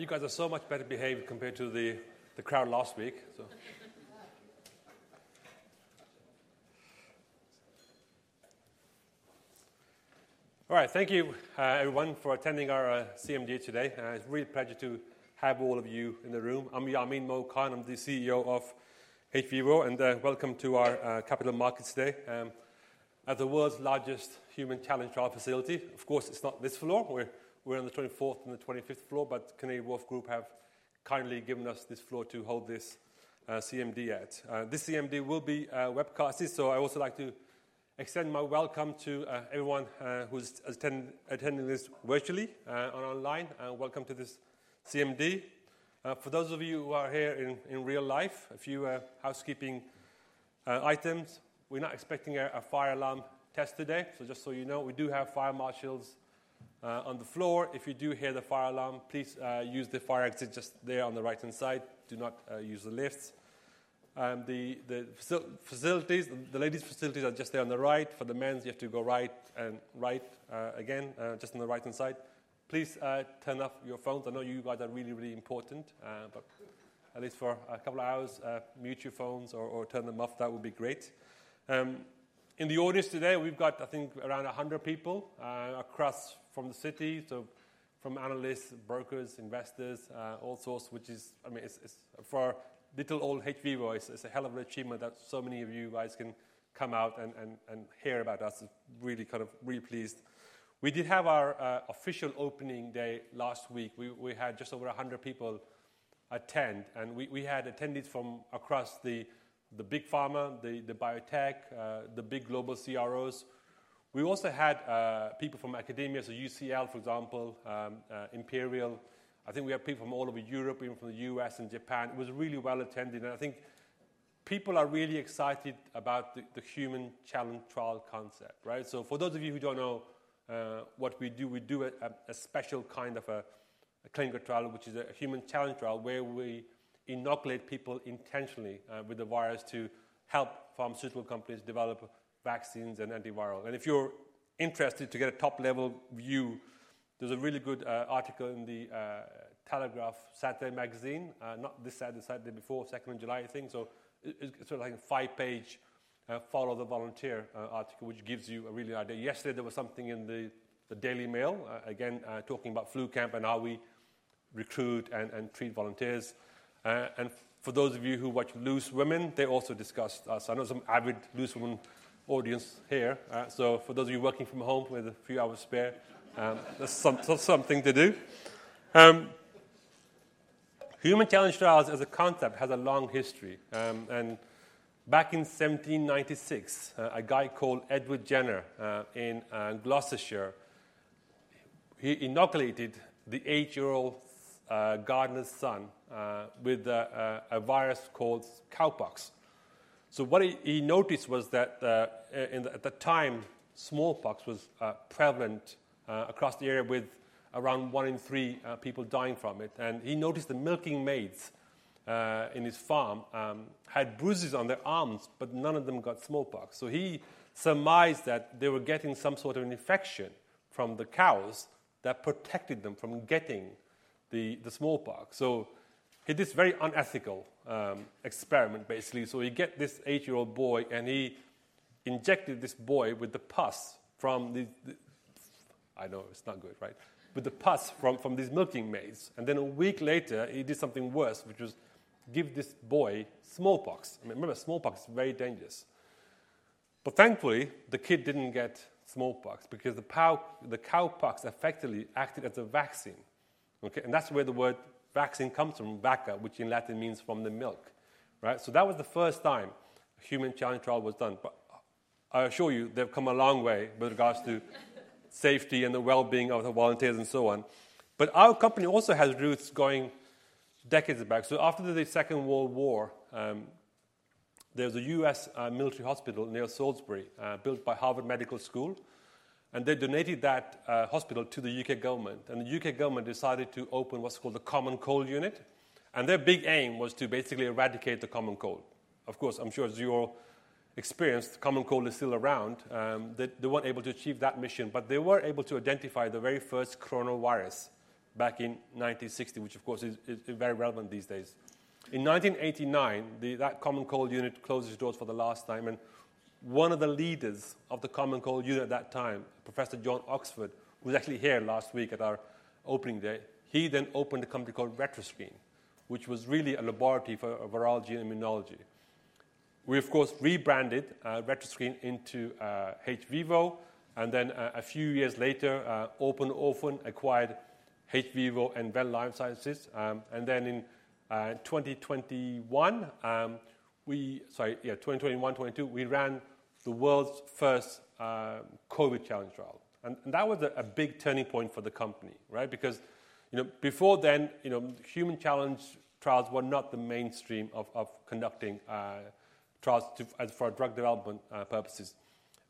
You guys are so much better behaved compared to the crowd last week. All right, thank you, everyone, for attending our CMD today. It's a real pleasure to have all of you in the room. I'm Yamin 'Mo' Khan. I'm the CEO of hVIVO, and welcome to our Capital Markets Day. As the world's largest human challenge trial facility, of course, it's not this floor. We're on the 24th and the 25th floor, but Canary Wharf Group have kindly given us this floor to hold this CMD at. This CMD will be webcasted, so I also like to extend my welcome to everyone who's attending this virtually or online, and welcome to this CMD. For those of you who are here in real life, a few housekeeping items. We're not expecting a fire alarm test today. So just so you know, we do have fire marshals on the floor. If you do hear the fire alarm, please use the fire exit just there on the right-hand side. Do not use the lifts. The facilities, the ladies' facilities are just there on the right. For the men's, you have to go right and right again just on the right-hand side. Please turn off your phones. I know you guys are really, really important, but at least for a couple of hours mute your phones or turn them off. That would be great. In the audience today, we've got, I think, around 100 people across from the city, so from analysts, brokers, investors all sorts, which is I mean, it's for little old hVIVO, it's a hell of an achievement that so many of you guys can come out and hear about us. Really kind of really pleased. We did have our official opening day last week. We had just over 100 people attend, and we had attendees from across the big pharma, the biotech, the big global CROs. We also had people from academia, so UCL, for example, Imperial. I think we had people from all over Europe, even from the U.S. and Japan. It was really well attended, and I think people are really excited about the human challenge trial concept, right? So for those of you who don't know what we do, we do a special kind of clinical trial, which is a human challenge trial, where we inoculate people intentionally with the virus to help pharmaceutical companies develop vaccines and antiviral. And if you're interested to get a top-level view, there's a really good article in The Telegraph Saturday magazine, not this Saturday, the Saturday before the second of July, I think. So it's sort of like a five-page follow the volunteer article, which gives you a really good idea. Yesterday, there was something in the Daily Mail, again, talking about FluCamp and how we recruit and treat volunteers. And for those of you who watch Loose Women, they also discussed us. I know some avid Loose Women audience here, so for those of you working from home with a few hours spare, that's something to do. Human challenge trials as a concept has a long history. Back in 1796, a guy called Edward Jenner in Gloucestershire, he inoculated the eight-year-old gardener's son with a virus called Cowpox. So what he noticed was that at the time, Smallpox was prevalent across the area with around one in three people dying from it. And he noticed the milking maids in his farm had bruises on their arms, but none of them got Smallpox. So he surmised that they were getting some sort of infection from the cows that protected them from getting the Smallpox. So he did this very unethical, experiment, basically. So he get this eight-year-old boy, and he injected this boy with the pus from the. I know it's not good, right? With the pus from these milkmaids. And then a week later, he did something worse, which was give this boy smallpox. I mean, remember, smallpox is very dangerous. But thankfully, the kid didn't get smallpox because the cowpox effectively acted as a vaccine, okay? And that's where the word vaccine comes from, vacca, which in Latin means from the milk, right? So that was the first time a human challenge trial was done. But I assure you, they've come a long way with regards to safety and the well-being of the volunteers and so on. But our company also has roots going decades back. So after the Second World War, there was a U.S. military hospital near Salisbury, built by Harvard Medical School, and they donated that hospital to the U.K. government. And the U.K. government decided to open what's called the Common Cold Unit, and their big aim was to basically eradicate the common cold. Of course, I'm sure as you all experienced, the common cold is still around, they weren't able to achieve that mission. But they were able to identify the very first coronavirus back in 1960, which of course is very relevant these days. In 1989, that Common Cold Unit closed its doors for the last time, and one of the leaders of the Common Cold Unit at that time, Professor John Oxford, who was actually here last week at our opening day, he then opened a company called Retroscreen, which was really a laboratory for virology and immunology. We, of course, rebranded Retroscreen into hVIVO, and then a few years later, Open Orphan acquired hVIVO and Venn Life Sciences. And then in 2021, we-- Sorry, yeah, 2021, 2022, we ran the world's first COVID challenge trial. And that was a big turning point for the company, right? Because, you know, before then, you know, human challenge trials were not the mainstream of conducting trials to as for drug development purposes.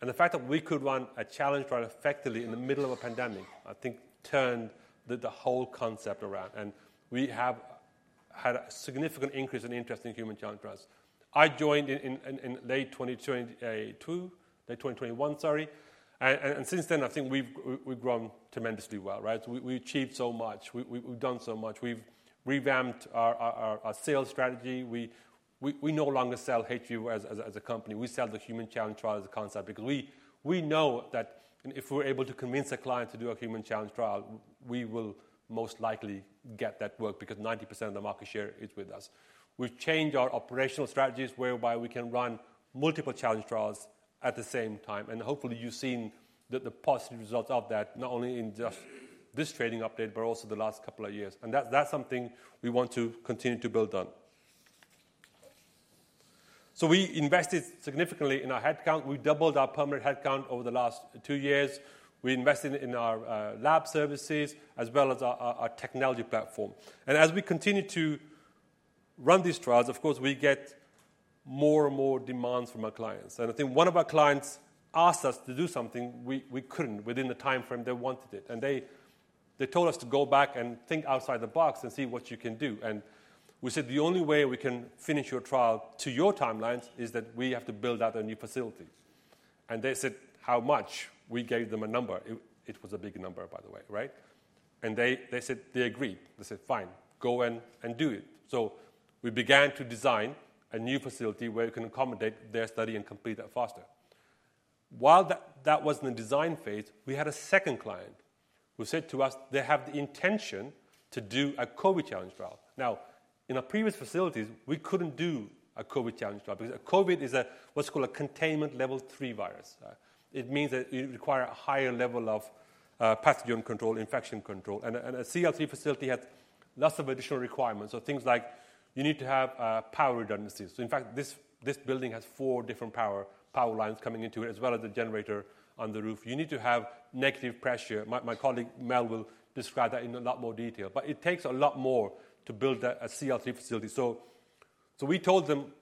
And the fact that we could run a challenge trial effectively in the middle of a pandemic, I think turned the whole concept around. And we had a significant increase in interest in human challenge trials. I joined in late 2022, late 2021, sorry, and since then, I think we've grown tremendously well, right? We achieved so much. We've done so much. We've revamped our sales strategy. We no longer sell hVIVO as a company. We sell the human challenge trial as a concept because we know that if we're able to convince a client to do a human challenge trial, we will most likely get that work because 90% of the market share is with us. We've changed our operational strategies, whereby we can run multiple challenge trials at the same time, and hopefully, you've seen the positive results of that, not only in just this trading update but also the last couple of years. And that's, that's something we want to continue to build on. So we invested significantly in our headcount. We doubled our permanent headcount over the last two years. We invested in our lab services as well as our technology platform. And as we continue to run these trials, of course, we get more and more demands from our clients. And I think one of our clients asked us to do something we couldn't within the timeframe they wanted it, and they told us to go back and think outside the box and see what you can do. We said, "The only way we can finish your trial to your timelines is that we have to build out a new facility." And they said, "How much?" We gave them a number. It, it was a big number, by the way, right? And they, they said—they agreed. They said, "Fine, go and, and do it." We began to design a new facility where we can accommodate their study and complete that faster. While that, that was in the design phase, we had a second client who said to us they have the intention to do a COVID challenge trial. Now, in our previous facilities, we couldn't do a COVID challenge trial because COVID is a, what's called a Containment Level 3 virus. It means that it require a higher level of pathogen control, infection control, and a CL3 facility has lots of additional requirements. So things like you need to have power redundancies. So in fact, this building has four different power lines coming into it, as well as a generator on the roof. You need to have negative pressure. My colleague, Mel, will describe that in a lot more detail, but it takes a lot more to build a CL3 facility. So we told them,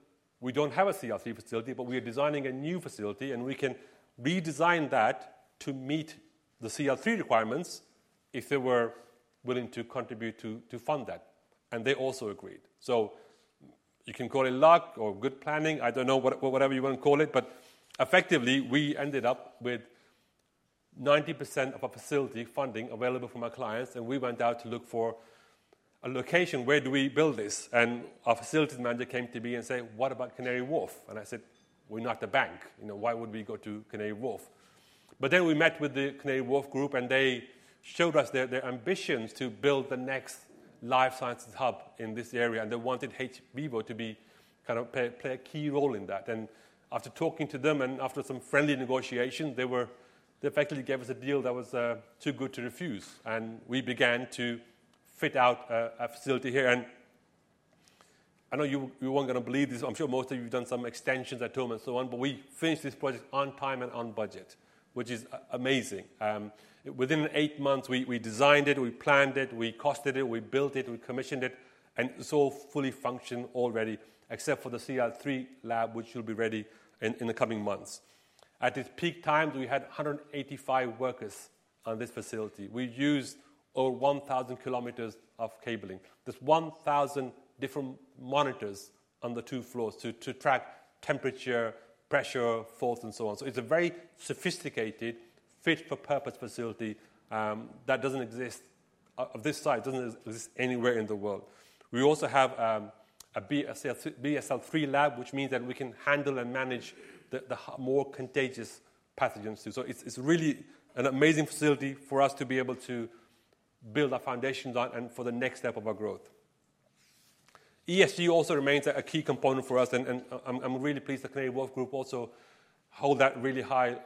"We don't have a CL3 facility, but we are designing a new facility, and we can redesign that to meet the CL3 requirements," if they were willing to contribute to fund that. And they also agreed. So you can call it luck or good planning, I don't know, what, whatever you want to call it, but effectively, we ended up with 90% of our facility funding available from our clients, and we went out to look for a location. Where do we build this? And our facilities manager came to me and said, "What about Canary Wharf?" And I said, "We're not a bank. You know, why would we go to Canary Wharf?" But then we met with the Canary Wharf Group, and they showed us their ambitions to build the next life sciences hub in this area, and they wanted hVIVO to be, kind of play a key role in that. After talking to them and after some friendly negotiations, they effectively gave us a deal that was too good to refuse, and we began to fit out a facility here. I know you weren't gonna believe this. I'm sure most of you have done some extensions at home and so on, but we finished this project on time and on budget, which is amazing. Within 8 months, we designed it, we planned it, we costed it, we built it, we commissioned it, and it's all fully functional already, except for the CL3 lab, which will be ready in the coming months. At its peak times, we had 185 workers on this facility. We used over 1,000 km of cabling. There's 1000 different monitors on the two floors to track temperature, pressure, force, and so on. So it's a very sophisticated, fit-for-purpose facility that doesn't exist, of this size, doesn't exist anywhere in the world. We also have a BSL-3 lab, which means that we can handle and manage the more contagious pathogens, too. So it's really an amazing facility for us to be able to build our foundations on and for the next step of our growth. ESG also remains a key component for us, and I'm really pleased that Canary Wharf Group also hold that really high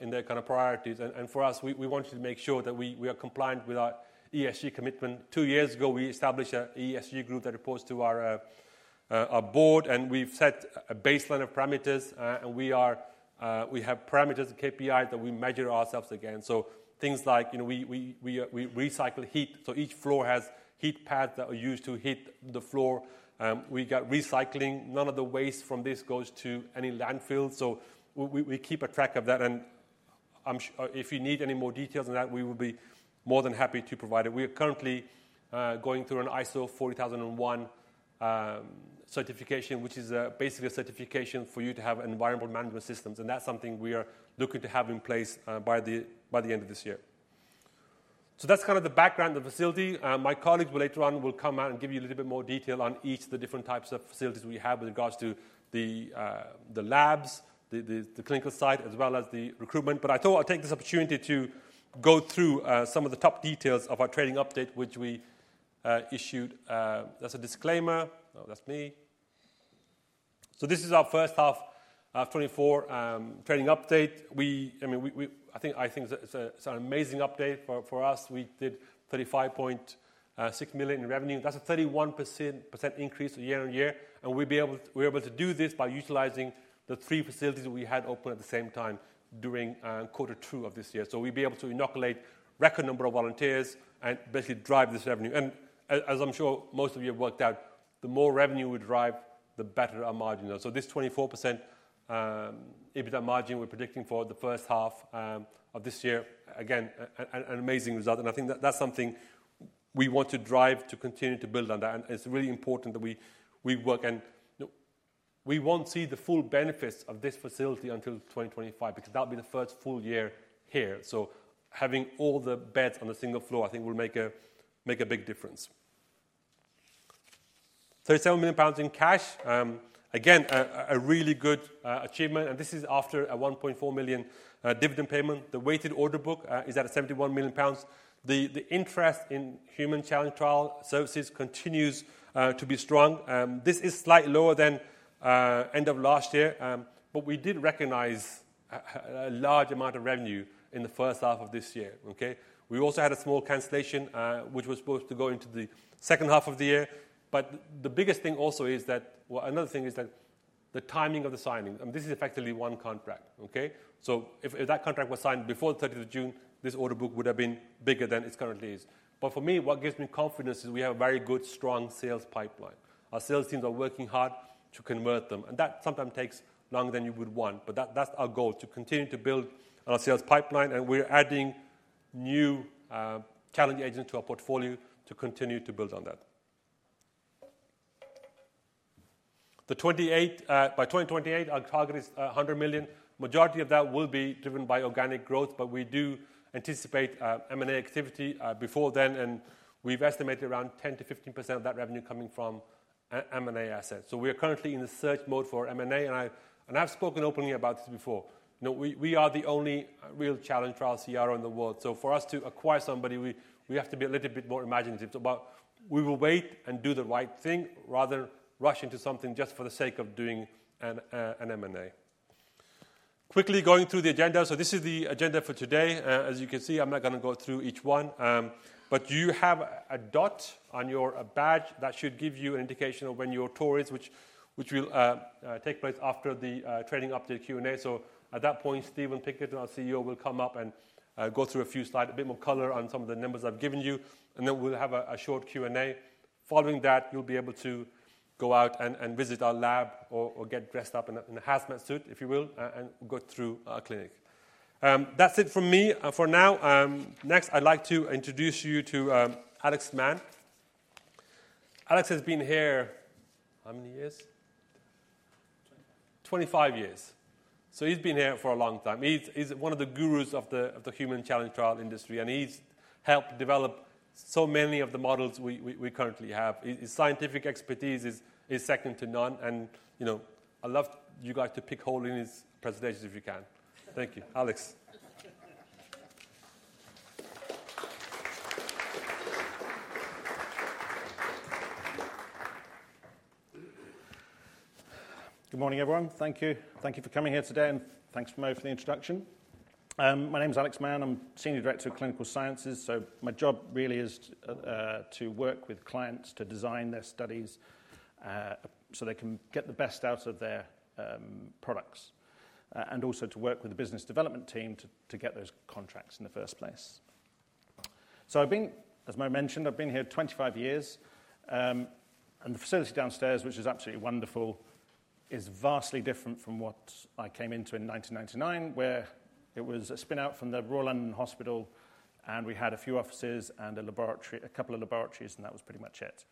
in their kind of priorities. For us, we wanted to make sure that we are compliant with our ESG commitment. Two years ago, we established an ESG group that reports to our board, and we've set a baseline of parameters, and we have parameters and KPIs that we measure ourselves against. So things like, you know, we recycle heat, so each floor has heat pads that are used to heat the floor. We got recycling. None of the waste from this goes to any landfill, so we keep a track of that, and I'm sure, if you need any more details on that, we would be more than happy to provide it. We are currently going through an ISO 14001 certification, which is basically a certification for you to have environmental management systems, and that's something we are looking to have in place by the end of this year. So that's kind of the background of the facility. My colleagues will later on come out and give you a little bit more detail on each of the different types of facilities we have with regards to the labs, the clinical side, as well as the recruitment. But I thought I'd take this opportunity to go through some of the top details of our trading update, which we issued. That's a disclaimer. Oh, that's me. So this is our first half 2024 trading update. I mean, we think it's an amazing update for us. We did 35.6 million in revenue. That's a 31% increase year-on-year, and we're able to do this by utilizing the three facilities we had open at the same time during quarter two of this year. So we'll be able to inoculate record number of volunteers and basically drive this revenue. And as I'm sure most of you have worked out, the more revenue we drive, the better our margin are. So this 24% EBITDA margin we're predicting for the first half of this year. Again, an amazing result, and I think that that's something we want to drive to continue to build on that. It's really important that we work, and look, we won't see the full benefits of this facility until 2025 because that'll be the first full year here. Having all the beds on a single floor, I think will make a big difference. 37 million pounds in cash, again, a really good achievement, and this is after a 1.4 million dividend payment. The weighted order book is at 71 million pounds. The interest in human challenge trial services continues to be strong. This is slightly lower than end of last year, but we did recognize a large amount of revenue in the first half of this year. Okay? We also had a small cancellation, which was supposed to go into the second half of the year. But the biggest thing also is that—well, another thing is that the timing of the signing, and this is effectively one contract, okay? So if, if that contract was signed before the thirteenth of June, this order book would have been bigger than it currently is. But for me, what gives me confidence is we have a very good, strong sales pipeline. Our sales teams are working hard to convert them, and that sometimes takes longer than you would want, but that, that's our goal, to continue to build our sales pipeline, and we're adding new challenge agents to our portfolio to continue to build on that. By 2028, by 2028, our target is 100 million. Majority of that will be driven by organic growth, but we do anticipate, M&A activity, before then, and we've estimated around 10%-15% of that revenue coming from M&A assets. So we are currently in the search mode for M&A, and I, and I've spoken openly about this before. You know, we, we are the only real challenge trial CRO in the world, so for us to acquire somebody, we, we have to be a little bit more imaginative. But we will wait and do the right thing rather rush into something just for the sake of doing an, a, an M&A. Quickly going through the agenda. So this is the agenda for today. As you can see, I'm not going to go through each one, but you have a dot on your badge that should give you an indication of when your tour is, which will take place after the trading update Q&A. So at that point, Stephen Pinkerton, our CEO, will come up and go through a few slides, a bit more color on some of the numbers I've given you, and then we'll have a short Q&A. Following that, you'll be able to go out and visit our lab or get dressed up in a hazmat suit, if you will, and go through our clinic. That's it from me for now. Next, I'd like to introduce you to Alex Mann. Alex has been here how many years? Twenty-five. 25 years. So he's been here for a long time. He's one of the gurus of the human challenge trial industry, and he's helped develop so many of the models we currently have. His scientific expertise is second to none, and, you know, I'd love you guys to pick holes in his presentations if you can. Thank you. Alex. Good morning, everyone. Thank you. Thank you for coming here today, and thanks, Mo, for the introduction. My name is Alex Mann. I'm Senior Director of Clinical Sciences, so my job really is to work with clients to design their studies, so they can get the best out of their products, and also to work with the business development team to get those contracts in the first place. So I've been, as Mo mentioned, I've been here 25 years. And the facility downstairs, which is absolutely wonderful, is vastly different from what I came into in 1999, where it was a spin-out from the Royal London Hospital, and we had a few offices and a laboratory—a couple of laboratories, and that was pretty much it.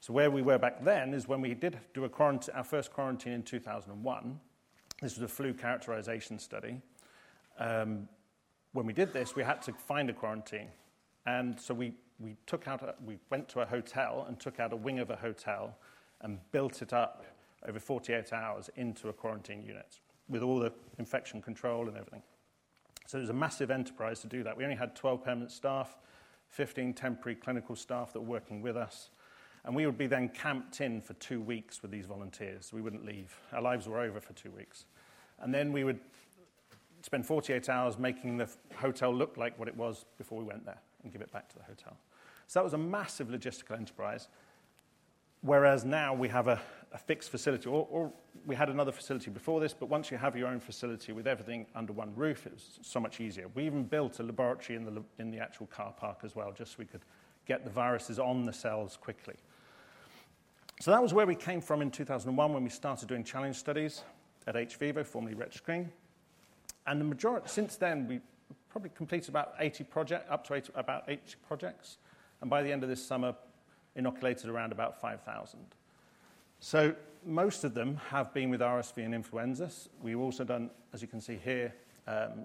So where we were back then is when we did do our first quarantine in 2001. This was a flu characterization study. When we did this, we had to find a quarantine, and so we took out a wing of a hotel and built it up over 48 hours into a quarantine unit with all the infection control and everything. So it was a massive enterprise to do that. We only had 12 permanent staff, 15 temporary clinical staff that were working with us, and we would be then camped in for two weeks with these volunteers. We wouldn't leave. Our lives were over for two weeks. And then we would spend 48 hours making the hotel look like what it was before we went there and give it back to the hotel. So that was a massive logistical enterprise, whereas now we have a fixed facility or we had another facility before this, but once you have your own facility with everything under one roof, it's so much easier. We even built a laboratory in the actual car park as well, just so we could get the viruses on the cells quickly. So that was where we came from in 2001 when we started doing challenge studies at hVIVO, formerly Retroscreen. And the majority—Since then, we've probably completed about 80 projects, up to about 80 projects, and by the end of this summer, inoculated around about 5,000. So most of them have been with RSV and influenzas. We've also done, as you can see here,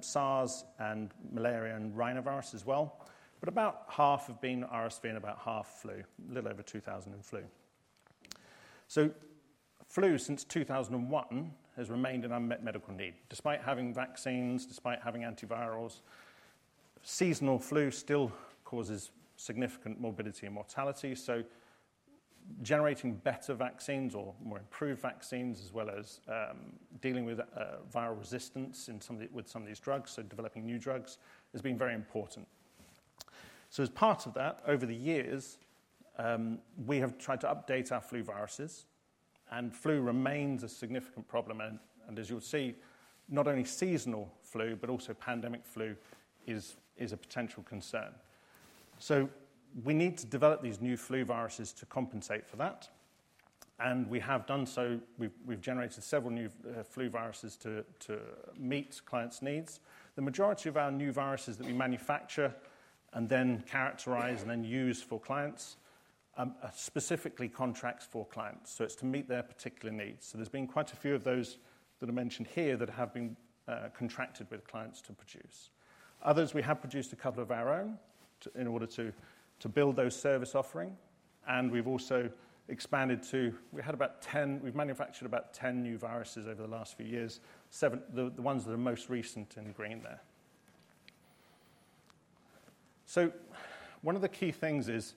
SARS and malaria and rhinovirus as well, but about half have been RSV and about half flu, a little over 2,000 in flu. So flu, since 2001, has remained an unmet medical need. Despite having vaccines, despite having antivirals, seasonal flu still causes significant morbidity and mortality. So generating better vaccines or more improved vaccines, as well as, dealing with viral resistance with some of these drugs, so developing new drugs, has been very important. So as part of that, over the years, we have tried to update our flu viruses, and flu remains a significant problem, and as you'll see, not only seasonal flu but also pandemic flu is a potential concern. So we need to develop these new flu viruses to compensate for that, and we have done so. We've generated several new flu viruses to meet clients' needs. The majority of our new viruses that we manufacture and then characterize and then use for clients are specifically contracts for clients, so it's to meet their particular needs. So there's been quite a few of those that are mentioned here that have been contracted with clients to produce. Others, we have produced a couple of our own to, in order to build those service offering, and we've also expanded to—we had about 10, we've manufactured about 10 new viruses over the last few years. seven—the ones that are most recent in green there. So one of the key things is,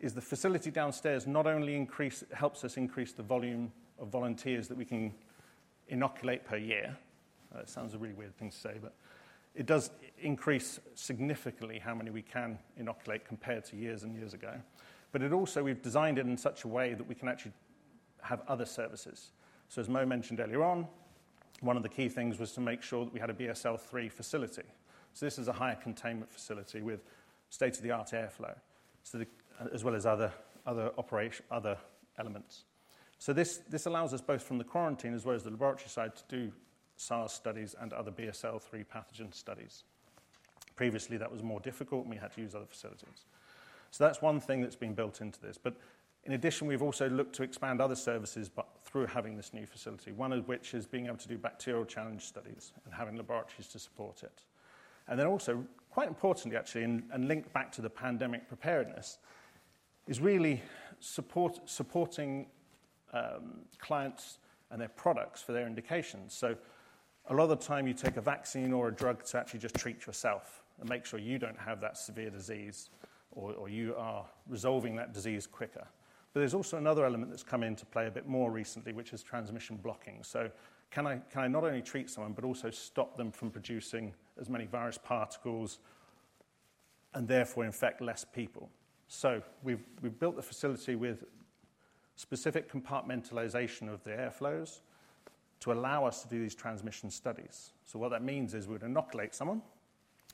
is the facility downstairs not only increase, helps us increase the volume of volunteers that we can inoculate per year. It sounds a really weird thing to say, but it does increase significantly how many we can inoculate compared to years and years ago. But it also, we've designed it in such a way that we can actually have other services. So as Mo mentioned earlier on, one of the key things was to make sure that we had a BSL-3 facility. So this is a high containment facility with state-of-the-art airflow, so the. As well as other, other operation, other elements. So this, this allows us both from the quarantine as well as the laboratory side, to do SARS studies and other BSL-3 pathogen studies. Previously, that was more difficult, and we had to use other facilities. So that's one thing that's been built into this. But in addition, we've also looked to expand other services by, through having this new facility, one of which is being able to do bacterial challenge studies and having laboratories to support it. And then also, quite importantly actually, and, and linked back to the pandemic preparedness, is really supporting clients and their products for their indications. So a lot of the time you take a vaccine or a drug to actually just treat yourself and make sure you don't have that severe disease or, or you are resolving that disease quicker. But there's also another element that's come into play a bit more recently, which is transmission blocking. So can I, can I not only treat someone but also stop them from producing as many virus particles and therefore infect less people? So we've built the facility with specific compartmentalization of the air flows to allow us to do these transmission studies. So what that means is, we'd inoculate someone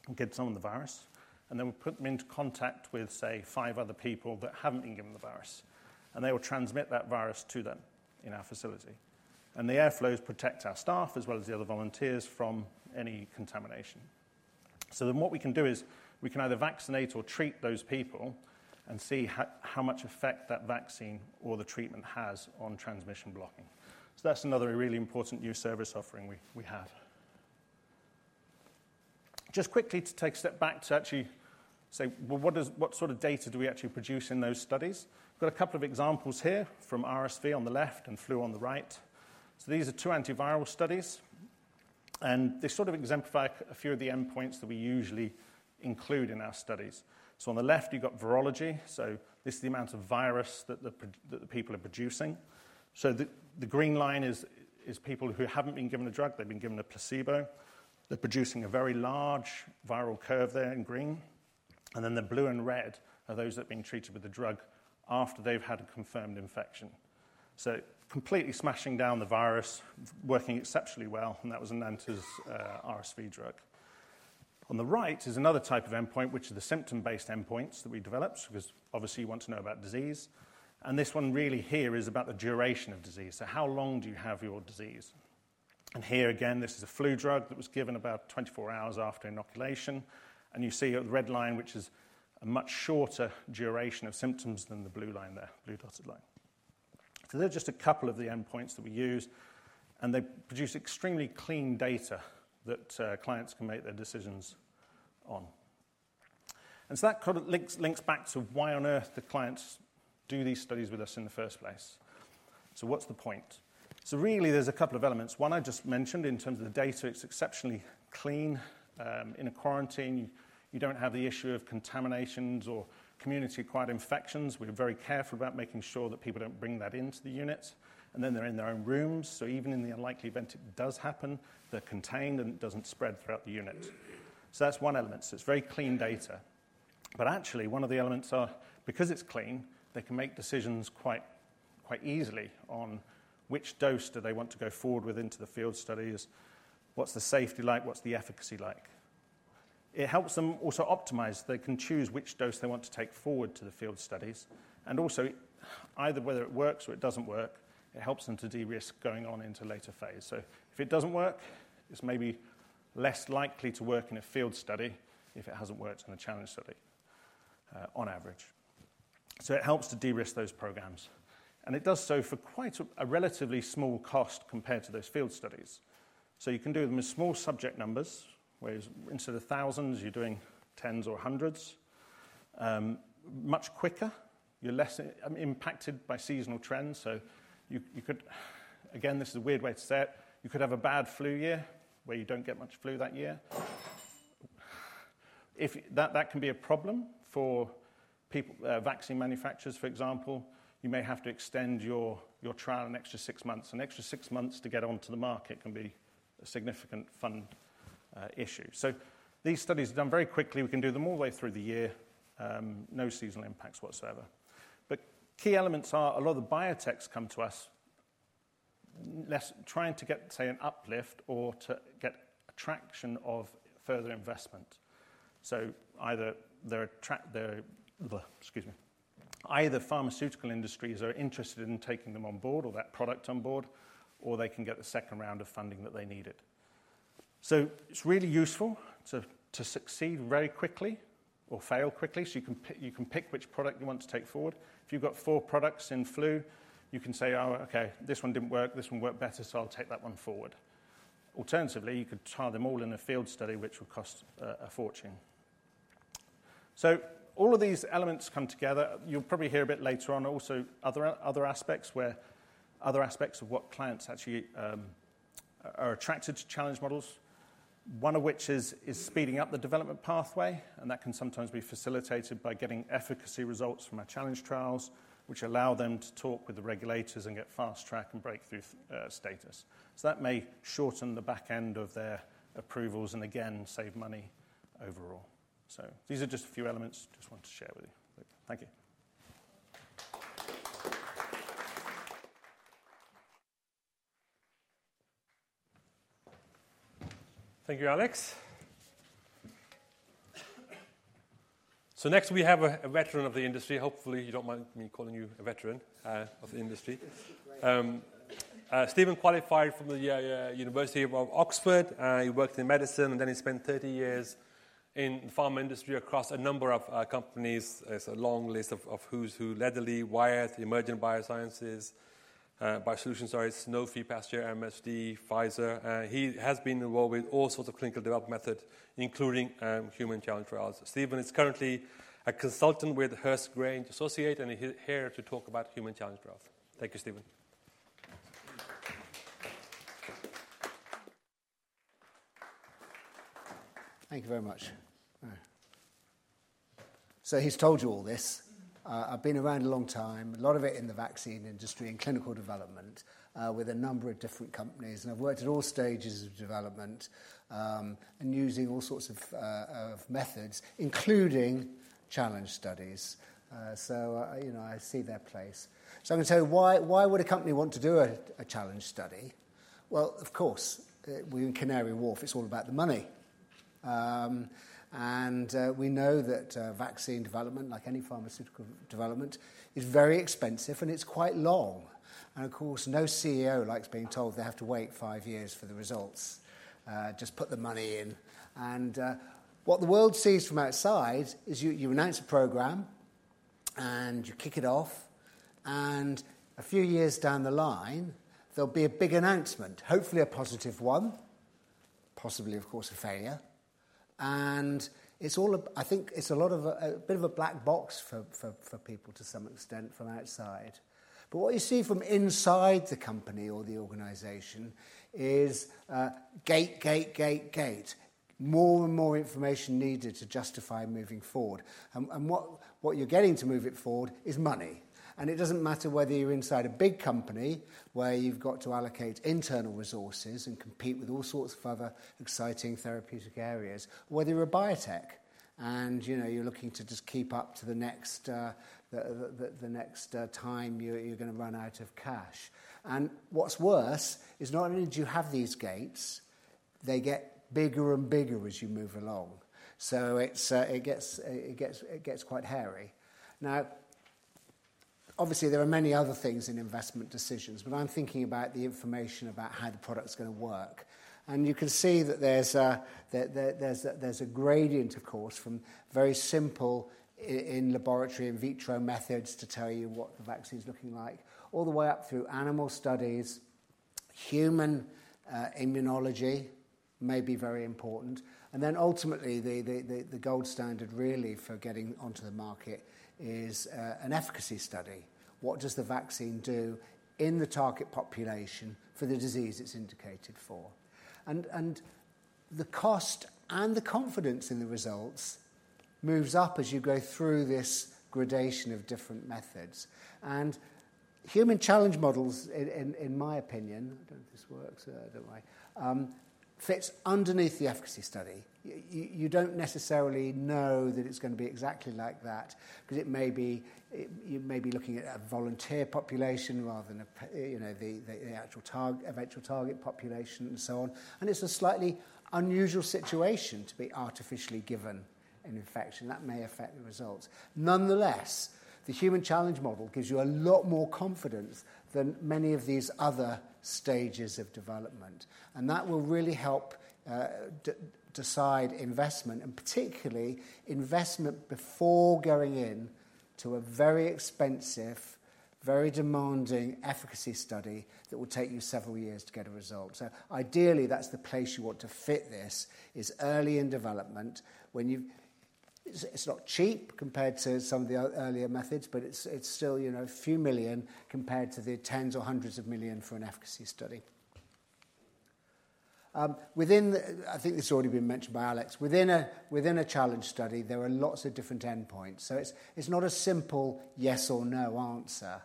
and give someone the virus, and then we put them into contact with, say, five other people that haven't been given the virus, and they will transmit that virus to them in our facility. And the air flows protect our staff as well as the other volunteers from any contamination. So then what we can do is, we can either vaccinate or treat those people and see how much effect that vaccine or the treatment has on transmission blocking. So that's another really important new service offering we have. Just quickly to take a step back to actually say, well, what does What sort of data do we actually produce in those studies? I've got a couple of examples here from RSV on the left and flu on the right. So these are two antiviral studies, and they sort of exemplify a few of the endpoints that we usually include in our studies. So on the left, you've got virology. So this is the amount of virus that the people are producing. So the green line is people who haven't been given the drug. They've been given a placebo. They're producing a very large viral curve there in green, and then the blue and red are those that have been treated with the drug after they've had a confirmed infection. So completely smashing down the virus, working exceptionally well, and that was Enanta's RSV drug. On the right is another type of endpoint, which is the symptom-based endpoints that we developed, because obviously you want to know about disease. This one really here is about the duration of disease. So how long do you have your disease? And here again, this is a flu drug that was given about 24 hours after inoculation, and you see the red line, which is a much shorter duration of symptoms than the blue line there, blue dotted line. So they're just a couple of the endpoints that we use, and they produce extremely clean data that clients can make their decisions on. And so that kind of links, links back to why on earth do clients do these studies with us in the first place? So what's the point? So really, there's a couple of elements. one I just mentioned in terms of the data, it's exceptionally clean. In a quarantine, you don't have the issue of contaminations or community-acquired infections. We're very careful about making sure that people don't bring that into the unit, and then they're in their own rooms, so even in the unlikely event it does happen, they're contained, and it doesn't spread throughout the unit. So that's one element. So it's very clean data. But actually, one of the elements are, because it's clean, they can make decisions quite easily on which dose do they want to go forward with into the field studies, what's the safety like, what's the efficacy like? It helps them also optimize. They can choose which dose they want to take forward to the field studies, and also, either whether it works or it doesn't work, it helps them to de-risk going on into later phase. So if it doesn't work, it's maybe less likely to work in a field study if it hasn't worked in a challenge study, on average. So it helps to de-risk those programs, and it does so for quite a relatively small cost compared to those field studies. So you can do them in small subject numbers, whereas instead of thousands, you're doing tens or hundreds. Much quicker, you're less impacted by seasonal trends, so you could. Again, this is a weird way to say it. You could have a bad flu year, where you don't get much flu that year. That can be a problem for people, vaccine manufacturers, for example. You may have to extend your trial an extra six months. An extra six months to get onto the market can be a significant fund issue. So these studies are done very quickly. We can do them all the way through the year, no seasonal impacts whatsoever. But key elements are a lot of the biotechs come to us less trying to get, say, an uplift or to get attraction of further investment. So either they're attract, they're, excuse me, either pharmaceutical industries are interested in taking them on board or that product on board, or they can get the second round of funding that they needed. So it's really useful to succeed very quickly or fail quickly, so you can pick, you can pick which product you want to take forward. If you've got four products in flu, you can say, "Oh, okay, this one didn't work, this one worked better, so I'll take that one forward." Alternatively, you could try them all in a field study, which would cost a fortune. So all of these elements come together. You'll probably hear a bit later on also other aspects where other aspects of what clients actually are attracted to challenge models, one of which is speeding up the development pathway, and that can sometimes be facilitated by getting efficacy results from our challenge trials, which allow them to talk with the regulators and get fast track and breakthrough status. So that may shorten the back end of their approvals and again, save money overall. So these are just a few elements I just wanted to share with you. Thank you. Thank you, Alex. So next, we have a veteran of the industry. Hopefully, you don't mind me calling you a veteran of the industry. That's great. Stephen qualified from the University of Oxford, he worked in medicine, and then he spent 30 years in pharma industry across a number of companies. There's a long list of who's who, Lederle, Wyeth, Emergent BioSolutions, Sanofi Pasteur, MSD, Pfizer. He has been involved with all sorts of clinical development methods, including human challenge trials. Stephen is currently a consultant with Hurst Grange Associates, and he's here to talk about human challenge trials. Thank you, Stephen. Thank you very much. So he's told you all this. I've been around a long time, a lot of it in the vaccine industry, in clinical development, with a number of different companies, and I've worked at all stages of development, and using all sorts of, of methods, including challenge studies. So, you know, I see their place. So I'm going to tell you, why, why would a company want to do a, a challenge study? Well, of course, we're in Canary Wharf, it's all about the money. And, we know that, vaccine development, like any pharmaceutical development, is very expensive, and it's quite long. And of course, no CEO likes being told they have to wait five years for the results, just put the money in. What the world sees from outside is you announce a program, and you kick it off, and a few years down the line, there'll be a big announcement, hopefully a positive one, possibly, of course, a failure. It's all a bit of a black box for people, to some extent, from outside. But what you see from inside the company or the organization is gate, gate, gate, gate. More and more information needed to justify moving forward. And what you're getting to move it forward is money, and it doesn't matter whether you're inside a big company, where you've got to allocate internal resources and compete with all sorts of other exciting therapeutic areas, or whether you're a biotech, and, you know, you're looking to just keep up to the next time you're going to run out of cash. And what's worse is not only do you have these gates, they get bigger and bigger as you move along. So it gets quite hairy. Now, obviously, there are many other things in investment decisions, but I'm thinking about the information about how the product's going to work. And you can see that there's a gradient, of course, from very simple in-laboratory in vitro methods to tell you what the vaccine is looking like, all the way up through animal studies, human immunology may be very important. And then ultimately, the gold standard really for getting onto the market is an efficacy study. What does the vaccine do in the target population for the disease it's indicated for? And the cost and the confidence in the results moves up as you go through this gradation of different methods. And human challenge models, in my opinion, I don't know if this works or don't know, fits underneath the efficacy study. You don't necessarily know that it's going to be exactly like that because it may be you may be looking at a volunteer population rather than a you know, the actual eventual target population and so on. And it's a slightly unusual situation to be artificially given an infection that may affect the results. Nonetheless, the human challenge model gives you a lot more confidence than many of these other stages of development, and that will really help decide investment, and particularly investment before going in to a very expensive, very demanding efficacy study that will take you several years to get a result. So ideally, that's the place you want to fit this, is early in development, when you. It's not cheap compared to some of the earlier methods, but it's still, you know, a few million GBP compared to tens or hundreds of millions GBP for an efficacy study. I think this has already been mentioned by Alex. Within a challenge study, there are lots of different endpoints, so it's not a simple yes or no answer,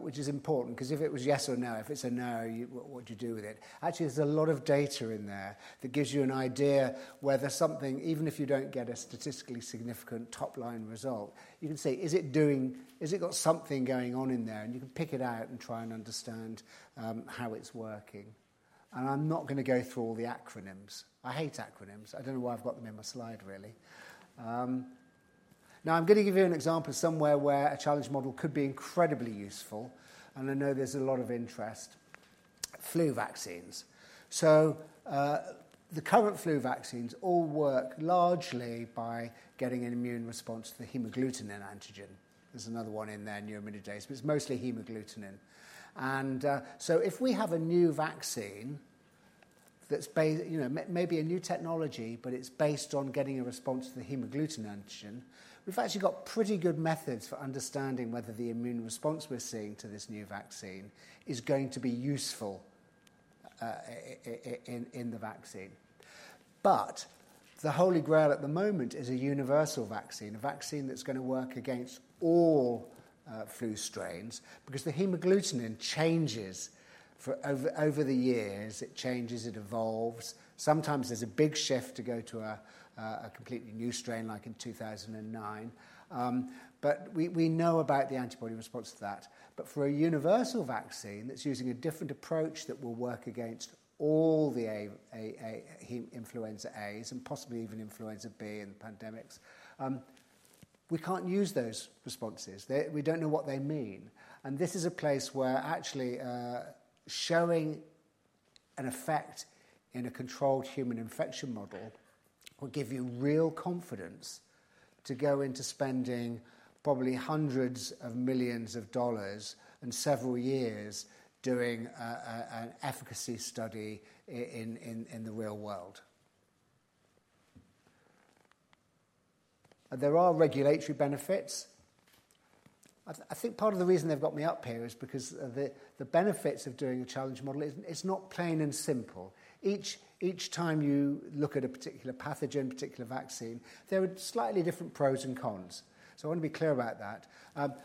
which is important, 'cause if it was yes or no, if it's a no, you, what do you do with it? Actually, there's a lot of data in there that gives you an idea whether something, even if you don't get a statistically significant top-line result, you can say, "Has it got something going on in there?" And you can pick it out and try and understand how it's working. I'm not gonna go through all the acronyms. I hate acronyms. I don't know why I've got them in my slide, really. Now I'm gonna give you an example of somewhere where a challenge model could be incredibly useful, and I know there's a lot of interest: flu vaccines. So, the current flu vaccines all work largely by getting an immune response to the hemagglutinin antigen. There's another one in there, neuraminidase, but it's mostly hemagglutinin. And so if we have a new vaccine that's based, you know, may be a new technology, but it's based on getting a response to the hemagglutinin antigen, we've actually got pretty good methods for understanding whether the immune response we're seeing to this new vaccine is going to be useful in the vaccine. But the Holy Grail at the moment is a universal vaccine, a vaccine that's gonna work against all, flu strains, because the hemagglutinin changes for over, over the years. It changes, it evolves. Sometimes there's a big shift to go to a, a completely new strain, like in 2009. But we, we know about the antibody response to that. But for a universal vaccine that's using a different approach that will work against all the A, A, A, hem-- influenza As, and possibly even influenza B and pandemics, we can't use those responses. We don't know what they mean. This is a place where actually showing an effect in a controlled human infection model will give you real confidence to go into spending probably $hundreds of millions and several years doing an efficacy study in the real world. There are regulatory benefits. I think part of the reason they've got me up here is because the benefits of doing a challenge model is; it's not plain and simple. Each time you look at a particular pathogen, particular vaccine, there are slightly different pros and cons, so I want to be clear about that.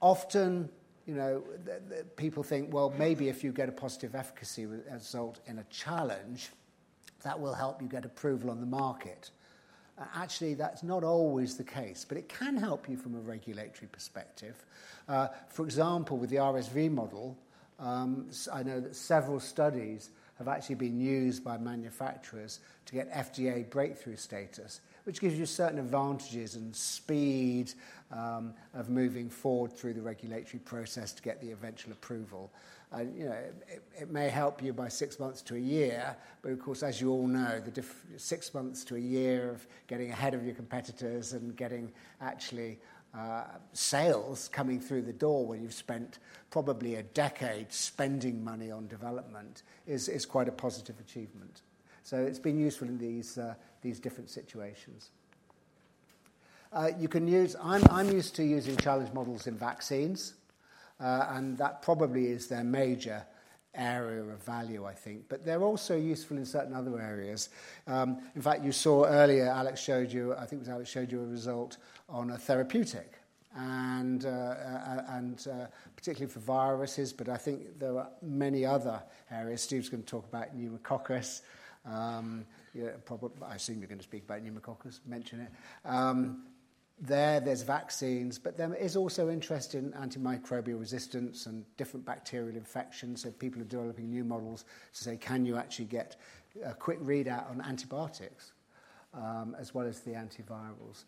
Often, you know, the people think, well, maybe if you get a positive efficacy result in a challenge, that will help you get approval on the market. Actually, that's not always the case, but it can help you from a regulatory perspective. For example, with the RSV model, I know that several studies have actually been used by manufacturers to get FDA breakthrough status, which gives you certain advantages and speed of moving forward through the regulatory process to get the eventual approval. You know, it may help you by 6 months to a year, but of course, as you all know, six months to a year of getting ahead of your competitors and getting actually sales coming through the door when you've spent probably a decade spending money on development is quite a positive achievement. So it's been useful in these different situations. You can use. I'm used to using challenge models in vaccines, and that probably is their major area of value, I think. But they're also useful in certain other areas. In fact, you saw earlier, Alex showed you, I think it was Alex, showed you a result on a therapeutic and particularly for viruses, but I think there are many other areas. Steve's gonna talk about pneumococcus. I assume you're going to speak about pneumococcus, mention it. There's vaccines, but there is also interest in antimicrobial resistance and different bacterial infections, so people are developing new models to say, can you actually get a quick readout on antibiotics, as well as the antivirals?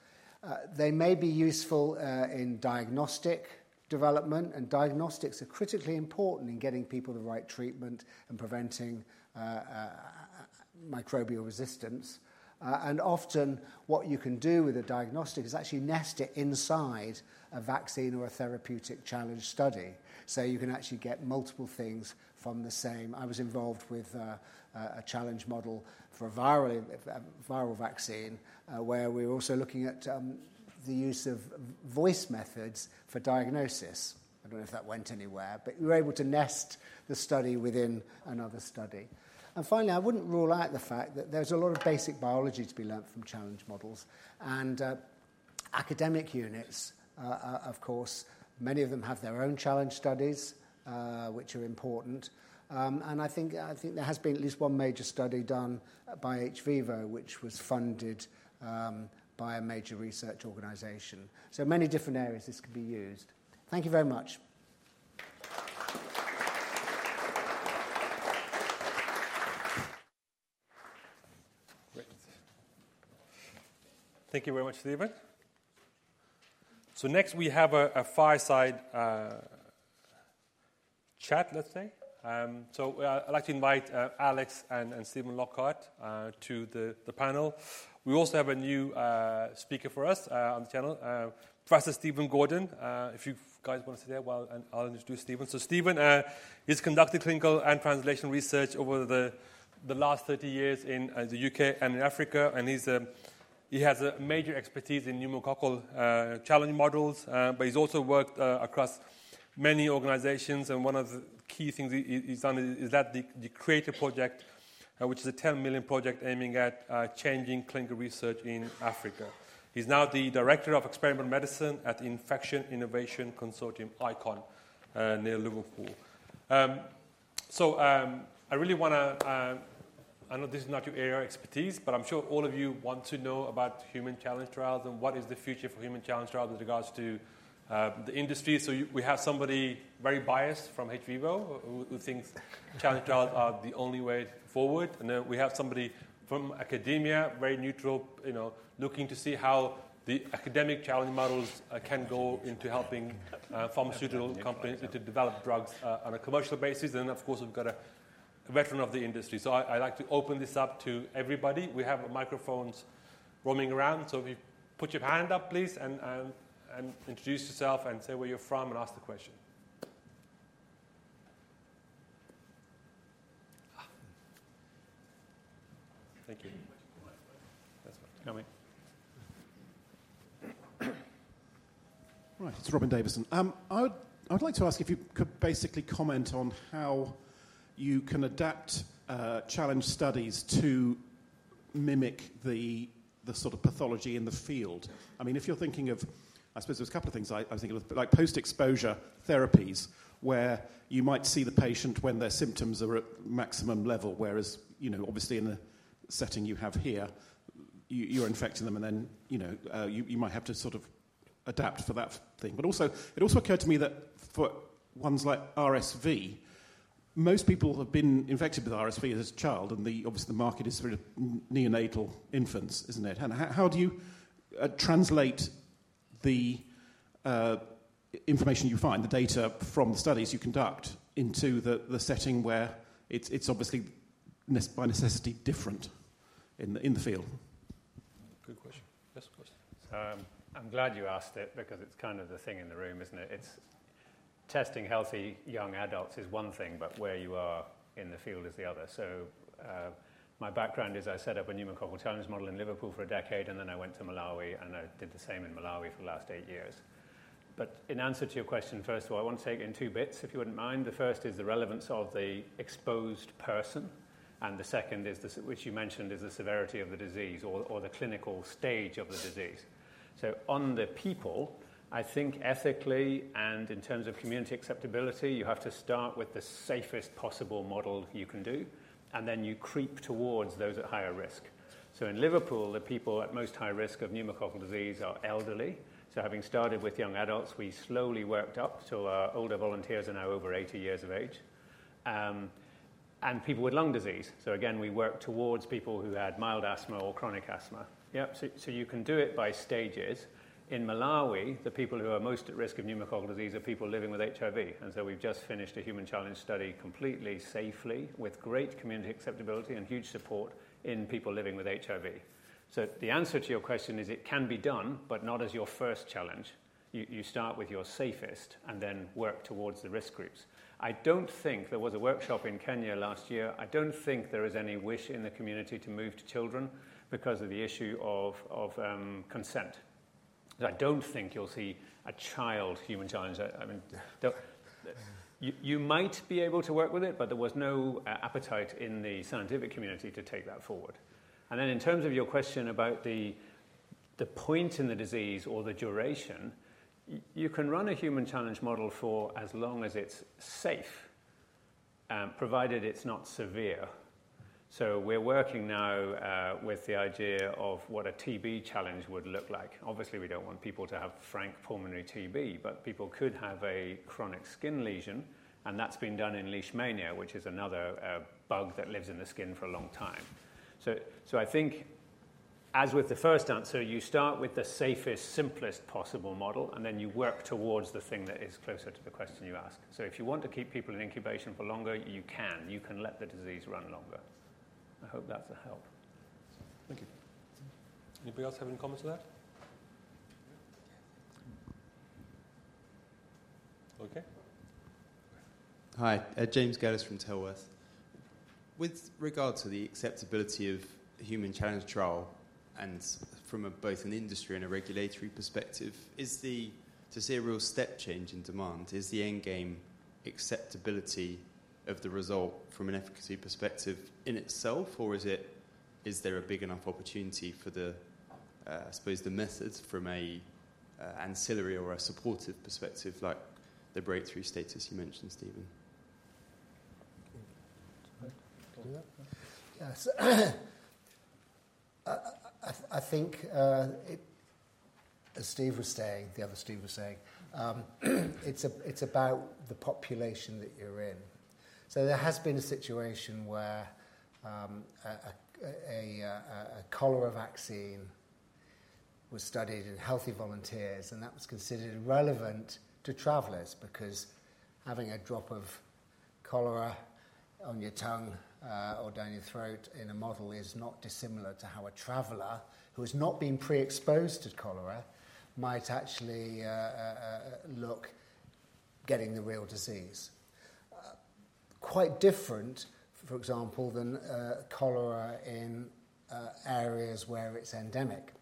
They may be useful in diagnostic development, and diagnostics are critically important in getting people the right treatment and preventing microbial resistance. And often, what you can do with a diagnostic is actually nest it inside a vaccine or a therapeutic challenge study, so you can actually get multiple things from the same-- I was involved with a challenge model for a viral vaccine, where we were also looking at the use of voice methods for diagnosis. I don't know if that went anywhere, but we were able to nest the study within another study. And finally, I wouldn't rule out the fact that there's a lot of basic biology to be learned from challenge models. And academic units, of course, many of them have their own challenge studies, which are important. And I think there has been at least one major study done by hVIVO, which was funded by a major research organization. Many different areas this could be used. Thank you very much. Thank you very much, Stephen. Next, we have a fireside chat, let's say. So, I'd like to invite Alex and Stephen Lockhart to the panel. We also have a new speaker for us on the channel, Professor Stephen Gordon. If you guys want to sit there, well, I'll introduce Stephen. So Stephen, he's conducted clinical and translation research over the last 30 years in the U.K. and in Africa, and he has a major expertise in pneumococcal challenge models. But he's also worked across many organizations, and one of the key things he's done is the CREATE project, which is a 10 million project aiming at changing clinical research in Africa. He's now the Director of Experimental Medicine at the Infection Innovation Consortium iiCON), near Liverpool. So, I really wanna. I know this is not your area of expertise, but I'm sure all of you want to know about human challenge trials and what is the future for human challenge trials with regards to the industry. So we have somebody very biased from hVIVO, who thinks challenge trials are the only way forward. And then we have somebody from academia, very neutral, you know, looking to see how the academic challenge models can go into helping pharmaceutical companies to develop drugs on a commercial basis. And then, of course, we've got a veteran of the industry. So I, I'd like to open this up to everybody. We have microphones roaming around, so if you put your hand up, please, and introduce yourself and say where you're from, and ask the question. Thank you. That's fine. Coming. Right. It's Robin Davison. I would, I would like to ask if you could basically comment on how you can adapt challenge studies to mimic the sort of pathology in the field. I mean, if you're thinking of. I suppose there's a couple of things I, I was thinking of, like post-exposure therapies, where you might see the patient when their symptoms are at maximum level. Whereas, you know, obviously in the setting you have here, you, you're infecting them and then, you know, you, you might have to sort of adapt for that thing. But also, it also occurred to me that for ones like RSV, most people have been infected with RSV as a child, and the obviously, the market is for neonatal infants, isn't it? How, how do you translate the information you find, the data from the studies you conduct, into the setting where it's obviously by necessity different in the field? Good question. Yes, please. I'm glad you asked it because it's kind of the thing in the room, isn't it? It's testing healthy young adults is one thing, but where you are in the field is the other. So, my background is I set up a pneumococcal challenge model in Liverpool for a decade, and then I went to Malawi, and I did the same in Malawi for the last eight years. But in answer to your question, first of all, I want to take it in two bits, if you wouldn't mind. The first is the relevance of the exposed person, and the second is the, which you mentioned, is the severity of the disease or, or the clinical stage of the disease. So on the people, I think ethically and in terms of community acceptability, you have to start with the safest possible model you can do, and then you creep towards those at higher risk. So in Liverpool, the people at most high risk of pneumococcal disease are elderly. So having started with young adults, we slowly worked up, so our older volunteers are now over 80 years of age, and people with lung disease. So again, we worked towards people who had mild asthma or chronic asthma. Yeah, so, so you can do it by stages. In Malawi, the people who are most at risk of pneumococcal disease are people living with HIV, and so we've just finished a human challenge study completely safely, with great community acceptability and huge support in people living with HIV. So the answer to your question is it can be done, but not as your first challenge. You start with your safest and then work towards the risk groups. I don't think there was a workshop in Kenya last year. I don't think there is any wish in the community to move to children because of the issue of consent. So I don't think you'll see a child human challenge. I mean, you might be able to work with it, but there was no appetite in the scientific community to take that forward. And then in terms of your question about the point in the disease or the duration, you can run a human challenge model for as long as it's safe, provided it's not severe. So we're working now with the idea of what a TB challenge would look like. Obviously, we don't want people to have frank pulmonary TB, but people could have a chronic skin lesion, and that's been done in leishmaniasis, which is another bug that lives in the skin for a long time. So I think, as with the first answer, you start with the safest, simplest possible model, and then you work towards the thing that is closer to the question you ask. So if you want to keep people in incubation for longer, you can. You can let the disease run longer. I hope that's a help. Thank you. Anybody else have any comment to that? Okay. Hi, James Gerlis from Tellworth. With regard to the acceptability of the human challenge trial and from both an industry and a regulatory perspective, is the, to see a real step change in demand, is the end game acceptability of the result from an efficacy perspective in itself, or is it- is there a big enough opportunity for the, I suppose, the methods from a, ancillary or a supportive perspective, like the breakthrough status you mentioned, Steven? Yes. I think, as Steve was saying, the other Steve was saying, it's about the population that you're in. So there has been a situation where a cholera vaccine was studied in healthy volunteers, and that was considered relevant to travelers because having a drop of cholera on your tongue or down your throat in a model is not dissimilar to how a traveler who has not been pre-exposed to cholera might actually like getting the real disease. Quite different, for example, than cholera in areas where it's endemic,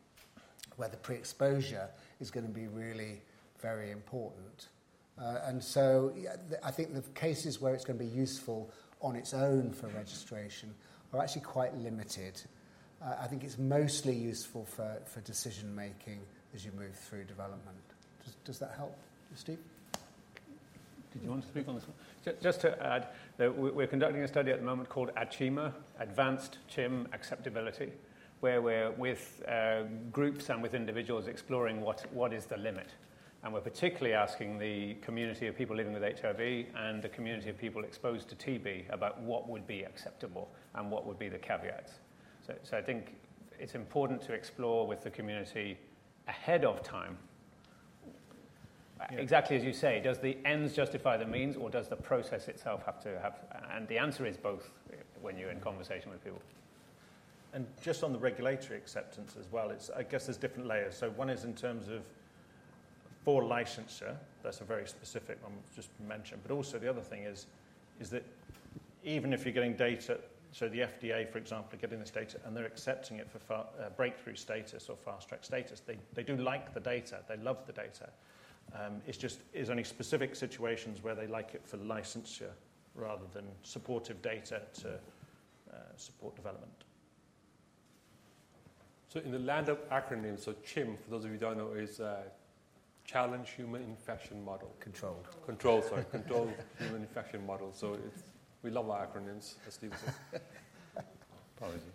where the pre-exposure is gonna be really very important. And so, yeah, I think the cases where it's gonna be useful on its own for registration are actually quite limited. I think it's mostly useful for, for decision making as you move through development. Does that help, Steve? Did you want to speak on this one? Just to add, that we're conducting a study at the moment called ACHIMA, Advanced CHIM Acceptability, where we're with groups and with individuals exploring what is the limit. And we're particularly asking the community of people living with HIV and the community of people exposed to TB about what would be acceptable and what would be the caveats. So I think it's important to explore with the community ahead of time- Yeah. Exactly as you say, does the ends justify the means, or does the process itself have to have? The answer is both when you're in conversation with people. Just on the regulatory acceptance as well, it's. I guess there's different layers. So one is in terms of for licensure, that's a very specific one just mentioned. But also the other thing is that even if you're getting data, so the FDA, for example, are getting this data, and they're accepting it for breakthrough status or fast-track status. They do like the data. They love the data. It's just, it's only specific situations where they like it for licensure rather than supportive data to support development. So in the land of acronyms, so CHIM, for those of you who don't know, is Challenge Human Infection Model. Controlled. Controlled, sorry. Controlled Human Infection Model. So it's. We love our acronyms, as Steve said. Pardon me.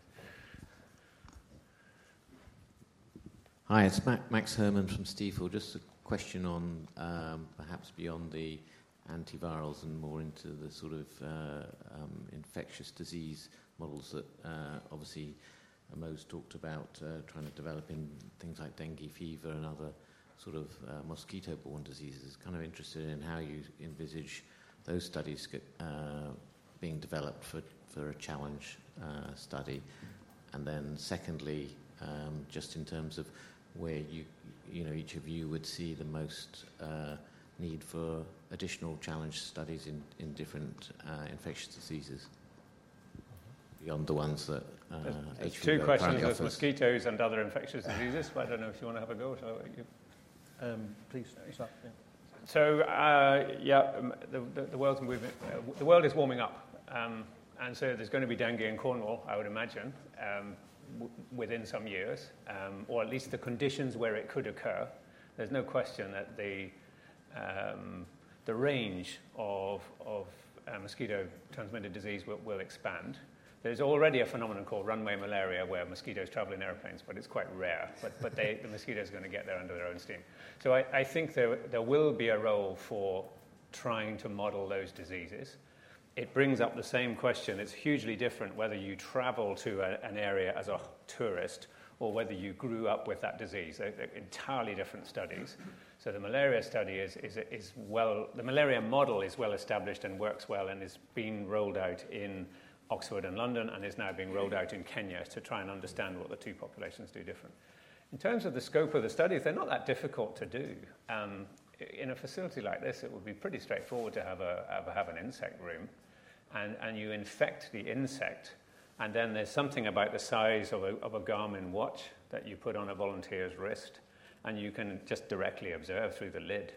Hi, it's Max Herrmann from Stifel. Just a question on, perhaps beyond the antivirals and more into the sort of, infectious disease models that, obviously Mo's talked about, trying to develop in things like dengue fever and other sort of, mosquito-borne diseases. Kind of interested in how you envisage those studies get, being developed for, for a challenge, study. And then secondly, just in terms of where you, you know, each of you would see the most, need for additional challenge studies in, in different, infectious diseases beyond the ones that, hVIVO are currently focused- It's two questions with mosquitoes and other infectious diseases. But I don't know if you want to have a go or shall I give? Please, start. Yeah. So, yeah, the world's moving the world is warming up. And so there's gonna be dengue in Cornwall, I would imagine, within some years, or at least the conditions where it could occur. There's no question that the range of mosquito-transmitted disease will expand. There's already a phenomenon called runway malaria, where mosquitoes travel in airplanes, but it's quite rare. But they, the mosquitoes are gonna get there under their own steam. So I think there will be a role for trying to model those diseases. It brings up the same question. It's hugely different whether you travel to an area as a tourist or whether you grew up with that disease. They're entirely different studies. So the malaria study is well. The malaria model is well-established and works well and is being rolled out in Oxford and London, and is now being rolled out in Kenya to try and understand what the two populations do different. In terms of the scope of the studies, they're not that difficult to do. In a facility like this, it would be pretty straightforward to have an insect room, and you infect the insect, and then there's something about the size of a Garmin watch that you put on a volunteer's wrist, and you can just directly observe through the lid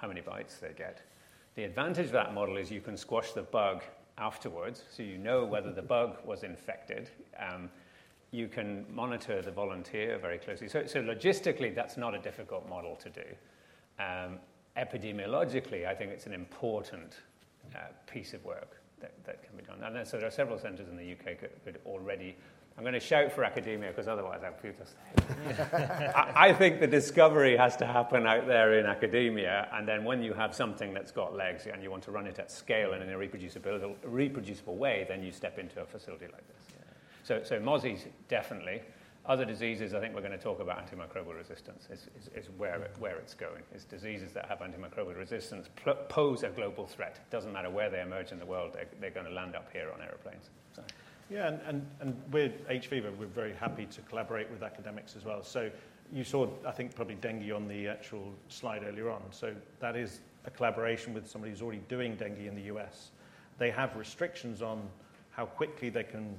how many bites they get. The advantage of that model is you can squash the bug afterwards, so you know whether the bug was infected. You can monitor the volunteer very closely. So logistically, that's not a difficult model to do. Epidemiologically, I think it's an important piece of work that can be done. And then, so there are several centers in the U.K. could already I'm gonna shout for academia, 'cause otherwise, I have to I, I think the discovery has to happen out there in academia, and then when you have something that's got legs and you want to run it at scale and in a reproducible way, then you step into a facility like this. Yeah. Mozzies, definitely. Other diseases, I think we're gonna talk about antimicrobial resistance, is where it's going. It's diseases that have antimicrobial resistance pose a global threat. Doesn't matter where they emerge in the world, they're gonna land up here on airplanes, so. Yeah, with HFEVA, we're very happy to collaborate with academics as well. So you saw, I think, probably dengue on the actual slide earlier on. So that is a collaboration with somebody who's already doing dengue in the U.S. They have restrictions on how quickly they can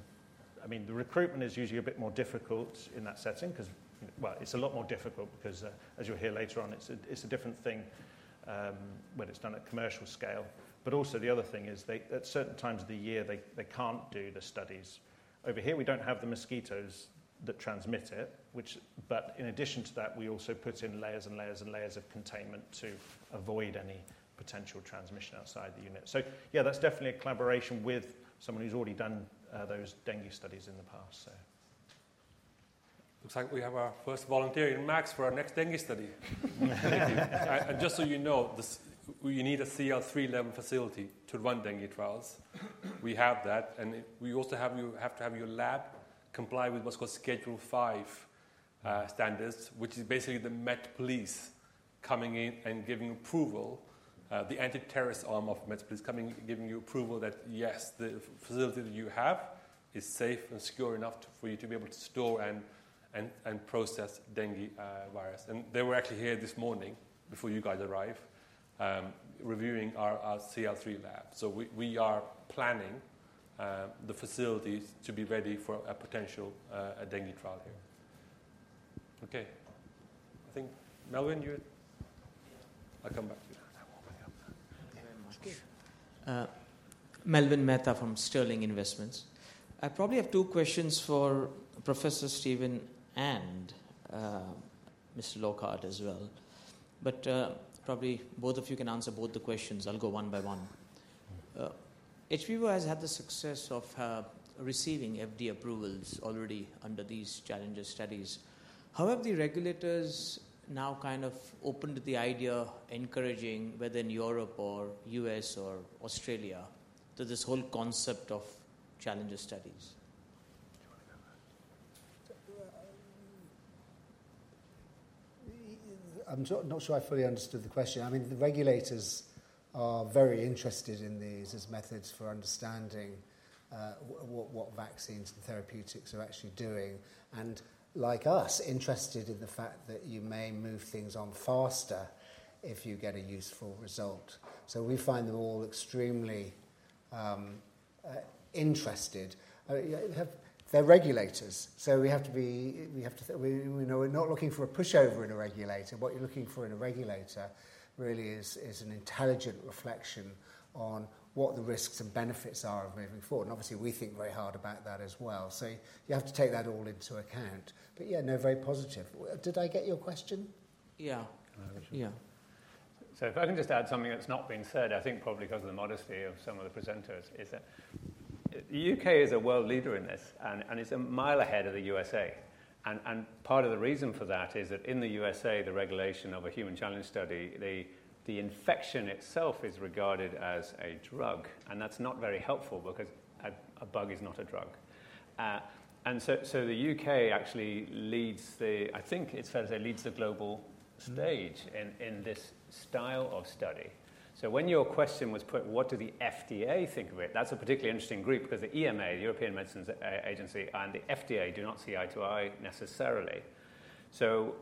I mean, the recruitment is usually a bit more difficult in that setting, 'cause, well, it's a lot more difficult because, as you'll hear later on, it's a, it's a different thing, when it's done at commercial scale. But also, the other thing is they, at certain times of the year, they can't do the studies. Over here, we don't have the mosquitoes that transmit it, which- but in addition to that, we also put in layers and layers and layers of containment to avoid any potential transmission outside the unit. So yeah, that's definitely a collaboration with someone who's already done those Dengue studies in the past, so. Looks like we have our first volunteer in Max for our next dengue study. And just so you know, we need a CL3 level facility to run dengue trials. We have that, and we also have to have your lab comply with what's called Schedule 5 standards, which is basically the Met Police coming in and giving approval, the anti-terrorist arm of Met Police coming, giving you approval that, yes, the facility that you have is safe and secure enough to, for you to be able to store and process dengue virus. And they were actually here this morning before you guys arrived, reviewing our CL3 lab. So we are planning the facilities to be ready for a potential dengue trial here. Okay. I think, Melwin, you're- Yeah. I'll come back to you. I won't hang up. Thank you very much. Okay, uh- Melwin Mehta from Sterling Capital Management. I probably have two questions for Professor Stephen and, Mr. Lockhart as well. But, probably both of you can answer both the questions. I'll go one by one. hVIVO has had the success of, receiving FDA approvals already under these challenge studies. How have the regulators now kind of opened the idea, encouraging, whether in Europe or U.S. or Australia, to this whole concept of challenge studies? Do you want to go first? Well, I'm not sure I fully understood the question. I mean, the regulators are very interested in these as methods for understanding what vaccines and therapeutics are actually doing, and like us, interested in the fact that you may move things on faster if you get a useful result. So we find them all extremely interested. Yeah, they're regulators, so we have to be, we have to, you know, we're not looking for a pushover in a regulator. What you're looking for in a regulator really is an intelligent reflection on what the risks and benefits are of moving forward, and obviously, we think very hard about that as well. So you have to take that all into account. But yeah, no, very positive. Did I get your question? Yeah. Can I have a shot? Yeah. So if I can just add something that's not been said, I think probably because of the modesty of some of the presenters, is that the U.K. is a world leader in this, and it's a mile ahead of the U.S.A. Part of the reason for that is that in the U.S.A., the regulation of a human challenge study, the infection itself is regarded as a drug, and that's not very helpful because a bug is not a drug. So the U.K. actually leads the I think it's fair to say, leads the global stage in this style of study. So when your question was put, what do the FDA think of it? That's a particularly interesting group because the EMA, the European Medicines Agency, and the FDA do not see eye to eye necessarily. So,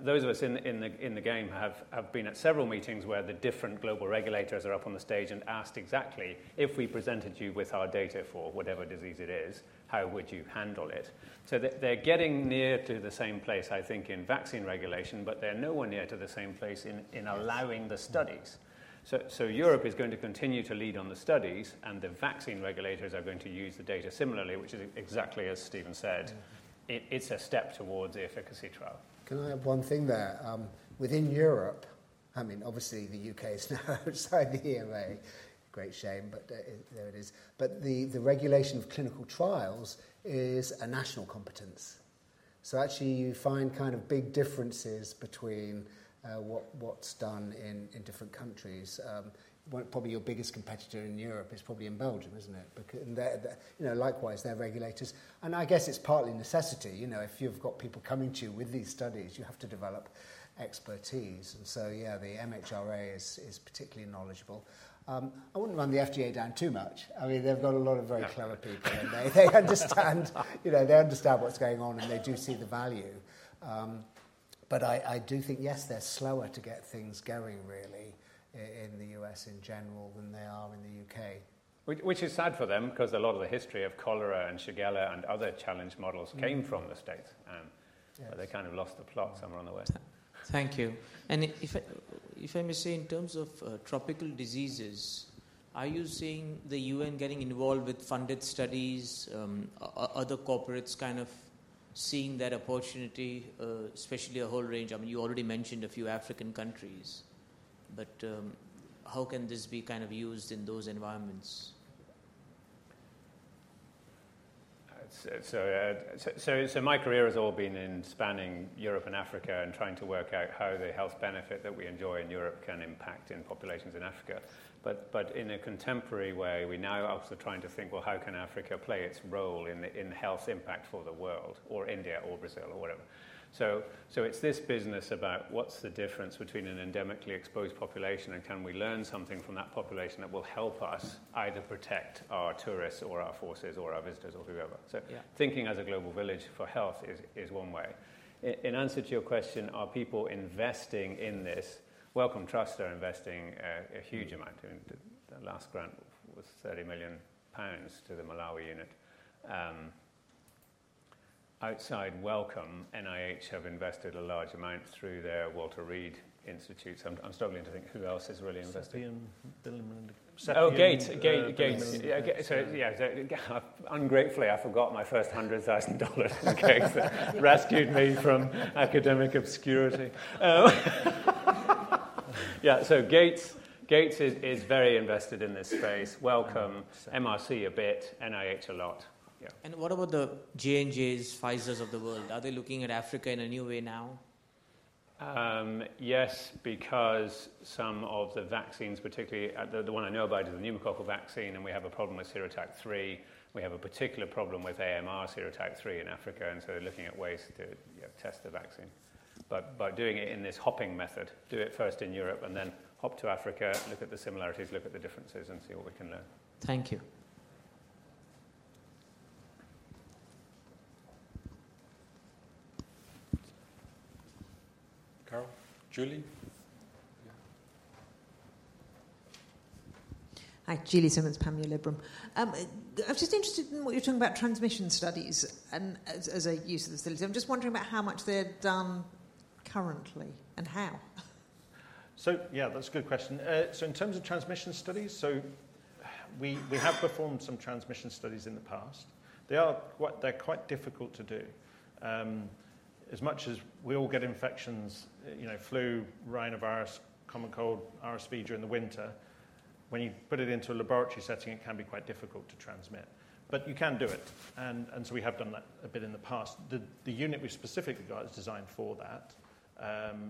those of us in the game have been at several meetings where the different global regulators are up on the stage and asked exactly, "If we presented you with our data for whatever disease it is, how would you handle it?" So they're getting near to the same place, I think, in vaccine regulation, but they're nowhere near to the same place in allowing the studies. So Europe is going to continue to lead on the studies, and the vaccine regulators are going to use the data similarly, which is exactly as Stephen said, it's a step towards the efficacy trial. Can I add one thing there? Within Europe, I mean, obviously, the U.K. is now outside the EMA. Great shame, but there it is. But the regulation of clinical trials is a national competence. So actually, you find kind of big differences between what's done in different countries. Probably your biggest competitor in Europe is probably in Belgium, isn't it? Because and they're, they're, you know, likewise, they're regulators. And I guess it's partly necessity. You know, if you've got people coming to you with these studies, you have to develop expertise. And so, yeah, the MHRA is particularly knowledgeable. I wouldn't run the FDA down too much. I mean, they've got a lot of very clever people- Yeah. They understand, you know, they understand what's going on, and they do see the value. But I do think, yes, they're slower to get things going really in the U.S. in general than they are in the U.K.. Which is sad for them because a lot of the history of cholera and shigella and other challenge models came from the States. Yes but they kind of lost the plot somewhere on the way. Thank you. And if I may say, in terms of tropical diseases, are you seeing the UN getting involved with funded studies, other corporates kind of seeing that opportunity, especially a whole range? I mean, you already mentioned a few African countries, but how can this be kind of used in those environments? So, so my career has all been in spanning Europe and Africa and trying to work out how the health benefit that we enjoy in Europe can impact in populations in Africa. But, but in a contemporary way, we now are also trying to think, well, how can Africa play its role in, in health impact for the world, or India or Brazil or whatever? So, so it's this business about what's the difference between an endemically exposed population, and can we learn something from that population that will help us either protect our tourists or our forces or our visitors or whoever? Yeah. So thinking as a global village for health is one way. In answer to your question, are people investing in this? Wellcome Trust are investing a huge amount. The last grant was 30 million pounds to the Malawi unit. Outside Wellcome, NIH have invested a large amount through their Walter Reed institutes. I'm struggling to think who else is really investing. Seventeen billion. Oh, Gates. Bill Gates. Yeah, ungratefully, I forgot my first $100,000. Rescued me from academic obscurity. Yeah, so Gates, Gates is very invested in this space. Wellcome- Yes MRC a bit, NIH a lot. Yeah. What about the J&Js, Pfizers of the world? Are they looking at Africa in a new way now? Yes, because some of the vaccines, particularly, the, the one I know about is the pneumococcal vaccine, and we have a problem with serotype three. We have a particular problem with AMR serotype three in Africa, and so we're looking at ways to, you know, test the vaccine. But by doing it in this hopping method, do it first in Europe and then hop to Africa, look at the similarities, look at the differences, and see what we can learn. Thank you. Carol. Julie? Yeah. Hi, Julie Simmonds, Panmure Liberum. I'm just interested in what you're talking about transmission studies and as, as a use of the facility. I'm just wondering about how much they're done currently and how? So yeah, that's a good question. So in terms of transmission studies, so we have performed some transmission studies in the past. They are quite difficult to do. As much as we all get infections, you know, flu, rhinovirus, common cold, RSV during the winter, when you put it into a laboratory setting, it can be quite difficult to transmit, but you can do it. And so we have done that a bit in the past. The unit we specifically got is designed for that.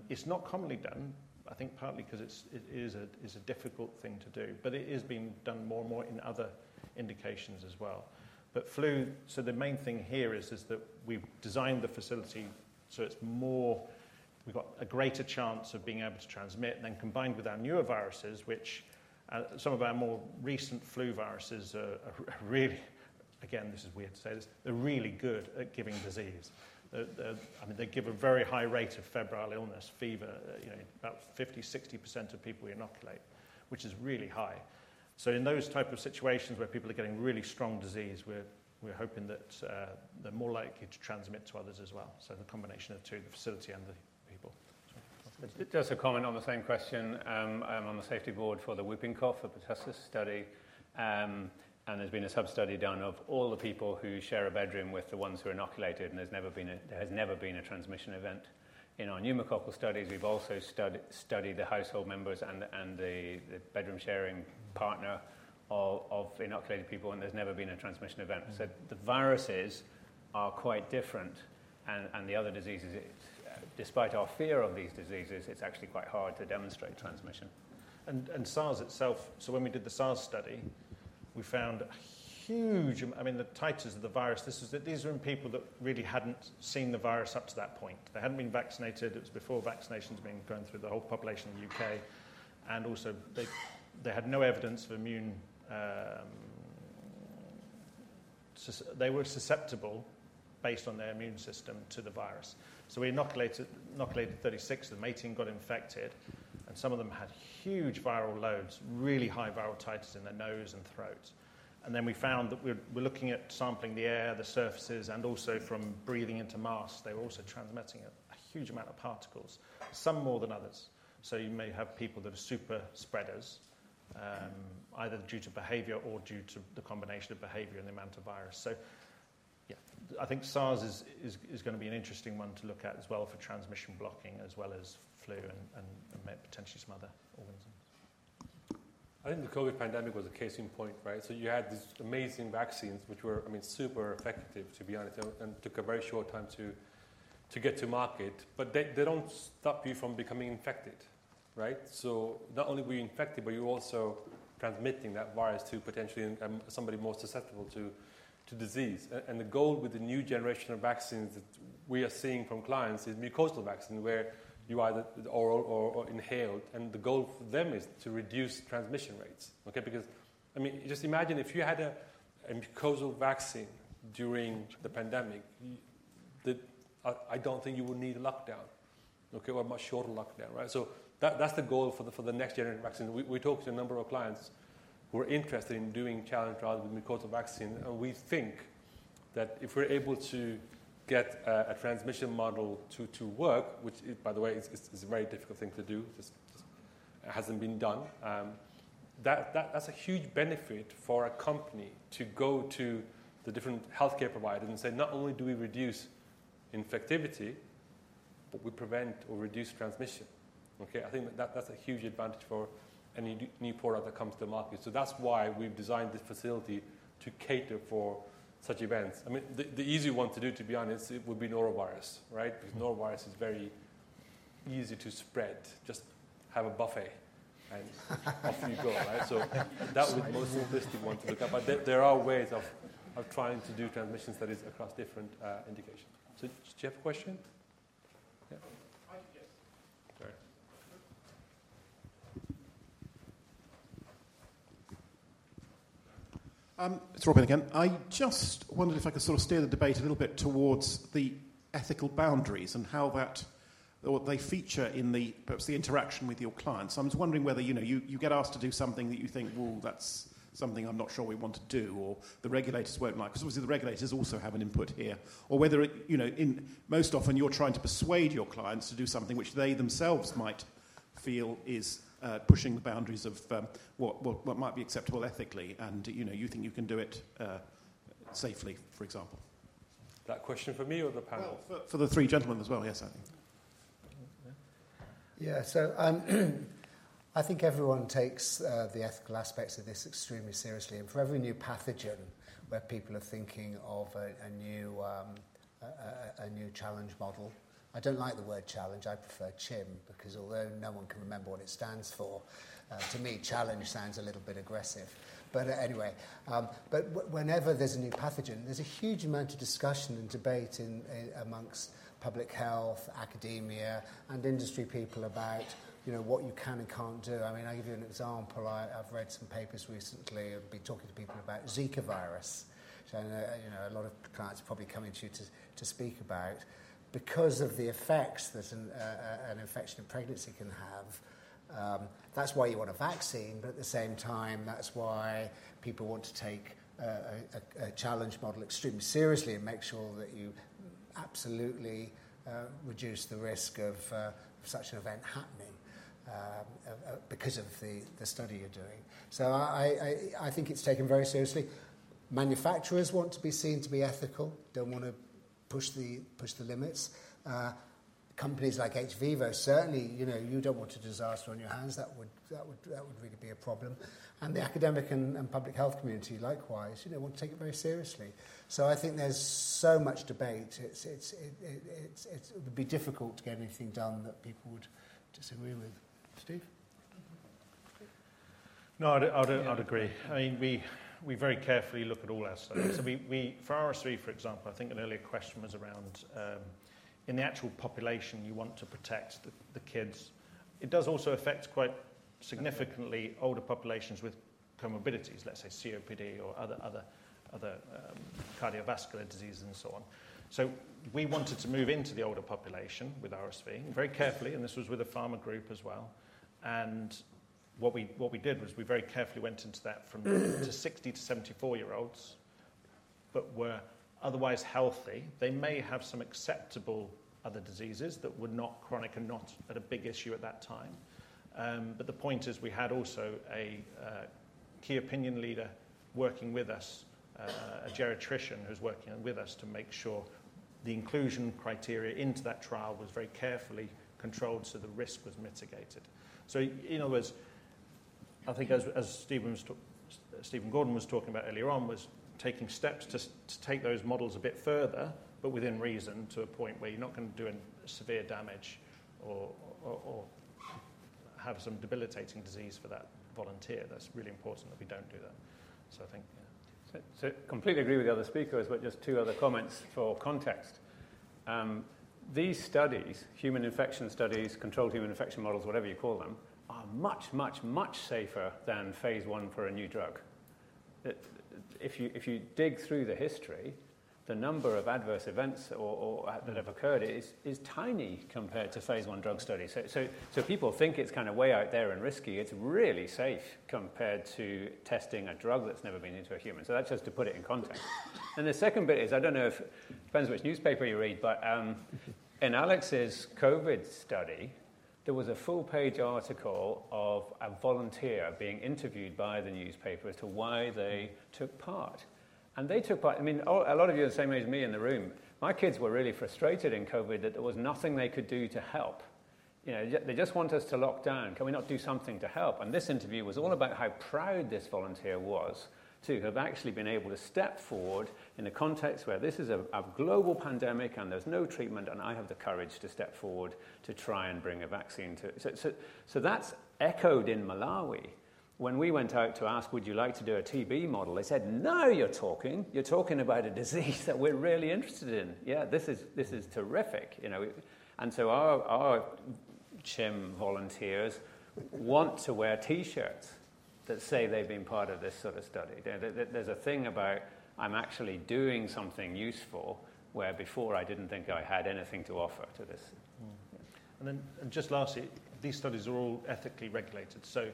It's not commonly done, I think partly 'cause it's a difficult thing to do, but it is being done more and more in other indications as well. But flu, so the main thing here is that we've designed the facility so it's more We've got a greater chance of being able to transmit. Then combined with our newer viruses, which, some of our more recent flu viruses are really, again, this is weird to say this, they're really good at giving disease. I mean, they give a very high rate of febrile illness, fever, you know, about 50%-60% of people we inoculate, which is really high. So in those type of situations where people are getting really strong disease, we're hoping that they're more likely to transmit to others as well, so the combination of two, the facility and the people. Just a comment on the same question. I'm on the safety board for the whooping cough, pertussis study, and there's been a sub-study done of all the people who share a bedroom with the ones who are inoculated, and there's never been a transmission event. There has never been a transmission event. In our pneumococcal studies, we've also studied the household members and the bedroom-sharing partner of inoculated people, and there's never been a transmission event. So the viruses are quite different, and the other diseases, despite our fear of these diseases, it's actually quite hard to demonstrate transmission. SARS itself, so when we did the SARS study, we found a huge I mean, the titers of the virus, this is, these are in people that really hadn't seen the virus up to that point. They hadn't been vaccinated. It was before vaccinations being going through the whole population of the U.K., and also, they, they had no evidence of immune, They were susceptible, based on their immune system, to the virus. So we inoculated 36, and 18 got infected, and some of them had huge viral loads, really high viral titers in their nose and throat. And then we found that we're looking at sampling the air, the surfaces, and also from breathing into masks, they were also transmitting a huge amount of particles, some more than others. So you may have people that are super spreaders, either due to behavior or due to the combination of behavior and the amount of virus. So yeah, I think SARS is going to be an interesting one to look at as well for transmission blocking, as well as flu and potentially some other organisms. I think the COVID pandemic was a case in point, right? So you had these amazing vaccines, which were, I mean, super effective, to be honest, and took a very short time to get to market, but they don't stop you from becoming infected, right? So not only were you infected, but you're also transmitting that virus to potentially somebody more susceptible to disease. And the goal with the new generation of vaccines that we are seeing from clients is mucosal vaccines, where you either oral or inhaled, and the goal for them is to reduce transmission rates, okay? Because, I mean, just imagine if you had a mucosal vaccine during the pandemic, I don't think you would need a lockdown, okay, or a much shorter lockdown, right? So that's the goal for the next generation of vaccines. We talked to a number of clients who are interested in doing challenge trials with mucosal vaccine, and we think that if we're able to get a transmission model to work, which is, by the way, a very difficult thing to do, just hasn't been done, that that's a huge benefit for a company to go to the different healthcare providers and say, "Not only do we reduce infectivity, but we prevent or reduce transmission." Okay, I think that's a huge advantage for any new product that comes to the market. So that's why we've designed this facility to cater for such events. I mean, the easy one to do, to be honest, it would be Norovirus, right? Mm. Because Norovirus is very easy to spread. Just have a buffet, and off you go, right? So that was the most simplistic one to look at, but there are ways of trying to do transmission studies across different indications. So do you have a question? Yeah. Yes. All right. It's Robin again. I just wondered if I could sort of steer the debate a little bit towards the ethical boundaries and how that, or they feature in the, perhaps the interaction with your clients. I'm just wondering whether, you know, you get asked to do something that you think, "Well, that's something I'm not sure we want to do, or the regulators won't like," because obviously, the regulators also have an input here. Or whether it, you know, in most often, you're trying to persuade your clients to do something which they themselves might feel is, pushing the boundaries of, what might be acceptable ethically, and, you know, you think you can do it, safely, for example. That question for me or the panel? Well, for the three gentlemen as well. Yes, certainly. Yeah, so, I think everyone takes the ethical aspects of this extremely seriously. And for every new pathogen, where people are thinking of a new challenge model I don't like the word challenge; I prefer CHIM, because although no one can remember what it stands for, to me, challenge sounds a little bit aggressive. But anyway, but whenever there's a new pathogen, there's a huge amount of discussion and debate in among public health, academia, and industry people about, you know, what you can and can't do. I mean, I'll give you an example. I've read some papers recently and been talking to people about Zika virus. So, you know, a lot of clients are probably coming to you to speak about. Because of the effects that an infection in pregnancy can have, that's why you want a vaccine, but at the same time, that's why people want to take a challenge model extremely seriously and make sure that you absolutely reduce the risk of such an event happening, because of the study you're doing. So I think it's taken very seriously. Manufacturers want to be seen to be ethical, don't want to push the limits. Companies like hVIVO, certainly, you know, you don't want a disaster on your hands, that would really be a problem. And the academic and public health community likewise, you know, want to take it very seriously. So I think there's so much debate, it's—it would be difficult to get anything done that people would disagree with. Steve? No, I'd agree. I mean, we very carefully look at all our studies. So we, for RSV, for example, I think an earlier question was around in the actual population you want to protect the kids. It does also affect quite significantly older populations with comorbidities, let's say COPD or other cardiovascular diseases and so on. So we wanted to move into the older population with RSV very carefully, and this was with a pharma group as well. And what we did was we very carefully went into that from 60 to 74-year-olds, but were otherwise healthy. They may have some acceptable other diseases that were not chronic and not at a big issue at that time. But the point is, we had also a key opinion leader working with us, a geriatrician, who's working with us to make sure the inclusion criteria into that trial was very carefully controlled, so the risk was mitigated. So in other words, I think as Stephen Gordon was talking about earlier on, was taking steps to take those models a bit further, but within reason, to a point where you're not going to do any severe damage or have some debilitating disease for that volunteer. That's really important that we don't do that. So I think, yeah. So, completely agree with the other speakers, but just two other comments for context. These studies, human infection studies, controlled human infection models, whatever you call them, are much, much, much safer than phase I for a new drug. If you dig through the history, the number of adverse events or that have occurred is tiny compared to phase I drug studies. So, people think it's kind of way out there and risky, it's really safe compared to testing a drug that's never been into a human. So that's just to put it in context. And the second bit is, I don't know if, depends which newspaper you read, but in Alex's COVID study, there was a full-page article of a volunteer being interviewed by the newspaper as to why they took part. And they took part I mean, a lot of you are the same age as me in the room. My kids were really frustrated in COVID that there was nothing they could do to help. You know, they just want us to lock down. Can we not do something to help? And this interview was all about how proud this volunteer was to have actually been able to step forward in a context where this is a, a global pandemic, and there's no treatment, and I have the courage to step forward to try and bring a vaccine to it. So, so, so that's echoed in Malawi. When we went out to ask, "Would you like to do a TB model?" They said, "Now you're talking. You're talking about a disease that we're really interested in. Yeah, this is, this is terrific," you know. So our, our CHIM volunteers want to wear T-shirts that say they've been part of this sort of study. There's a thing about, I'm actually doing something useful, where before I didn't think I had anything to offer to this. Mm-hmm. And then, just lastly, these studies are all ethically regulated, so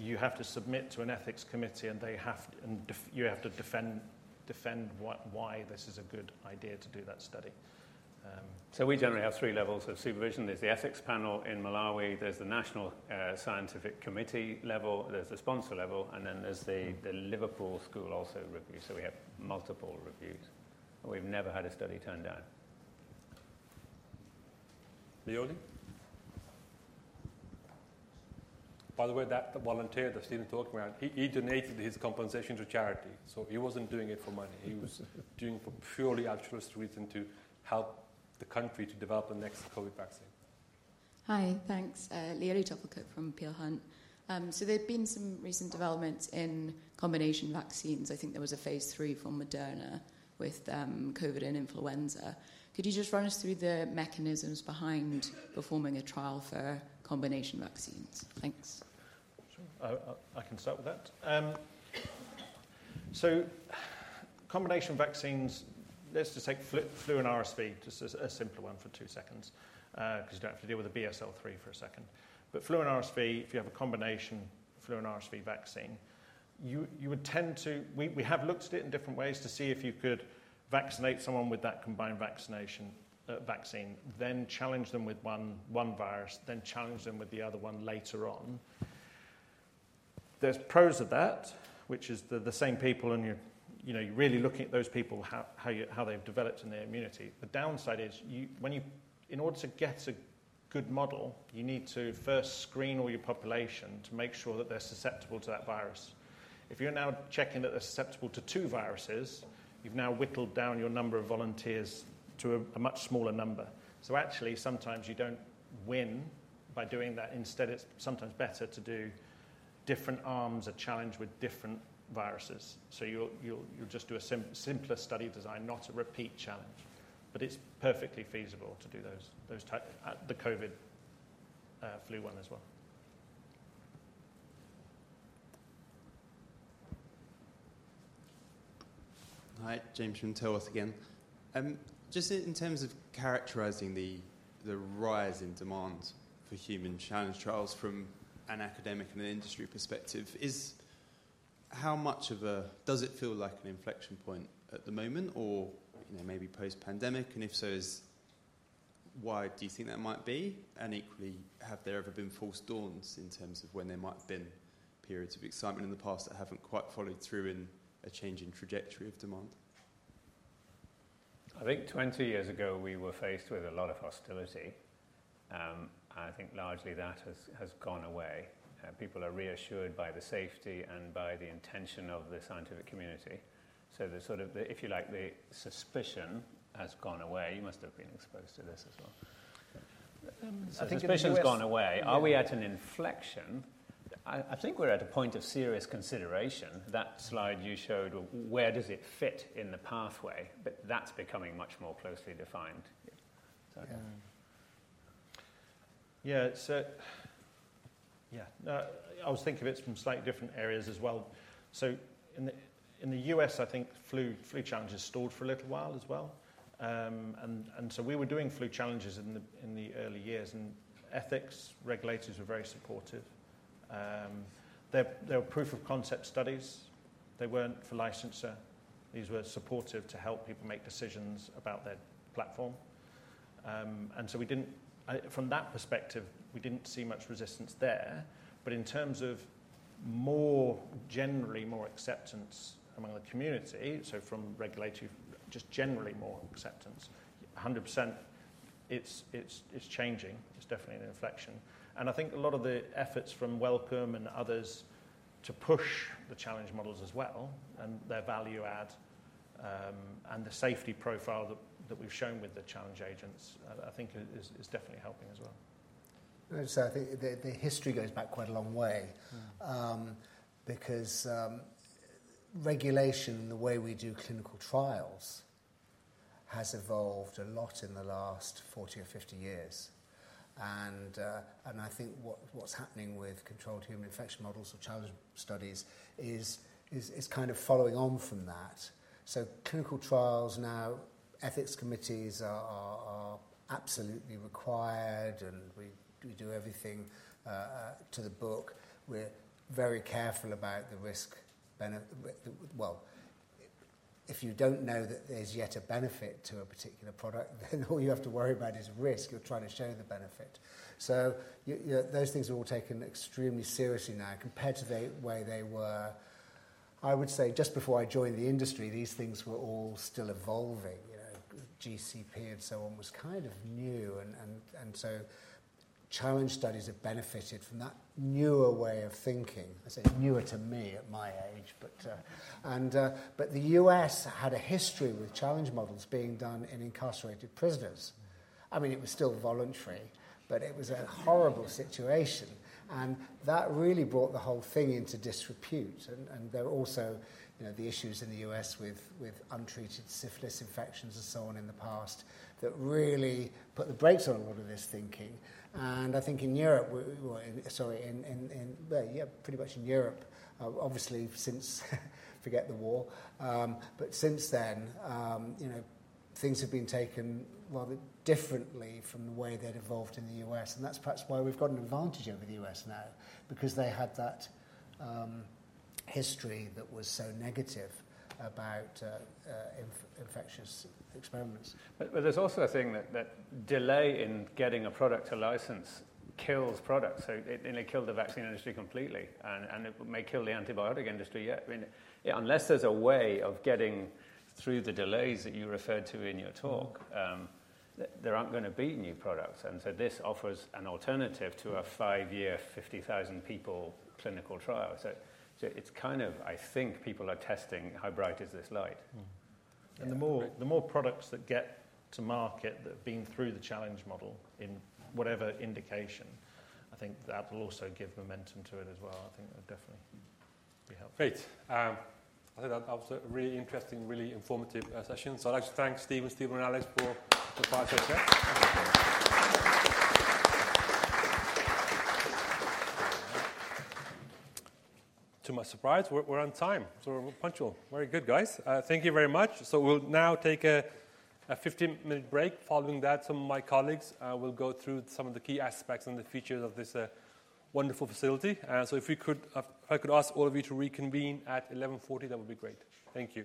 you have to submit to an ethics committee, and they have to, you have to defend what, why this is a good idea to do that study. So we generally have three levels of supervision. There's the ethics panel in Malawi, there's the National Scientific Committee level, there's the sponsor level, and then there's the Liverpool School also reviews. So we have multiple reviews, and we've never had a study turned down. Leoli? By the way, that volunteer that Stephen talked about, he, he donated his compensation to charity, so he wasn't doing it for money. He was doing it for purely altruistic reason, to help the country to develop the next COVID vaccine. Hi, thanks. Laurie Telvica from Peel Hunt. There have been some recent developments in combination vaccines. I think there was a phase III from Moderna with COVID and influenza. Could you just run us through the mechanisms behind performing a trial for combination vaccines? Thanks. Sure. I can start with that. So combination vaccines, let's just take flu and RSV, just as a simpler one for two seconds, because you don't have to deal with the BSL-3 for a second. But flu and RSV, if you have a combination flu and RSV vaccine, you would tend to We have looked at it in different ways to see if you could vaccinate someone with that combined vaccination, vaccine, then challenge them with one virus, then challenge them with the other one later on. There's pros of that, which is the same people, and you're really looking at those people, how they've developed in their immunity. The downside is, when you in order to get a good model, you need to first screen all your population to make sure that they're susceptible to that virus. If you're now checking that they're susceptible to two viruses, you've now whittled down your number of volunteers to a much smaller number. So actually, sometimes you don't win by doing that. Instead, it's sometimes better to do different arms, a challenge with different viruses. So you'll just do a simpler study design, not a repeat challenge. But it's perfectly feasible to do those type, the COVID, flu one as well. Hi, James from Tellworth again. Just in terms of characterizing the rise in demand for human challenge trials from an academic and an industry perspective, how much of a does it feel like an inflection point at the moment or, you know, maybe post-pandemic? And if so, why do you think that might be? And equally, have there ever been false dawns in terms of when there might have been periods of excitement in the past that haven't quite followed through in a change in trajectory of demand? I think 20 years ago, we were faced with a lot of hostility, and I think largely that has gone away. People are reassured by the safety and by the intention of the scientific community. So the sort of, if you like, the suspicion has gone away. You must have been exposed to this as well. I think- The suspicion has gone away. Are we at an inflection? I, I think we're at a point of serious consideration. That slide you showed, where does it fit in the pathway? But that's becoming much more closely defined. Yeah. So Yeah, I was thinking of it from slightly different areas as well. So in the U.S., I think flu challenge has stalled for a little while as well. And so we were doing flu challenges in the early years, and ethics regulators were very supportive. They were proof of concept studies. They weren't for licensure. These were supportive to help people make decisions about their platform. And so from that perspective, we didn't see much resistance there. But in terms of more generally more acceptance among the community, so from regulatory, just generally more acceptance, 100% it's changing. It's definitely an inflection. I think a lot of the efforts from Wellcome and others to push the challenge models as well and their value add, and the safety profile that we've shown with the challenge agents, I think is definitely helping as well. So I think the history goes back quite a long way- Mm. Because regulation and the way we do clinical trials has evolved a lot in the last 40 or 50 years. And I think what's happening with controlled human infection models or challenge studies is kind of following on from that. So clinical trials now, ethics committees are absolutely required, and we do everything by the book. We're very careful about the risk benefit. Well, if you don't know that there's yet a benefit to a particular product, then all you have to worry about is risk. You're trying to show the benefit. So yeah, those things are all taken extremely seriously now compared to the way they were. I would say just before I joined the industry, these things were all still evolving. You know, GCP and so on was kind of new, and so challenge studies have benefited from that newer way of thinking. I say newer to me at my age, but the U.S. had a history with challenge models being done in incarcerated prisoners. I mean, it was still voluntary, but it was a horrible situation, and that really brought the whole thing into disrepute. And there were also, you know, the issues in the U.S. with untreated syphilis infections and so on in the past, that really put the brakes on a lot of this thinking. And I think in Europe, yeah, pretty much in Europe, obviously, since, forget the war. But since then, you know, things have been taken rather differently from the way they'd evolved in the U.S., and that's perhaps why we've got an advantage over the U.S. now, because they had that history that was so negative about infectious experiments. But there's also a thing that delay in getting a product to license kills products, so, and it killed the vaccine industry completely, and it may kill the antibiotic industry yet. I mean, yeah, unless there's a way of getting through the delays that you referred to in your talk, there aren't gonna be new products, and so this offers an alternative to a five-year, 50,000 people clinical trial. So it's kind of, I think people are testing how bright is this light? Mm. And the more- Right. The more products that get to market that have been through the challenge model in whatever indication, I think that will also give momentum to it as well. I think that would definitely be helpful. Great. I think that was a really interesting, really informative session. So I'd like to thank Steve, and Steven, and Alex for the presentation. To my surprise, we're on time, so we're punctual. Very good, guys. Thank you very much. So we'll now take a 15-minute break. Following that, some of my colleagues will go through some of the key aspects and the features of this wonderful facility. So if we could, if I could ask all of you to reconvene at 11:40, that would be great. Thank you.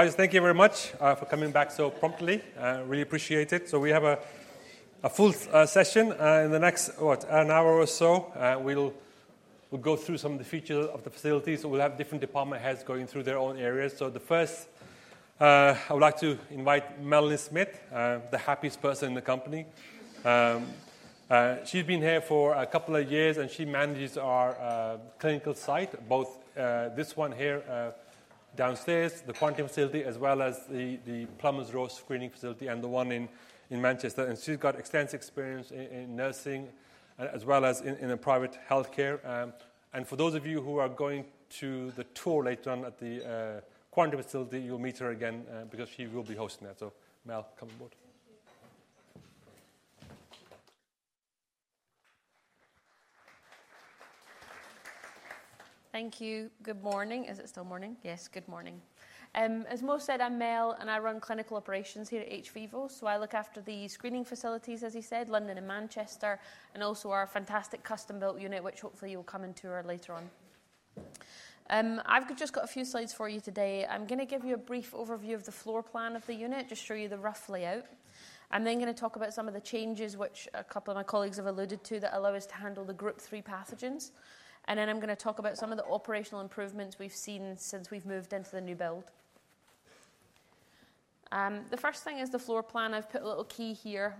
All right, guys, thank you very much for coming back so promptly. Really appreciate it. So we have a full session in the next, what? An hour or so. We'll go through some of the features of the facilities, and we'll have different department heads going through their own areas. So the first, I would like to invite Melanie Smyth, the happiest person in the company. She's been here for a couple of years, and she manages our clinical site, both this one here, downstairs, the quarantine facility, as well as the Plumbers Row screening facility and the one in Manchester. She's got extensive experience in nursing, as well as in the private healthcare. For those of you who are going to the tour later on at the quarantine facility, you'll meet her again, because she will be hosting that. So Mel, come on board. Thank you. Thank you. Good morning. Is it still morning? Yes, good morning. As Mo said, I'm Mel, and I run clinical operations here at hVIVO, so I look after the screening facilities, as he said, London and Manchester, and also our fantastic custom-built unit, which hopefully you'll come and tour later on. I've just got a few slides for you today. I'm gonna give you a brief overview of the floor plan of the unit, just show you the rough layout. I'm then gonna talk about some of the changes, which a couple of my colleagues have alluded to, that allow us to handle the Group Three pathogens. Then I'm gonna talk about some of the operational improvements we've seen since we've moved into the new build. The first thing is the floor plan. I've put a little key here,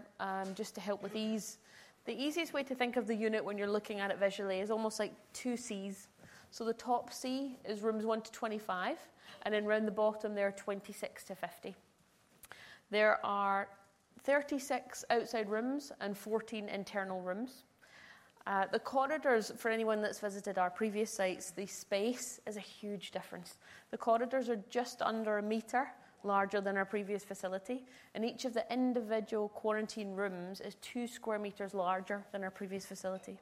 just to help with ease. The easiest way to think of the unit when you're looking at it visually is almost like two Cs. So the top C is rooms 1 to 25, and then around the bottom there, 26 to 50. There are 36 outside rooms and 14 internal rooms. The corridors, for anyone that's visited our previous sites, the space is a huge difference. The corridors are just under a meter larger than our previous facility, and each of the individual quarantine rooms is two square meters larger than our previous facility.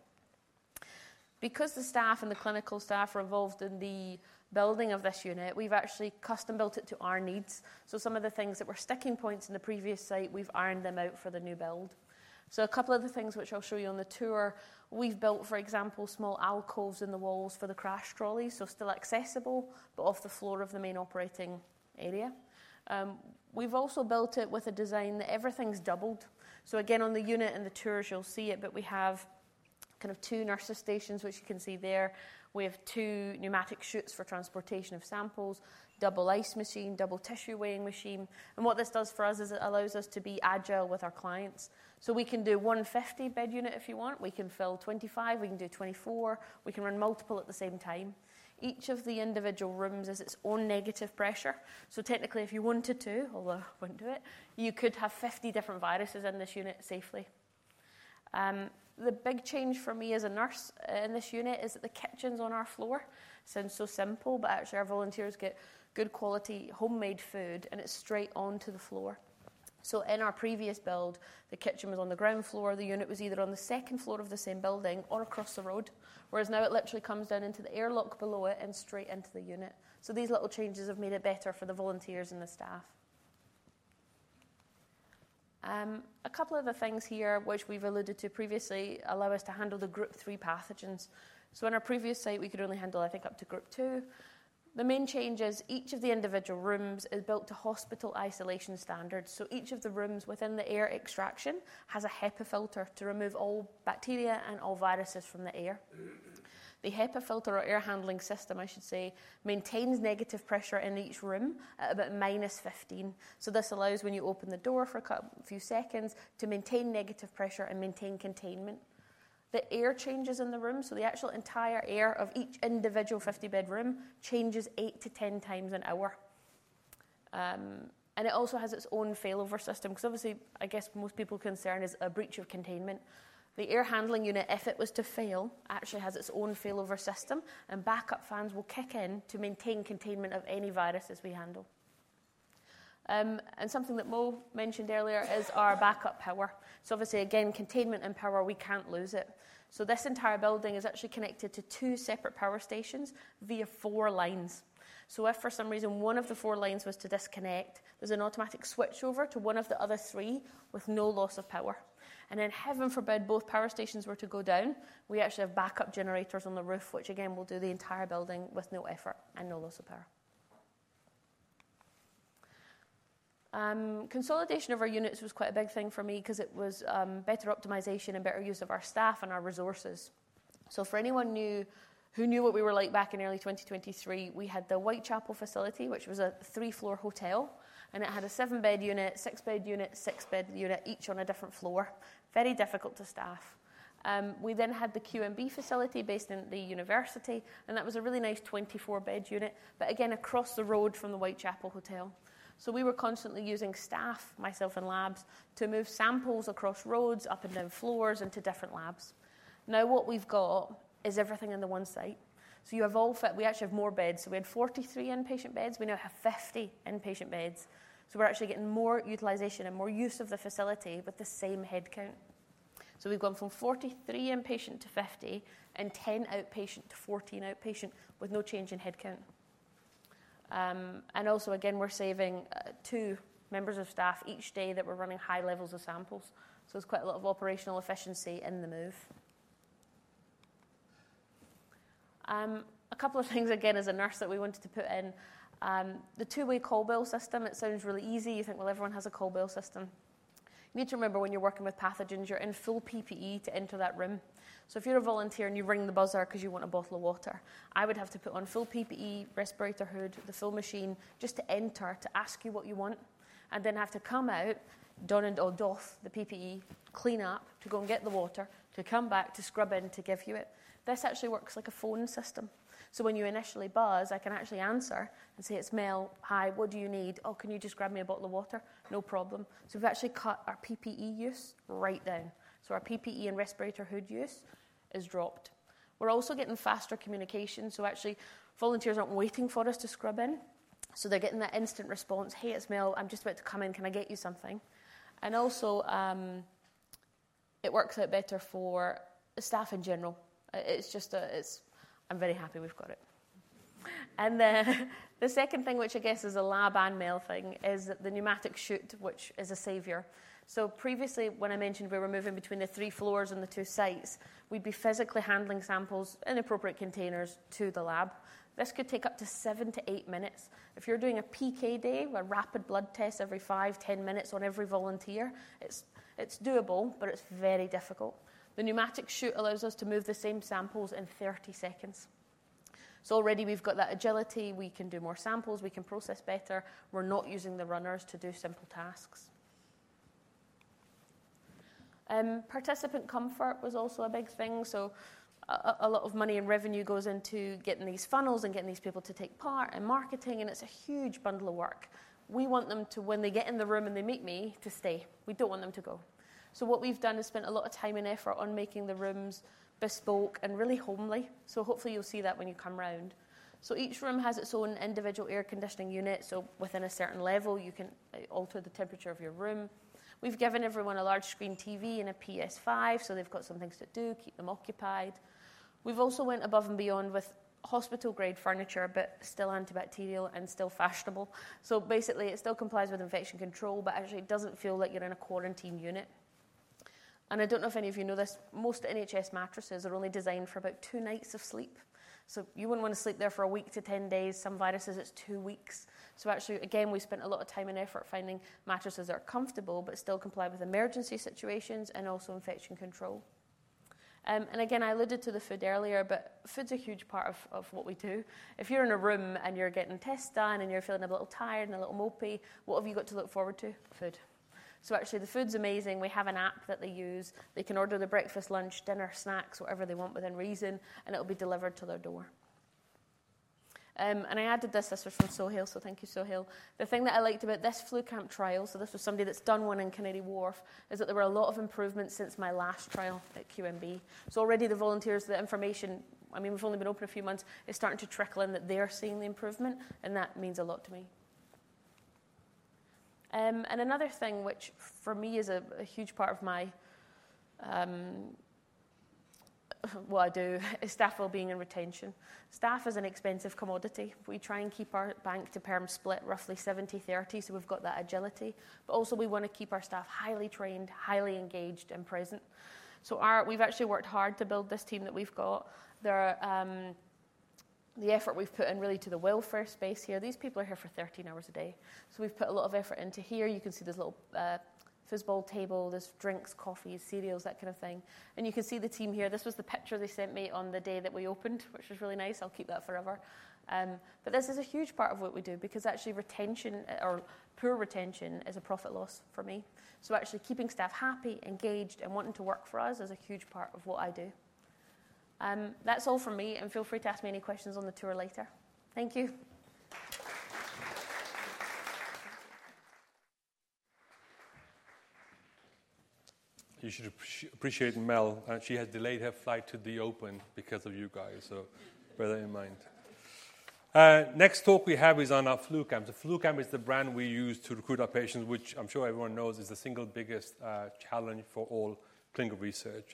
Because the staff and the clinical staff were involved in the building of this unit, we've actually custom-built it to our needs. So some of the things that were sticking points in the previous site, we've ironed them out for the new build. So a couple of the things which I'll show you on the tour, we've built, for example, small alcoves in the walls for the crash trolley, so still accessible, but off the floor of the main operating area. We've also built it with a design that everything's doubled. So again, on the unit and the tours, you'll see it, but we have kind of two nurses stations, which you can see there. We have two pneumatic chutes for transportation of samples, double ice machine, double tissue weighing machine. And what this does for us is it allows us to be agile with our clients. So we can do one 150-bed unit if you want. We can fill 25, we can do 24, we can run multiple at the same time. Each of the individual rooms is its own negative pressure. So technically, if you wanted to, although I wouldn't do it, you could have 50 different viruses in this unit safely. The big change for me as a nurse in this unit is that the kitchen's on our floor. Sounds so simple, but actually, our volunteers get good quality, homemade food, and it's straight onto the floor. So in our previous build, the kitchen was on the ground floor. The unit was either on the second floor of the same building or across the road, whereas now it literally comes down into the air lock below it and straight into the unit. So these little changes have made it better for the volunteers and the staff. A couple of the things here, which we've alluded to previously, allow us to handle the Group Three pathogens. So in our previous site, we could only handle, I think, up to Group Two. The main change is each of the individual rooms is built to hospital isolation standards, so each of the rooms within the air extraction has a HEPA filter to remove all bacteria and all viruses from the air. The HEPA filter or air handling system, I should say, maintains negative pressure in each room at about -15. So this allows, when you open the door for a few seconds, to maintain negative pressure and maintain containment. The air changes in the room, so the actual entire air of each individual 50-bed room changes eight-10 times an hour. And it also has its own failover system, 'cause obviously, I guess most people's concern is a breach of containment. The air handling unit, if it was to fail, actually has its own failover system, and backup fans will kick in to maintain containment of any viruses we handle. And something that Mo mentioned earlier is our backup power. So obviously, again, containment and power, we can't lose it. So this entire building is actually connected to two separate power stations via four lines. So if for some reason one of the four lines was to disconnect, there's an automatic switchover to one of the other three with no loss of power. And then, heaven forbid, both power stations were to go down, we actually have backup generators on the roof, which again, will do the entire building with no effort and no loss of power. Consolidation of our units was quite a big thing for me 'cause it was better optimization and better use of our staff and our resources. So for anyone new who knew what we were like back in early 2023, we had the Whitechapel facility, which was a three-floor hotel, and it had a seven-bed unit, six-bed unit, six-bed unit, each on a different floor. Very difficult to staff. We then had the QMB facility based in the university, and that was a really nice 24-bed unit, but again, across the road from the Whitechapel Hotel. So we were constantly using staff, myself, and labs to move samples across roads, up and down floors, into different labs. Now, what we've got is everything on the one site. So you have all fit We actually have more beds. So we had 43 inpatient beds. We now have 50 inpatient beds. So we're actually getting more utilization and more use of the facility with the same headcount. So we've gone from 43 inpatient to 50 and 10 outpatient to 14 outpatient with no change in headcount. And also, again, we're saving two members of staff each day that we're running high levels of samples. So it's quite a lot of operational efficiency in the move. A couple of things, again, as a nurse that we wanted to put in, the two-way call bell system, it sounds really easy. You think, well, everyone has a call bell system. You need to remember when you're working with pathogens, you're in full PPE to enter that room. So if you're a volunteer and you ring the buzzer 'cause you want a bottle of water, I would have to put on full PPE, respirator hood, the full machine, just to enter to ask you what you want, and then have to come out, don and doff the PPE, clean up to go and get the water, to come back, to scrub in, to give you it. This actually works like a phone system. So when you initially buzz, I can actually answer and say, "It's Mel. Hi, what do you need?" "Oh, can you just grab me a bottle of water?" "No problem." So we've actually cut our PPE use right down. So our PPE and respirator hood use is dropped. We're also getting faster communication, so actually, volunteers aren't waiting for us to scrub in, so they're getting that instant response, "Hey, it's Mel. I'm just about to come in. Can I get you something?" And also, it works out better for the staff in general. It's just a, I'm very happy we've got it. And then the second thing, which I guess is a lab and Mel thing, is the pneumatic chute, which is a savior. So previously, when I mentioned we were moving between the three floors and the two sites, we'd be physically handling samples in appropriate containers to the lab. This could take up to seven-eight minutes. If you're doing a PK day, where rapid blood tests every five, 10 minutes on every volunteer, it's doable, but it's very difficult. The pneumatic chute allows us to move the same samples in 30 seconds. So already we've got that agility, we can do more samples, we can process better, we're not using the runners to do simple tasks. Participant comfort was also a big thing, so a lot of money and revenue goes into getting these funnels and getting these people to take part in marketing, and it's a huge bundle of work. We want them to, when they get in the room and they meet me, to stay. We don't want them to go. What we've done is spent a lot of time and effort on making the rooms bespoke and really homely. Hopefully, you'll see that when you come round. Each room has its own individual air conditioning unit, so within a certain level, you can alter the temperature of your room. We've given everyone a large screen TV and a PS5, so they've got some things to do, keep them occupied. We've also went above and beyond with hospital-grade furniture, but still antibacterial and still fashionable. So basically, it still complies with infection control, but actually, it doesn't feel like you're in a quarantine unit. And I don't know if any of you know this, most NHS mattresses are only designed for about two nights of sleep. So you wouldn't want to sleep there for a week to 10 days. Some viruses, it's two weeks. So actually, again, we spent a lot of time and effort finding mattresses that are comfortable but still comply with emergency situations and also infection control. And again, I alluded to the food earlier, but food's a huge part of, of what we do. If you're in a room and you're getting tests done and you're feeling a little tired and a little mopey, what have you got to look forward to? Food. So actually, the food's amazing. We have an app that they use. They can order their breakfast, lunch, dinner, snacks, whatever they want, within reason, and it will be delivered to their door. And I added this. This was from Sohail, so thank you, Sohail. "The thing that I liked about this FluCamp trial," so this was somebody that's done one in Canary Wharf, "is that there were a lot of improvements since my last trial at QMB." So already, the volunteers, the information, I mean, we've only been open a few months, is starting to trickle in that they're seeing the improvement, and that means a lot to me. And another thing, which for me is a huge part of my what I do, is staff well-being and retention. Staff is an expensive commodity. We try and keep our bank-to-perm split roughly 70-30, so we've got that agility, but also we want to keep our staff highly trained, highly engaged, and present. So we've actually worked hard to build this team that we've got. The effort we've put in really to the welfare space here, these people are here for 13 hours a day, so we've put a lot of effort into here. You can see there's a little foosball table, there's drinks, coffee, cereals, that kind of thing. And you can see the team here. This was the picture they sent me on the day that we opened, which was really nice. I'll keep that forever. But this is a huge part of what we do, because actually, retention, or poor retention, is a profit loss for me. So actually, keeping staff happy, engaged, and wanting to work for us is a huge part of what I do. That's all from me, and feel free to ask me any questions on the tour later. Thank you. You should appreciate Mel. She has delayed her flight to the Open because of you guys, so bear that in mind. Next talk we have is on our FluCamp. The FluCamp is the brand we use to recruit our patients, which I'm sure everyone knows is the single biggest challenge for all clinical research.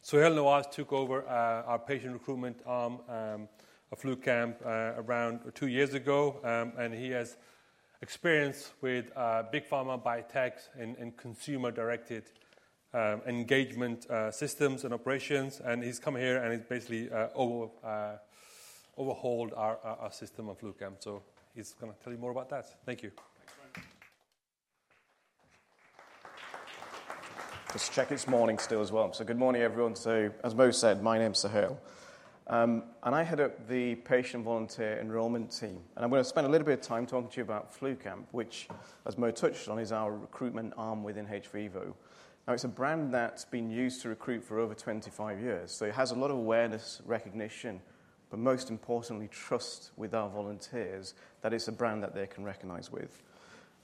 Sohail Nawaz took over our patient recruitment arm of FluCamp around two years ago. And he has experience with big pharma, biotechs, and consumer-directed engagement systems and operations, and he's come here, and he's basically overhauled our system of FluCamp. So he's gonna tell you more about that. Thank you. Just check it's morning still as well. So good morning, everyone. So, as Mo said, my name's Sohail, and I head up the patient volunteer enrollment team, and I'm gonna spend a little bit of time talking to you about FluCamp, which, as Mo touched on, is our recruitment arm within hVIVO. Now, it's a brand that's been used to recruit for over 25 years, so it has a lot of awareness, recognition, but most importantly, trust with our volunteers, that it's a brand that they can recognize with.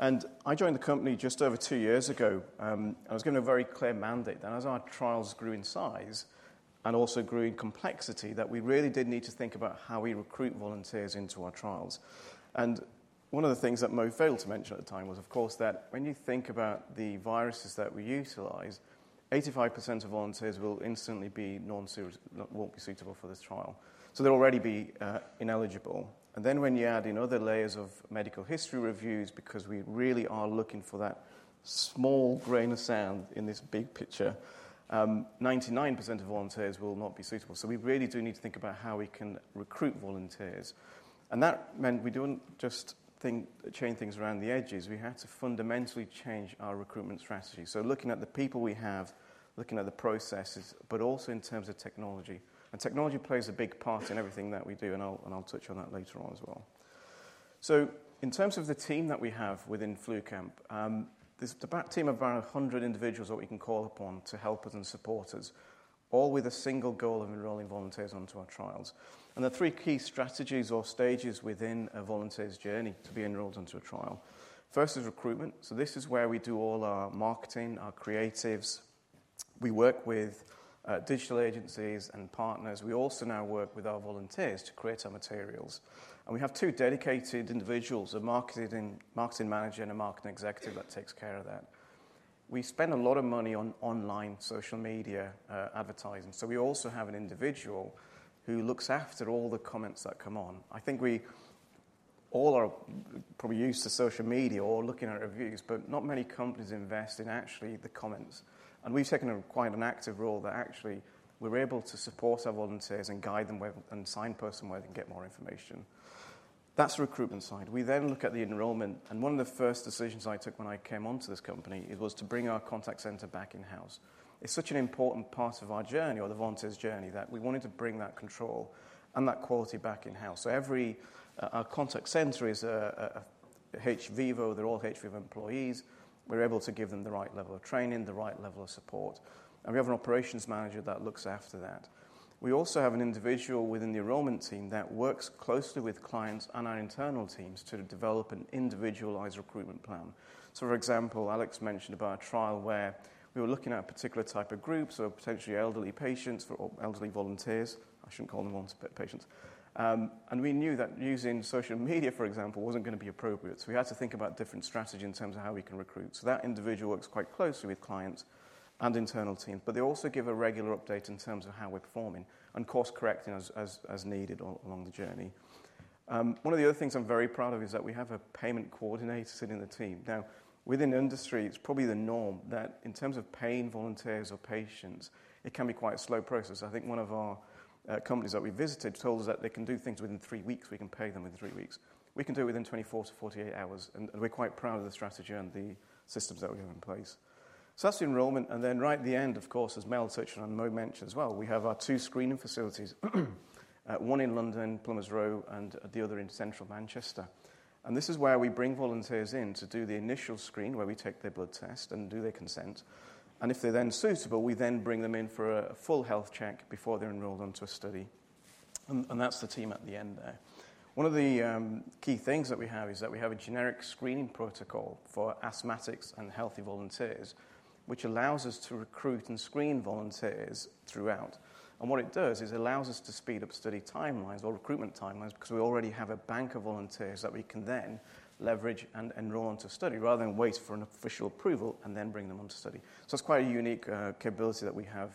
And I joined the company just over two years ago, I was given a very clear mandate, that as our trials grew in size, and also grew in complexity, that we really did need to think about how we recruit volunteers into our trials. One of the things that Mo failed to mention at the time was, of course, that when you think about the viruses that we utilize, 85% of volunteers will instantly be non-suitable, won't be suitable for this trial, so they'll already be ineligible. Then, when you add in other layers of medical history reviews, because we really are looking for that small grain of sand in this big picture, 99% of volunteers will not be suitable. So we really do need to think about how we can recruit volunteers. That meant we don't just think, change things around the edges. We had to fundamentally change our recruitment strategy. So looking at the people we have, looking at the processes, but also in terms of technology. And technology plays a big part in everything that we do, and I'll touch on that later on as well. So in terms of the team that we have within FluCamp, there's about a team of around 100 individuals that we can call upon to help us and support us, all with a single goal of enrolling volunteers onto our trials. And there are three key strategies or stages within a volunteer's journey to be enrolled into a trial. First is recruitment. So this is where we do all our marketing, our creatives. We work with digital agencies and partners. We also now work with our volunteers to create our materials. And we have two dedicated individuals, a marketing manager and a marketing executive that takes care of that. We spend a lot of money on online social media advertising, so we also have an individual who looks after all the comments that come on. I think we all are probably used to social media or looking at reviews, but not many companies invest in actually the comments. And we've taken a quite an active role that actually we're able to support our volunteers and guide them where, and signpost them where they can get more information. That's the recruitment side. We then look at the enrollment, and one of the first decisions I took when I came onto this company, it was to bring our contact center back in-house. It's such an important part of our journey, or the volunteer's journey, that we wanted to bring that control and that quality back in-house. So every Our contact center is a hVIVO, they're all hVIVO employees. We're able to give them the right level of training, the right level of support, and we have an operations manager that looks after that. We also have an individual within the enrollment team that works closely with clients and our internal teams to develop an individualized recruitment plan. So, for example, Alex mentioned about a trial where we were looking at a particular type of group, so potentially elderly patients or elderly volunteers. I shouldn't call them volunteers, but patients. And we knew that using social media, for example, wasn't gonna be appropriate, so we had to think about different strategy in terms of how we can recruit. So that individual works quite closely with clients and internal teams, but they also give a regular update in terms of how we're performing and course-correcting as needed along the journey. One of the other things I'm very proud of is that we have a payment coordinator sitting in the team. Now, within the industry, it's probably the norm that in terms of paying volunteers or patients, it can be quite a slow process. I think one of our companies that we visited told us that they can do things within three weeks, we can pay them within three weeks. We can do it within 24 to 48 hours, and we're quite proud of the strategy and the systems that we have in place. So that's the enrollment, and then right at the end, of course, as Mel touched on and Mo mentioned as well, we have our two screening facilities, one in London, Plumbers Row, and the other in central Manchester. And this is where we bring volunteers in to do the initial screen, where we take their blood test and do their consent, and if they're then suitable, we then bring them in for a full health check before they're enrolled onto a study. And that's the team at the end there. One of the key things that we have is that we have a generic screening protocol for asthmatics and healthy volunteers, which allows us to recruit and screen volunteers throughout. What it does is allows us to speed up study timelines or recruitment timelines because we already have a bank of volunteers that we can then leverage and enroll into study, rather than wait for an official approval and then bring them on to study. So it's quite a unique capability that we have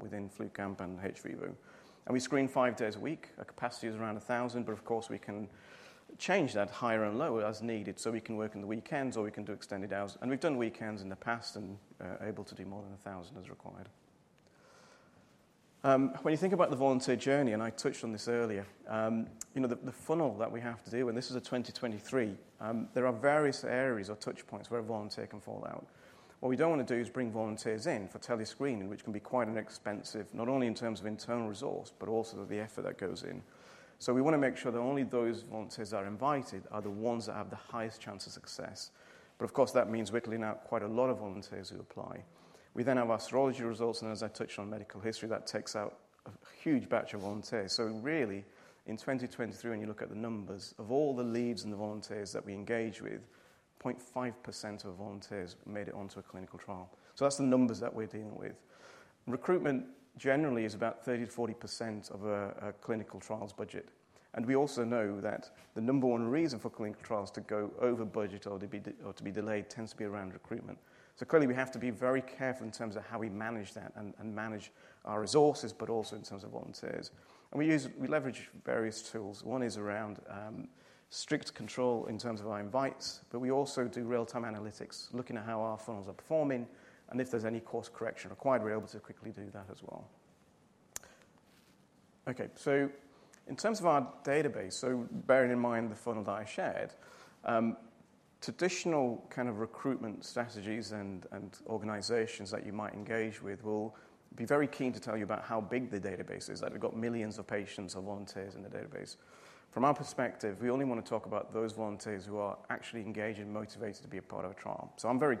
within FluCamp and hVIVO. We screen five days a week. Our capacity is around 1,000, but of course, we can change that higher and lower as needed, so we can work on the weekends, or we can do extended hours. We've done weekends in the past and able to do more than 1,000 as required. When you think about the volunteer journey, and I touched on this earlier, you know, the funnel that we have to do, and this is a 2023, there are various areas or touch points where a volunteer can fall out. What we don't want to do is bring volunteers in for tele-screening, which can be quite an expensive, not only in terms of internal resource, but also the effort that goes in. So we want to make sure that only those volunteers that are invited are the ones that have the highest chance of success. But of course, that means we're ruling out quite a lot of volunteers who apply. We then have our serology results, and as I touched on medical history, that takes out a huge batch of volunteers. So really, in 2023, when you look at the numbers, of all the leads and the volunteers that we engage with, 0.5% of volunteers made it onto a clinical trial. So that's the numbers that we're dealing with. Recruitment generally is about 30%-40% of a, a clinical trial's budget, and we also know that the number one reason for clinical trials to go over budget or to be delayed tends to be around recruitment. So clearly, we have to be very careful in terms of how we manage that and, and manage our resources, but also in terms of volunteers. And we leverage various tools. One is around strict control in terms of our invites, but we also do real-time analytics, looking at how our funnels are performing, and if there's any course correction required, we're able to quickly do that as well. Okay, so in terms of our database, so bearing in mind the funnel that I shared, traditional kind of recruitment strategies and organisations that you might engage with will be very keen to tell you about how big the database is, that we've got millions of patients or volunteers in the database. From our perspective, we only want to talk about those volunteers who are actually engaged and motivated to be a part of a trial. So I'm very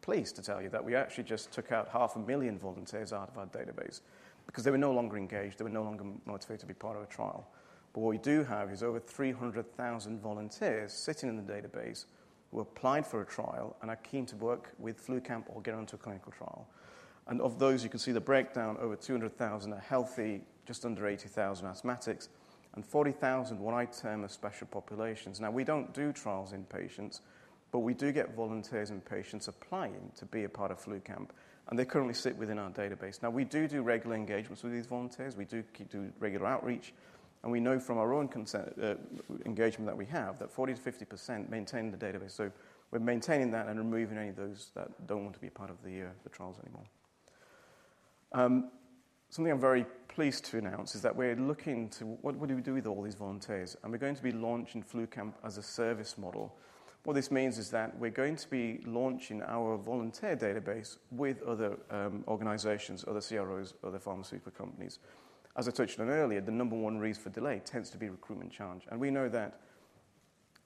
pleased to tell you that we actually just took out 500,000 volunteers out of our database because they were no longer engaged, they were no longer motivated to be part of a trial. But what we do have is over 300,000 volunteers sitting in the database who applied for a trial and are keen to work with FluCamp or get onto a clinical trial. And of those, you can see the breakdown, over 200,000 are healthy, just under 80,000 asthmatics, and 40,000 what I term as special populations. Now, we don't do trials in patients, but we do get volunteers and patients applying to be a part of FluCamp, and they currently sit within our database. Now, we do do regular engagements with these volunteers, we do keep doing regular outreach, and we know from our own consent engagement that we have, that 40%-50% maintain the database. So we're maintaining that and removing any of those that don't want to be a part of the trials anymore. Something I'm very pleased to announce is that we're looking to. What do we do with all these volunteers? And we're going to be launching FluCamp as a service model. What this means is that we're going to be launching our volunteer database with other organizations, other CROs, other pharmaceutical companies. As I touched on earlier, the number one reason for delay tends to be recruitment challenge, and we know that.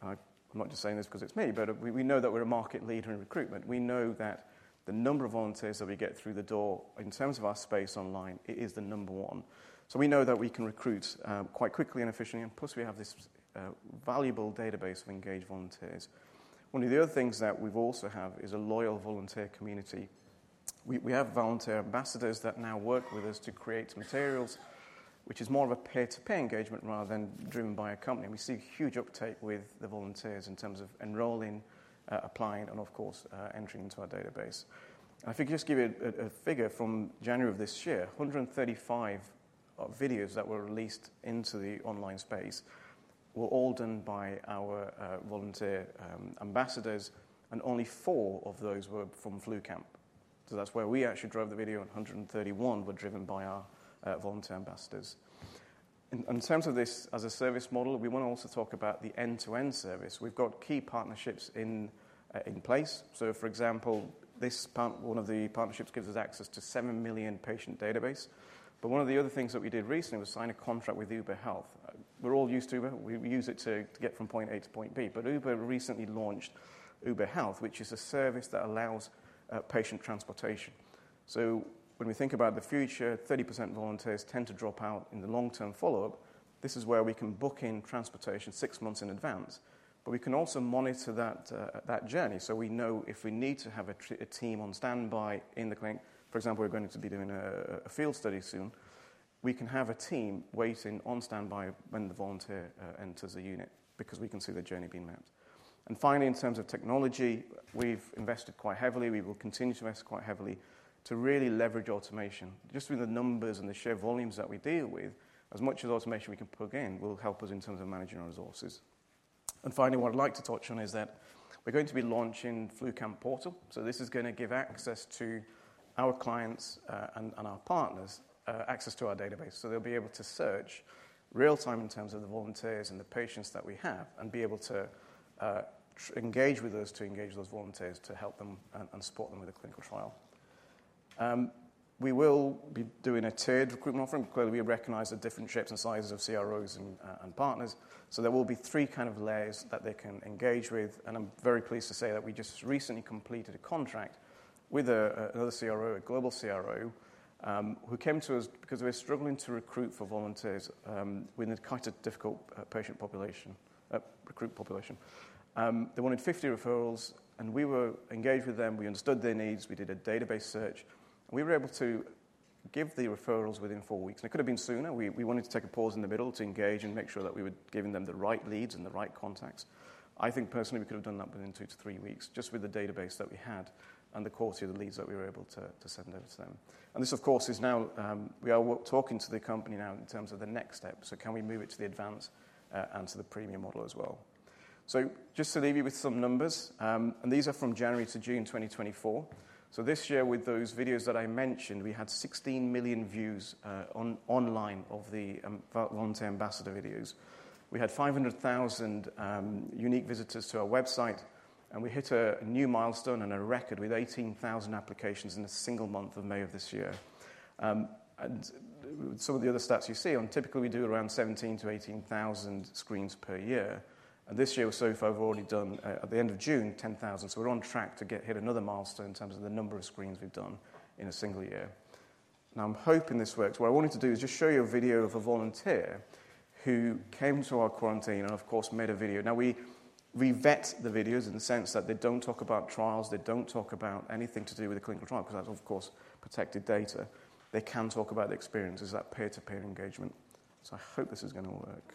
I'm not just saying this 'cause it's me, but we know that we're a market leader in recruitment. We know that the number of volunteers that we get through the door, in terms of our space online, it is the number one. So we know that we can recruit quite quickly and efficiently, and plus, we have this valuable database of engaged volunteers. One of the other things that we've also have is a loyal volunteer community. We have volunteer ambassadors that now work with us to create materials, which is more of a peer-to-peer engagement rather than driven by a company. We see huge uptake with the volunteers in terms of enrolling, applying, and of course, entering into our database. If I could just give you a figure from January of this year, 135 videos that were released into the online space were all done by our volunteer ambassadors, and only four of those were from FluCamp. So that's where we actually drove the video, and 131 were driven by our volunteer ambassadors. In terms of this as a service model, we want to also talk about the end-to-end service. We've got key partnerships in place. So for example, this part, one of the partnerships gives us access to 7 million patient database. But one of the other things that we did recently was sign a contract with Uber Health. We're all used to Uber. We use it to get from point A to point B. But Uber recently launched Uber Health, which is a service that allows patient transportation. So when we think about the future, 30% of volunteers tend to drop out in the long-term follow-up. This is where we can book in transportation six months in advance, but we can also monitor that journey. So we know if we need to have a team on standby in the clinic. For example, we're going to be doing a field study soon. We can have a team waiting on standby when the volunteer enters the unit because we can see their journey being mapped. And finally, in terms of technology, we've invested quite heavily. We will continue to invest quite heavily to really leverage automation. Just with the numbers and the sheer volumes that we deal with, as much as automation we can plug in, will help us in terms of managing our resources. And finally, what I'd like to touch on is that we're going to be launching FluCamp Portal. So this is gonna give access to our clients, and our partners, access to our database. So they'll be able to search real-time in terms of the volunteers and the patients that we have and be able to, engage with us, to engage those volunteers, to help them and support them with a clinical trial. We will be doing a tiered recruitment offering. Clearly, we recognize the different shapes and sizes of CROs and partners, so there will be three kind of layers that they can engage with. I'm very pleased to say that we just recently completed a contract with another CRO, a global CRO, who came to us because they were struggling to recruit for volunteers with quite a difficult patient population, recruit population. They wanted 50 referrals, and we were engaged with them, we understood their needs, we did a database search, and we were able to give the referrals within four weeks. It could have been sooner. We wanted to take a pause in the middle to engage and make sure that we were giving them the right leads and the right contacts. I think personally, we could have done that within two to three weeks, just with the database that we had and the quality of the leads that we were able to send over to them. This, of course, is now. We are talking to the company now in terms of the next step. So can we move it to the advanced and to the premium model as well? So just to leave you with some numbers, and these are from January to June 2024. So this year, with those videos that I mentioned, we had 16 million views online of the volunteer ambassador videos. We had 500,000 unique visitors to our website, and we hit a new milestone and a record with 18,000 applications in a single month of May of this year. And some of the other stats you see typically, we do around 17,000-18,000 screens per year. And this year, so far, we've already done at the end of June, 10,000. So we're on track to get to hit another milestone in terms of the number of screens we've done in a single year. Now, I'm hoping this works. What I wanted to do is just show you a video of a volunteer who came to our quarantine and, of course, made a video. Now, we vet the videos in the sense that they don't talk about trials, they don't talk about anything to do with the clinical trial, because that's, of course, protected data. They can talk about the experiences, that peer-to-peer engagement. So I hope this is gonna work.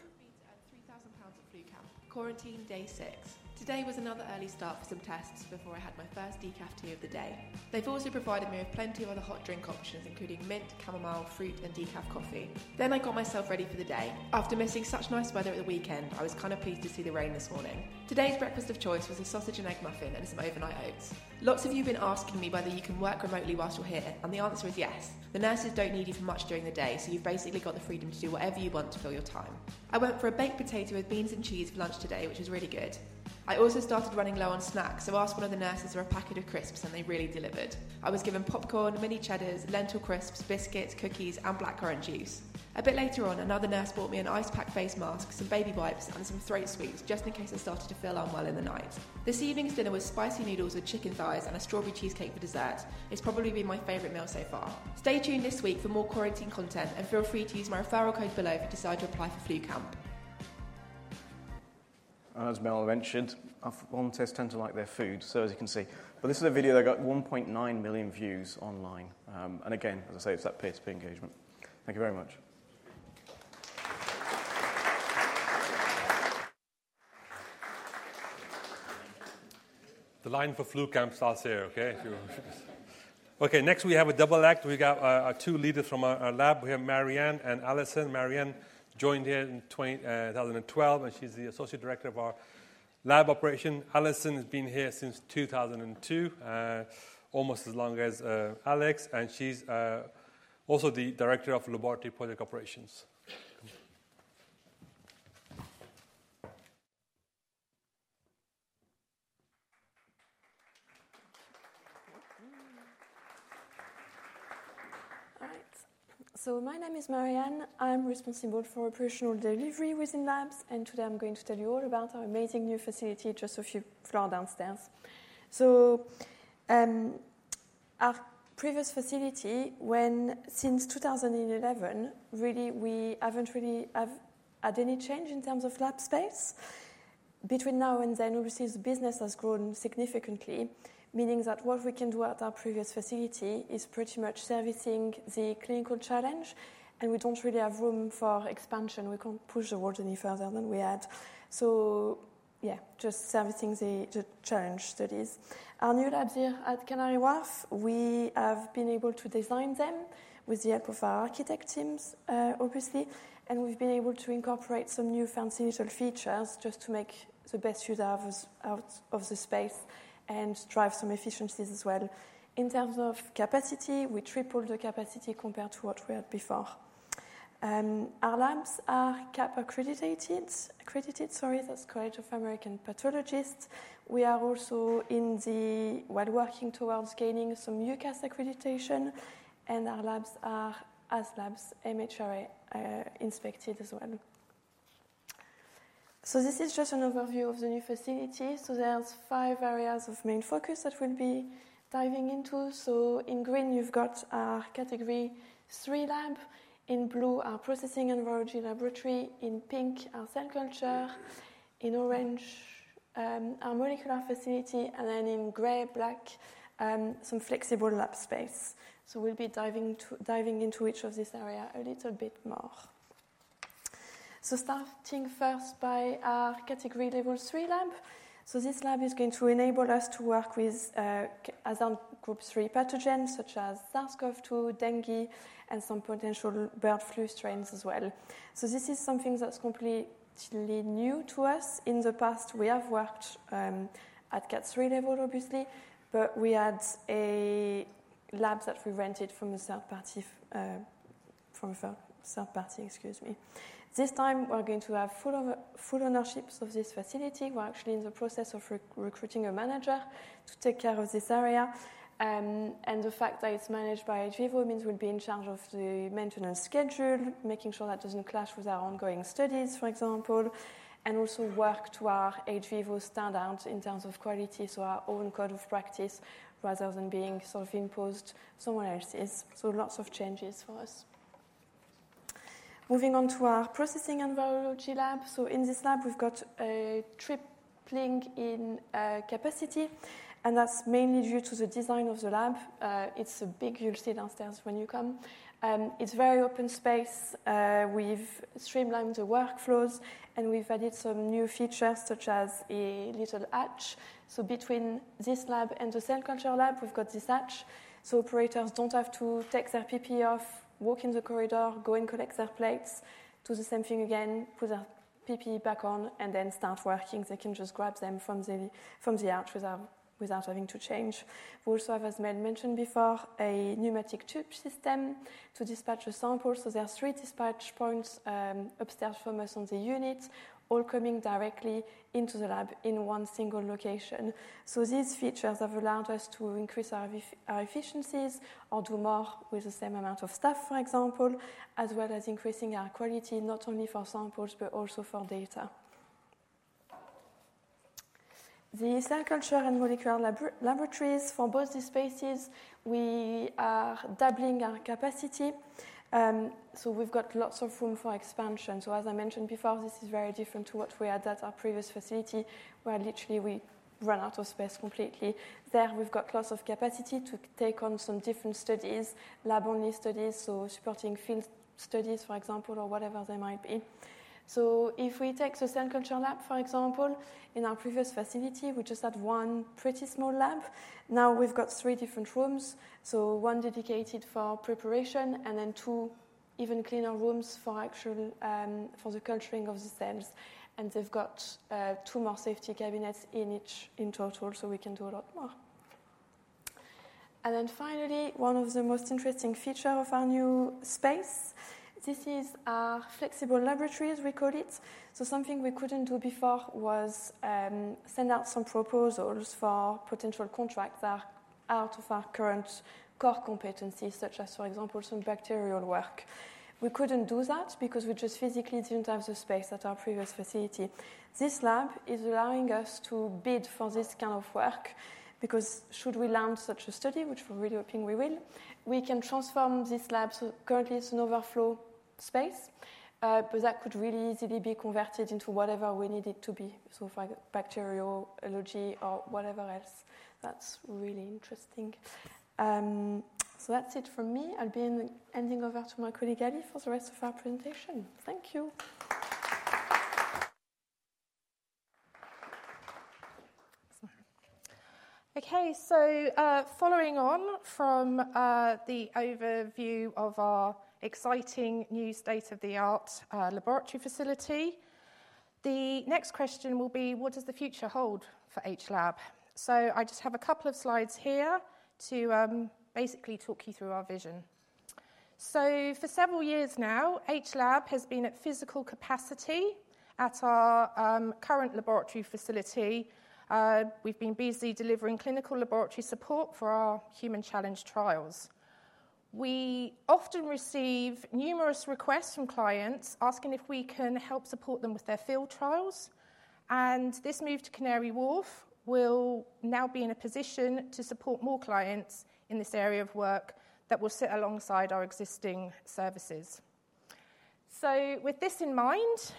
GBP 3,000 of FluCamp. Quarantine, day six. Today was another early start for some tests before I had my first decaf tea of the day. They've also provided me with plenty of other hot drink options, including mint, chamomile, fruit, and decaf coffee. Then I got myself ready for the day. After missing such nice weather at the weekend, I was kind of pleased to see the rain this morning. Today's breakfast of choice was a sausage and egg muffin and some overnight oats. Lots of you've been asking me whether you can work remotely whilst you're here, and the answer is yes. The nurses don't need you for much during the day, so you've basically got the freedom to do whatever you want to fill your time. I went for a baked potato with beans and cheese for lunch today, which was really good. I also started running low on snacks, so asked one of the nurses for a packet of crisps, and they really delivered. I was given popcorn, mini cheddars, lentil crisps, biscuits, cookies, and blackcurrant juice. A bit later on, another nurse bought me an ice pack face mask, some baby wipes, and some throat sweets, just in case I started to feel unwell in the night. This evening's dinner was spicy noodles with chicken thighs and a strawberry cheesecake for dessert. It's probably been my favorite meal so far. Stay tuned this week for more quarantine content, and feel free to use my referral code below if you decide to apply for FluCamp. As Mel mentioned, our volunteers tend to like their food, so as you can see. But this is a video that got 1.9 million views online. And again, as I say, it's that peer-to-peer engagement. Thank you very much. The line for FluCamp starts here, okay? Okay, next we have a double act. We got our two leaders from our lab. We have Marianne and Alison. Marianne joined here in 2012, and she's the associate director of our Laboratory Operations. Alison has been here since 2002, almost as long as Alex, and she's also the director of Laboratory Project Operations. All right. So my name is Marianne. I'm responsible for operational delivery within Labs, and today I'm going to tell you all about our amazing new facility just a few floor downstairs. So, our previous facility, since 2011, really, we haven't really have had any change in terms of lab space. Between now and then, obviously, the business has grown significantly, meaning that what we can do at our previous facility is pretty much servicing the clinical challenge, and we don't really have room for expansion. We can't push the water any further than we had. So yeah, just servicing the challenge that is. Our new labs here at Canary Wharf, we have been able to design them with the help of our architect teams, obviously, and we've been able to incorporate some new fancy little features just to make the best use out of the space and drive some efficiencies as well. In terms of capacity, we tripled the capacity compared to what we had before. Our labs are CAP-accredited, sorry, that's College of American Pathologists. We are also working towards gaining some UKAS accreditation, and our labs are MHRA inspected as well. So this is just an overview of the new facility. So there's five areas of main focus that we'll be diving into. So in green, you've got our Category Three lab, in blue, our processing and virology laboratory, in pink, our cell culture, in orange, our molecular facility, and then in gray/black, some flexible lab space. So we'll be diving into each of this area a little bit more. So starting first by our Category Level Three lab. So this lab is going to enable us to work with, agent Group Three pathogens such as SARS-CoV-2, dengue, and some potential bird flu strains as well. So this is something that's completely new to us. In the past, we have worked, at Cat Three level, obviously, but we had a lab that we rented from a third party, from a third party, excuse me. This time, we're going to have full of, full ownerships of this facility. We're actually in the process of recruiting a manager to take care of this area. And the fact that it's managed by hVIVO means we'll be in charge of the maintenance schedule, making sure that doesn't clash with our ongoing studies, for example, and also work to our hVIVO standard in terms of quality, so our own code of practice, rather than being sort of imposed somewhere else's. So lots of changes for us. Moving on to our processing and virology lab. So in this lab, we've got a tripling in capacity, and that's mainly due to the design of the lab. It's big, you'll see downstairs when you come. It's very open space. We've streamlined the workflows, and we've added some new features, such as a little hatch. So between this lab and the cell culture lab, we've got this hatch, so operators don't have to take their PPE off, walk in the corridor, go and collect their plates, do the same thing again, put their PPE back on, and then start working. They can just grab them from the hatch without having to change. We also have, as Matt mentioned before, a pneumatic tube system to dispatch the samples. So there are three dispatch points upstairs from us on the unit, all coming directly into the lab in one single location. So these features have allowed us to increase our efficiencies or do more with the same amount of staff, for example, as well as increasing our quality, not only for samples, but also for data. The cell culture and molecular laboratories, for both these spaces, we are doubling our capacity, so we've got lots of room for expansion. So as I mentioned before, this is very different to what we had at our previous facility, where literally we ran out of space completely. There, we've got lots of capacity to take on some different studies, lab-only studies, so supporting field studies, for example, or whatever they might be. So if we take the cell culture lab, for example, in our previous facility, we just had one pretty small lab. Now we've got three different rooms, so one dedicated for preparation and then two even cleaner rooms for actual, for the culturing of the cells, and they've got two more safety cabinets in each in total, so we can do a lot more. And then finally, one of the most interesting feature of our new space. This is our flexible laboratories, we call it. So something we couldn't do before was send out some proposals for potential contracts that are out of our current core competencies, such as, for example, some bacterial work. We couldn't do that because we just physically didn't have the space at our previous facility. This lab is allowing us to bid for this kind of work, because should we land such a study, which we're really hoping we will, we can transform this lab. So currently, it's an overflow space, but that could really easily be converted into whatever we need it to be. So for bacterial, allergy, or whatever else. That's really interesting. So that's it from me. I'll be handing over to my colleague, Ally, for the rest of our presentation. Thank you. Okay, so, following on from the overview of our exciting new state-of-the-art laboratory facility, the next question will be: what does the future hold for hLab? So I just have a couple of slides here to basically talk you through our vision. So for several years now, hLab has been at physical capacity at our current laboratory facility. We've been busy delivering clinical laboratory support for our human challenge trials. We often receive numerous requests from clients asking if we can help support them with their field trials, and this move to Canary Wharf will now be in a position to support more clients in this area of work that will sit alongside our existing services. So with this in mind,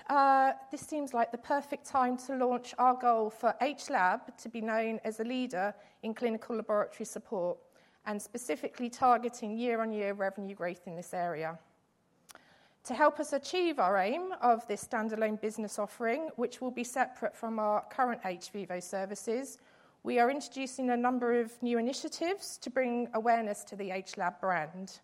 this seems like the perfect time to launch our goal for hLab to be known as a leader in clinical laboratory support and specifically targeting year-on-year revenue growth in this area. To help us achieve our aim of this standalone business offering, which will be separate from our current hVIVO services, we are introducing a number of new initiatives to bring awareness to the hLab brand.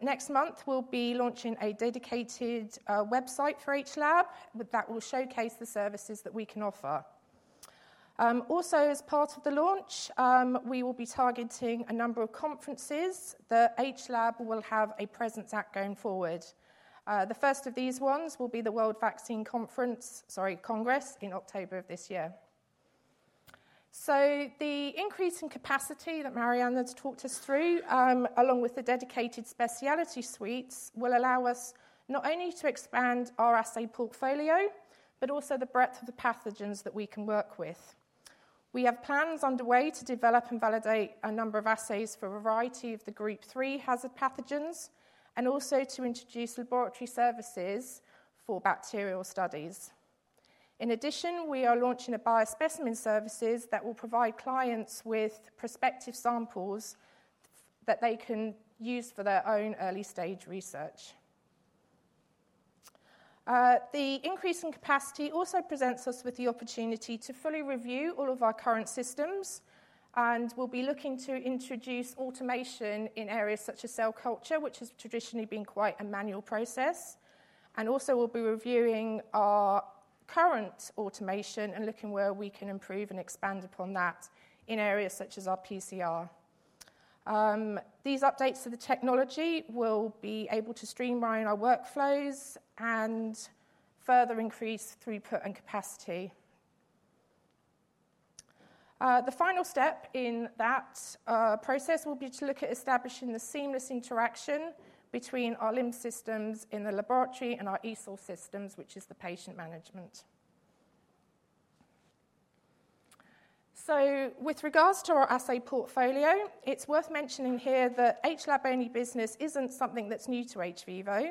Next month, we'll be launching a dedicated website for hLab that will showcase the services that we can offer. Also, as part of the launch, we will be targeting a number of conferences that hLab will have a presence at going forward. The first of these ones will be the World Vaccine Conference, sorry, Congress in October of this year. So the increase in capacity that Marianne talked us through, along with the dedicated specialty suites, will allow us not only to expand our assay portfolio, but also the breadth of the pathogens that we can work with. We have plans underway to develop and validate a number of assays for a variety of the Group three hazard pathogens, and also to introduce laboratory services for bacterial studies. In addition, we are launching a biospecimen services that will provide clients with prospective samples that they can use for their own early-stage research. The increase in capacity also presents us with the opportunity to fully review all of our current systems, and we'll be looking to introduce automation in areas such as cell culture, which has traditionally been quite a manual process, and also we'll be reviewing our current automation and looking where we can improve and expand upon that in areas such as our PCR. These updates to the technology will be able to streamline our workflows and further increase throughput and capacity. The final step in that process will be to look at establishing the seamless interaction between our LIMS systems in the laboratory and our eSource systems, which is the patient management. So with regards to our assay portfolio, it's worth mentioning here that hLab-only business isn't something that's new to hVIVO.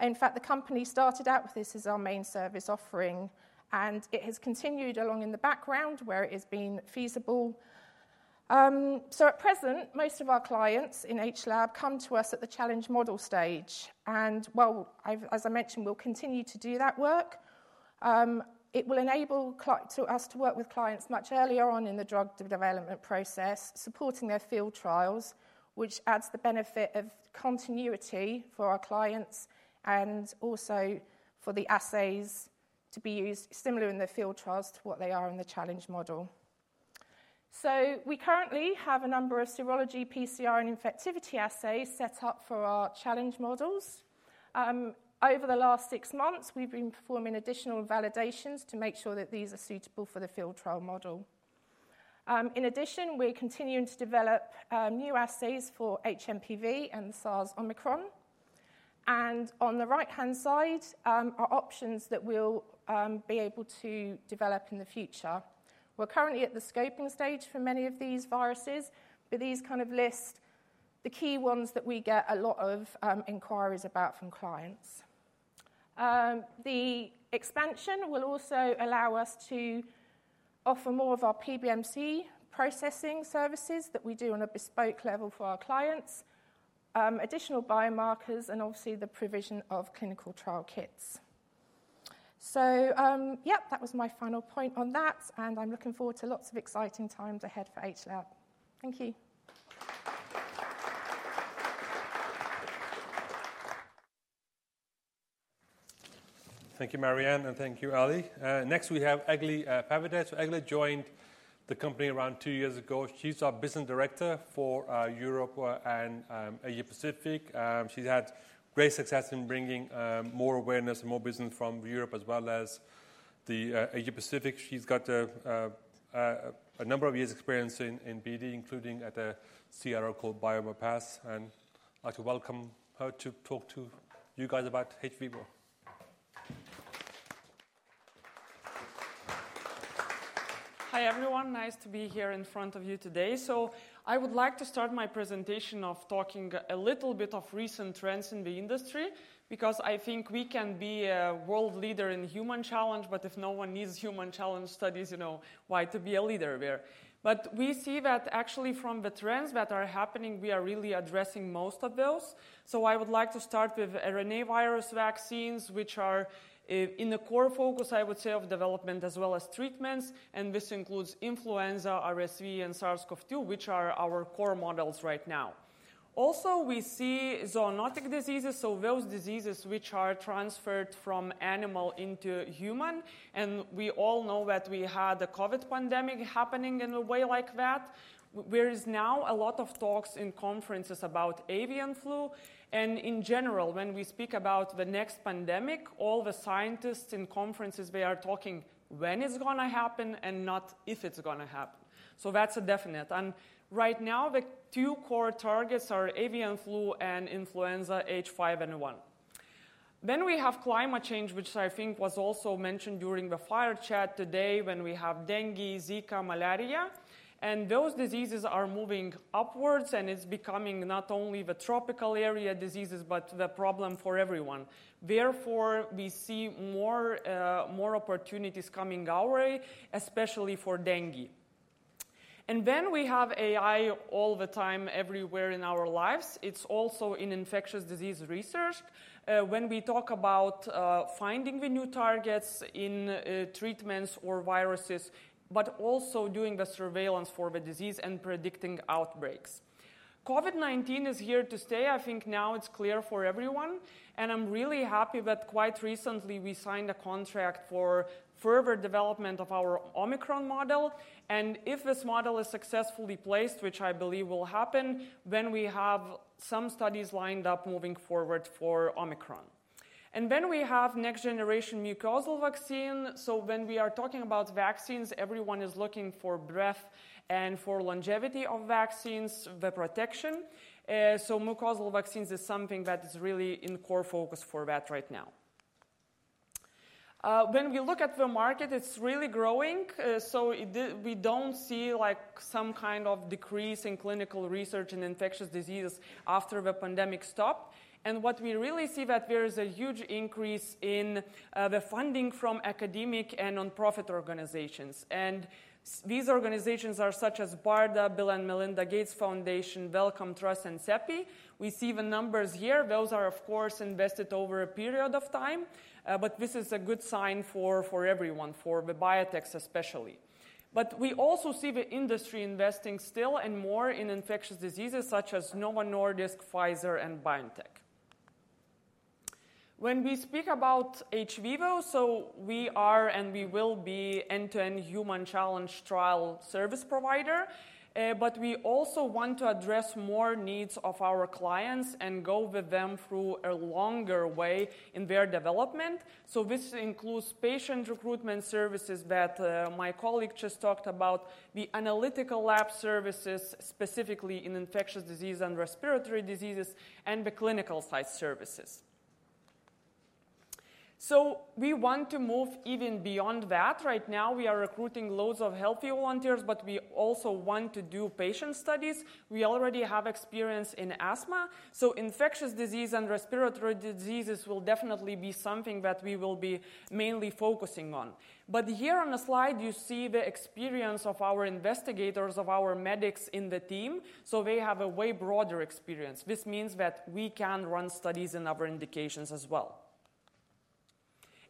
In fact, the company started out with this as our main service offering, and it has continued along in the background where it has been feasible. So at present, most of our clients in hLab come to us at the challenge model stage, and well, as I mentioned, we'll continue to do that work. It will enable us to work with clients much earlier on in the drug development process, supporting their field trials, which adds the benefit of continuity for our clients and also for the assays to be used similar in the field trials to what they are in the challenge model. So we currently have a number of serology, PCR, and infectivity assays set up for our challenge models. Over the last six months, we've been performing additional validations to make sure that these are suitable for the field trial model. In addition, we're continuing to develop new assays for hMPV and SARS Omicron and on the right-hand side, are options that we'll be able to develop in the future. We're currently at the scoping stage for many of these viruses, but these kind of list the key ones that we get a lot of inquiries about from clients. The expansion will also allow us to offer more of our PBMC processing services that we do on a bespoke level for our clients, additional biomarkers, and obviously, the provision of clinical trial kits. So, yep, that was my final point on that, and I'm looking forward to lots of exciting times ahead for hLab. Thank you. Thank you, Marianne, and thank you, Ali. Next, we have Eglė Pavydė. Egle joined the company around two years ago. She's our business director for Europe and Asia Pacific. She's had great success in bringing more awareness and more business from Europe as well as the Asia Pacific. She's got a number of years' experience in BD, including at a CRO called Biomapas. And I'd like to welcome her to talk to you guys about hVIVO. Hi, everyone. Nice to be here in front of you today. So I would like to start my presentation of talking a little bit of recent trends in the industry because I think we can be a world leader in human challenge, but if no one needs human challenge studies, you know, why to be a leader there? But we see that actually from the trends that are happening, we are really addressing most of those. So I would like to start with RNA virus vaccines, which are in the core focus, I would say, of development as well as treatments, and this includes influenza, RSV, and SARS-CoV-2, which are our core models right now. Also, we see zoonotic diseases, so those diseases which are transferred from animal into human, and we all know that we had the COVID pandemic happening in a way like that. There is now a lot of talks in conferences about avian flu, and in general, when we speak about the next pandemic, all the scientists in conferences, they are talking when it's gonna happen and not if it's gonna happen. So that's a definite. And right now, the two core targets are avian flu and influenza H5N1. Then we have climate change, which I think was also mentioned during the fireside chat today, when we have dengue, Zika, malaria, and those diseases are moving upwards, and it's becoming not only the tropical area diseases, but the problem for everyone. Therefore, we see more, more opportunities coming our way, especially for dengue. And then we have AI all the time everywhere in our lives. It's also in infectious disease research, when we talk about, finding the new targets in, treatments or viruses, but also doing the surveillance for the disease and predicting outbreaks. COVID-19 is here to stay. I think now it's clear for everyone, and I'm really happy that quite recently we signed a contract for further development of our Omicron model, and if this model is successfully placed, which I believe will happen, then we have some studies lined up moving forward for Omicron. And then we have next-generation mucosal vaccine. So when we are talking about vaccines, everyone is looking for breadth and for longevity of vaccines, the protection, so mucosal vaccines is something that is really in core focus for that right now. When we look at the market, it's really growing, so we don't see, like, some kind of decrease in clinical research in infectious diseases after the pandemic stopped. And what we really see that there is a huge increase in the funding from academic and nonprofit organizations, and these organizations are such as BARDA, Bill & Melinda Gates Foundation, Wellcome Trust, and CEPI. We see the numbers here. Those are, of course, invested over a period of time, but this is a good sign for, for everyone, for the biotechs especially. But we also see the industry investing still and more in infectious diseases such as Novo Nordisk, Pfizer, and BioNTech. When we speak about hVIVO, so we are, and we will be end-to-end human challenge trial service provider, but we also want to address more needs of our clients and go with them through a longer way in their development. So this includes patient recruitment services that, my colleague just talked about, the analytical lab services, specifically in infectious disease and respiratory diseases, and the clinical site services. So we want to move even beyond that. Right now, we are recruiting loads of healthy volunteers, but we also want to do patient studies. We already have experience in asthma, so infectious disease and respiratory diseases will definitely be something that we will be mainly focusing on. But here on the slide, you see the experience of our investigators, of our medics in the team, so they have a way broader experience. This means that we can run studies in other indications as well.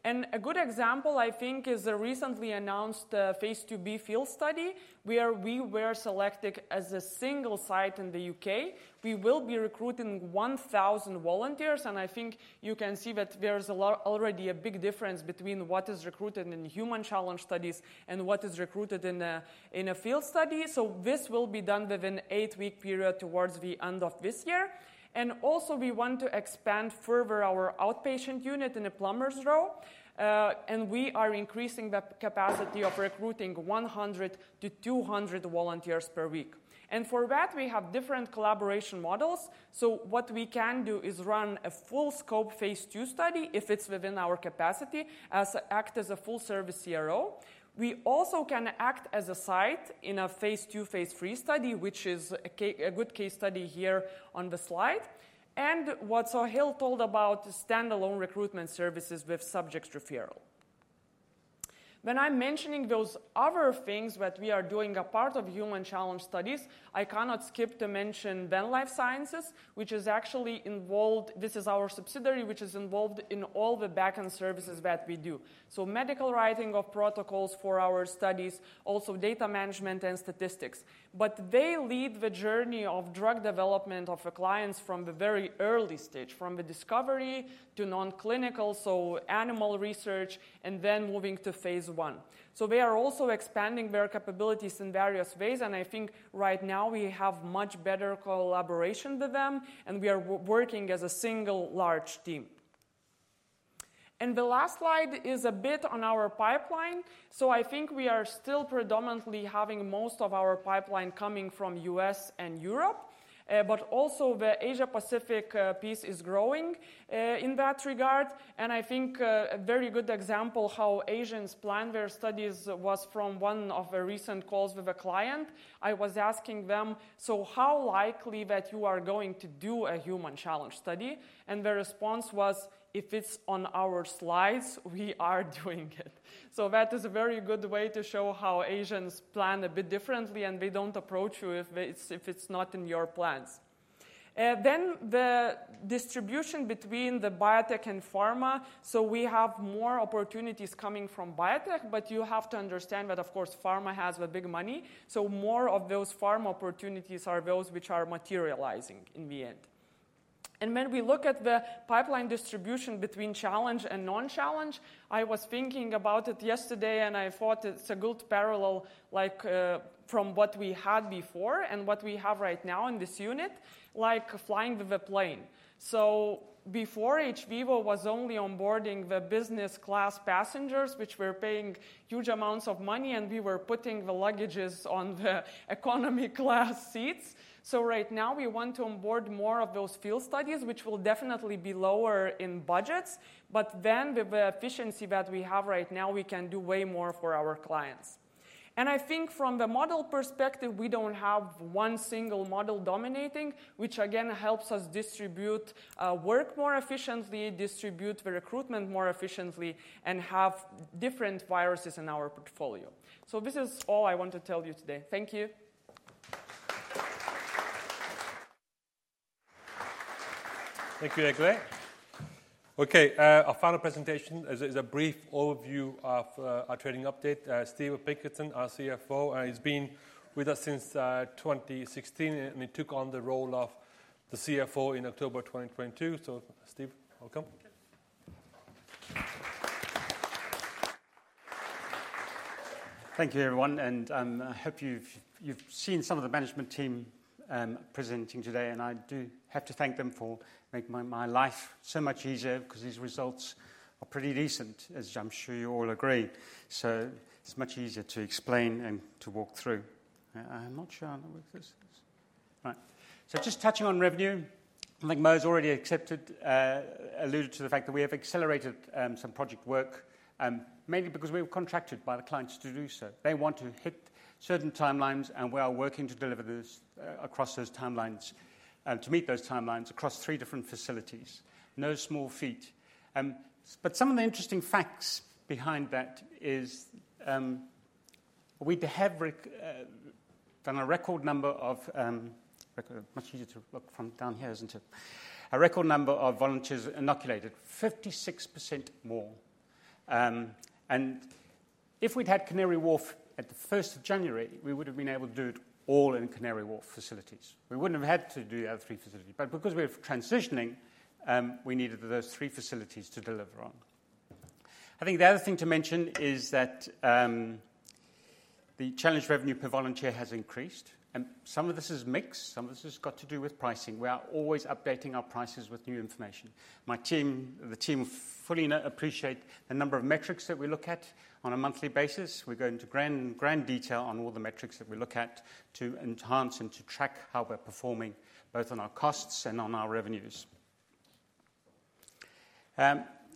A good example, I think, is a recently announced phase II-B field study, where we were selected as a single site in the U.K. We will be recruiting 1,000 volunteers, and I think you can see that there is already a big difference between what is recruited in human challenge studies and what is recruited in a field study. This will be done within an eight-week period towards the end of this year. We want to expand further our outpatient unit in Plumbers Row, and we are increasing the capacity of recruiting 100-200 volunteers per week. For that, we have different collaboration models. So what we can do is run a full-scope phase II study if it's within our capacity, or act as a full-service CRO. We also can act as a site in a phase II, phase III study, which is a good case study here on the slide, and what Sohail told about standalone recruitment services with subjects referral. When I'm mentioning those other things that we are doing as part of human challenge studies, I cannot skip to mention Venn Life Sciences, which is actually involved. This is our subsidiary, which is involved in all the backend services that we do. So medical writing of protocols for our studies, also data management and statistics. But they lead the journey of drug development of the clients from the very early stage, from the discovery to non-clinical, so animal research, and then moving to phase I. They are also expanding their capabilities in various ways, and I think right now we have much better collaboration with them, and we are working as a single large team. The last slide is a bit on our pipeline. So I think we are still predominantly having most of our pipeline coming from U.S. and Europe, but also the Asia-Pacific piece is growing in that regard. I think a very good example how Asians plan their studies was from one of the recent calls with a client. I was asking them: "So how likely that you are going to do a human challenge study?" And the response was: "If it's on our slides, we are doing it." So that is a very good way to show how Asians plan a bit differently, and they don't approach you if it's, if it's not in your plans. Then the distribution between the biotech and pharma, so we have more opportunities coming from biotech, but you have to understand that, of course, pharma has the big money, so more of those pharma opportunities are those which are materializing in the end. And when we look at the pipeline distribution between challenge and non-challenge, I was thinking about it yesterday, and I thought it's a good parallel, like, from what we had before and what we have right now in this unit, like flying with a plane. Before, hVIVO was only onboarding the business class passengers, which were paying huge amounts of money, and we were putting the luggage on the economy class seats. Right now, we want to onboard more of those field studies, which will definitely be lower in budgets, but then with the efficiency that we have right now, we can do way more for our clients. I think from the model perspective, we don't have one single model dominating, which again helps us distribute work more efficiently, distribute the recruitment more efficiently, and have different viruses in our portfolio. This is all I want to tell you today. Thank you. Thank you, Eglė. Okay, our final presentation is a brief overview of our trading update. Steve Pinkerton, our CFO, he's been with us since 2016, and he took on the role of the CFO in October 2022. So Steve, welcome. Thank you. Thank you, everyone, and, I hope you've, you've seen some of the management team, presenting today, and I do have to thank them for making my, my life so much easier because these results are pretty decent, as I'm sure you all agree. So it's much easier to explain and to walk through. I'm not sure how it works. This is, Right. So just touching on revenue, I think Mo's already alluded to the fact that we have accelerated, some project work, mainly because we were contracted by the clients to do so. They want to hit certain timelines, and we are working to deliver this, across those timelines, to meet those timelines across three different facilities. No small feat. But some of the interesting facts behind that is, we have done a record number of. Much easier to look from down here, isn't it? A record number of volunteers inoculated, 56% more. And if we'd had Canary Wharf at the first of January, we would have been able to do it all in Canary Wharf facilities. We wouldn't have had to do the other three facilities, but because we're transitioning, we needed those three facilities to deliver on. I think the other thing to mention is that, the challenge revenue per volunteer has increased, and some of this is mix, some of this has got to do with pricing. We are always updating our prices with new information. My team, the team, fully appreciate the number of metrics that we look at on a monthly basis. We go into grand, grand detail on all the metrics that we look at to enhance and to track how we're performing, both on our costs and on our revenues.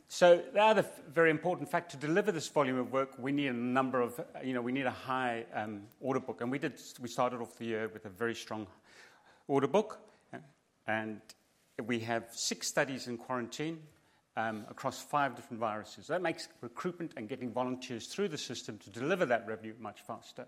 So the other very important fact, to deliver this volume of work, we need a number of, you know, we need a high order book, and we started off the year with a very strong order book, and we have six studies in quarantine, across five different viruses. That makes recruitment and getting volunteers through the system to deliver that revenue much faster.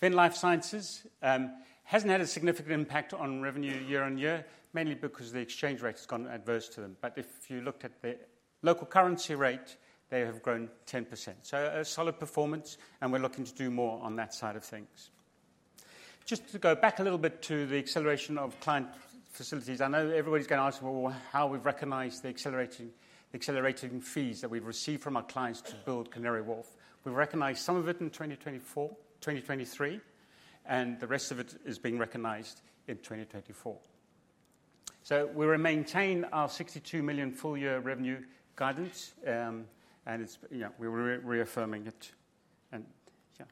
Venn Life Sciences hasn't had a significant impact on revenue year on year, mainly because the exchange rate has gone adverse to them. But if you looked at the local currency rate, they have grown 10%. So a solid performance, and we're looking to do more on that side of things. Just to go back a little bit to the acceleration of client facilities, I know everybody's going to ask, well, how we've recognized the accelerating, accelerating fees that we've received from our clients to build Canary Wharf. We recognized some of it in 2024, 2023, and the rest of it is being recognized in 2024. So we will maintain our 62 million full-year revenue guidance, and it's, you know, we're reaffirming it, and yeah,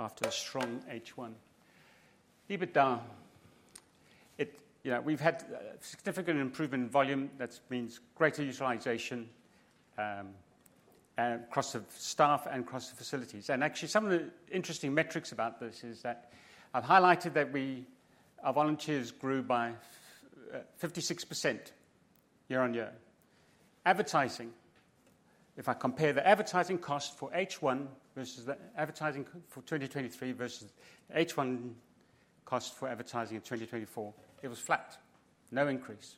after a strong H1. EBITDA it, you know, we've had a significant improvement in volume. That means greater utilization across the staff and across the facilities. And actually, some of the interesting metrics about this is that I've highlighted that we, our volunteers grew by 56% year-on-year. Advertising, if I compare the advertising cost for H1 versus the advertising for 2023 versus H1 cost for advertising in 2024, it was flat, no increase.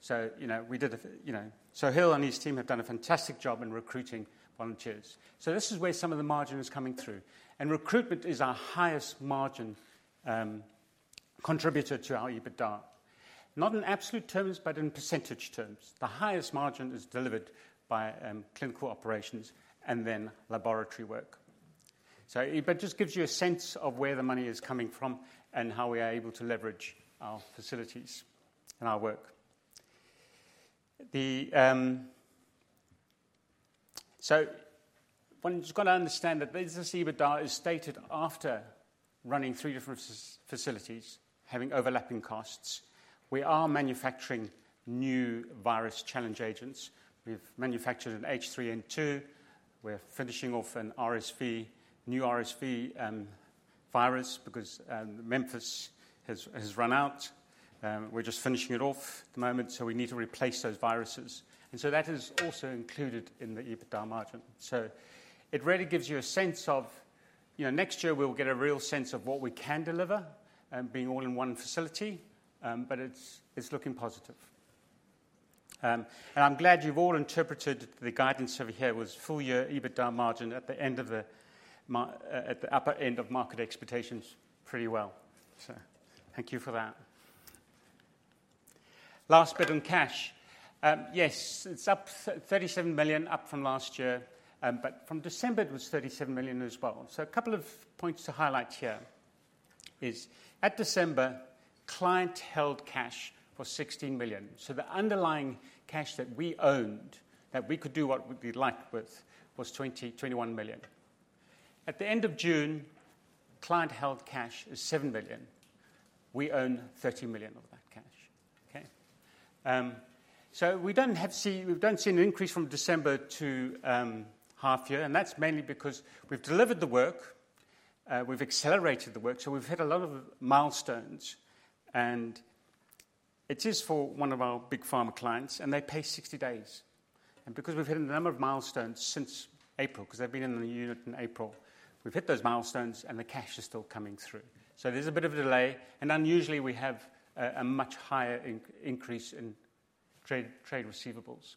So, you know, we did a, you know, Sohail and his team have done a fantastic job in recruiting volunteers. So this is where some of the margin is coming through, and recruitment is our highest margin contributor to our EBITDA. Not in absolute terms, but in percentage terms. The highest margin is delivered by clinical operations and then laboratory work. So it, but just gives you a sense of where the money is coming from and how we are able to leverage our facilities and our work. The So one's just got to understand that this EBITDA is stated after running three different facilities, having overlapping costs. We are manufacturing new virus challenge agents. We've manufactured an H3N2. We're finishing off an RSV, new RSV, virus because Memphis has run out. We're just finishing it off at the moment, so we need to replace those viruses, and so that is also included in the EBITDA margin. So it really gives you a sense of, you know, next year, we'll get a real sense of what we can deliver, being all in one facility, but it's looking positive. And I'm glad you've all interpreted the guidance over here was full year EBITDA margin at the end of the mar-, at the upper end of market expectations pretty well. So thank you for that. Last bit on cash. Yes, it's up 37 million, up from last year, but from December, it was 37 million as well. So a couple of points to highlight here is, at December, client-held cash was 16 million. So the underlying cash that we owned, that we could do what we'd like with, was 20-21 million. At the end of June, client-held cash is 7 million. We own 30 million of that cash. Okay? So we don't see an increase from December to half year, and that's mainly because we've delivered the work, we've accelerated the work, so we've hit a lot of milestones, and it is for one of our big pharma clients, and they pay 60 days. And because we've hit a number of milestones since April, 'cause they've been in the unit in April, we've hit those milestones, and the cash is still coming through. So there's a bit of a delay, and unusually, we have a much higher increase in trade receivables.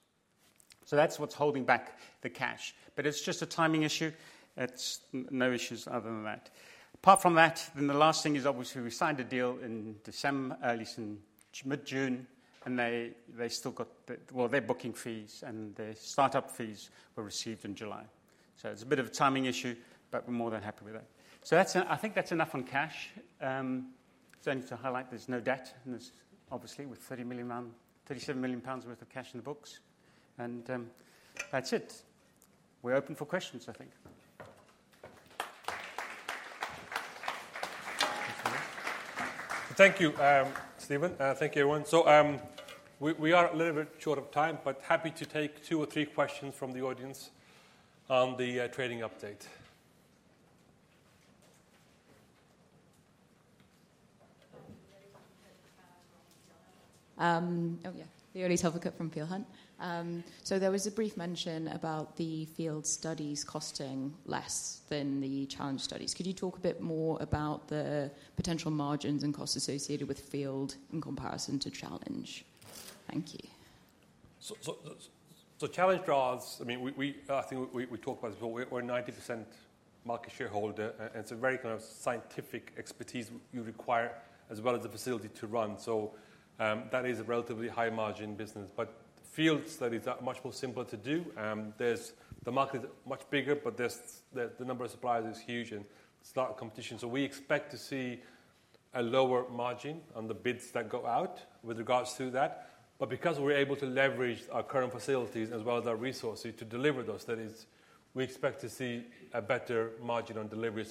So that's what's holding back the cash, but it's just a timing issue. It's no issues other than that. Apart from that, then the last thing is, obviously, we signed a deal early in mid-June, and they still got the. Well, their booking fees and their startup fees were received in July. So it's a bit of a timing issue, but we're more than happy with that. So that's, I think that's enough on cash. Just only to highlight, there's no debt, and there's obviously with 30 million pound, 37 million pounds worth of cash in the books. And, that's it. We're open for questions, I think. Thank you, Stephen. Thank you, everyone. So, we are a little bit short of time, but happy to take two or three questions from the audience on the trading update. Oh, yeah. Laurie Telvica from Peel Hunt. So there was a brief mention about the field studies costing less than the challenge studies. Could you talk a bit more about the potential margins and costs associated with field in comparison to challenge? Thank you. So challenge trials, I mean, we talked about this, but we're a 90% market shareholder, and it's a very kind of scientific expertise you require, as well as the facility to run. So that is a relatively high-margin business. But field studies are much more simpler to do. There's the market is much bigger, but there's the number of suppliers is huge and lot of competition. So we expect to see a lower margin on the bids that go out with regards to that. But because we're able to leverage our current facilities as well as our resources to deliver those studies, we expect to see a better margin on delivery.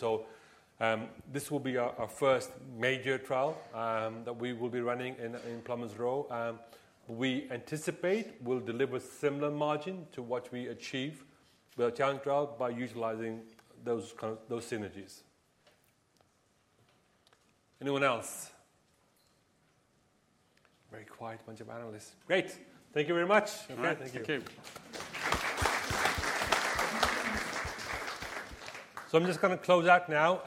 So this will be our first major trial that we will be running in Plumbers Row. We anticipate we'll deliver similar margin to what we achieve with a challenge trial by utilizing those kind of, those synergies. Anyone else? Very quiet bunch of analysts. Great. Thank you very much. All right. Thank you. So I'm just gonna close out now.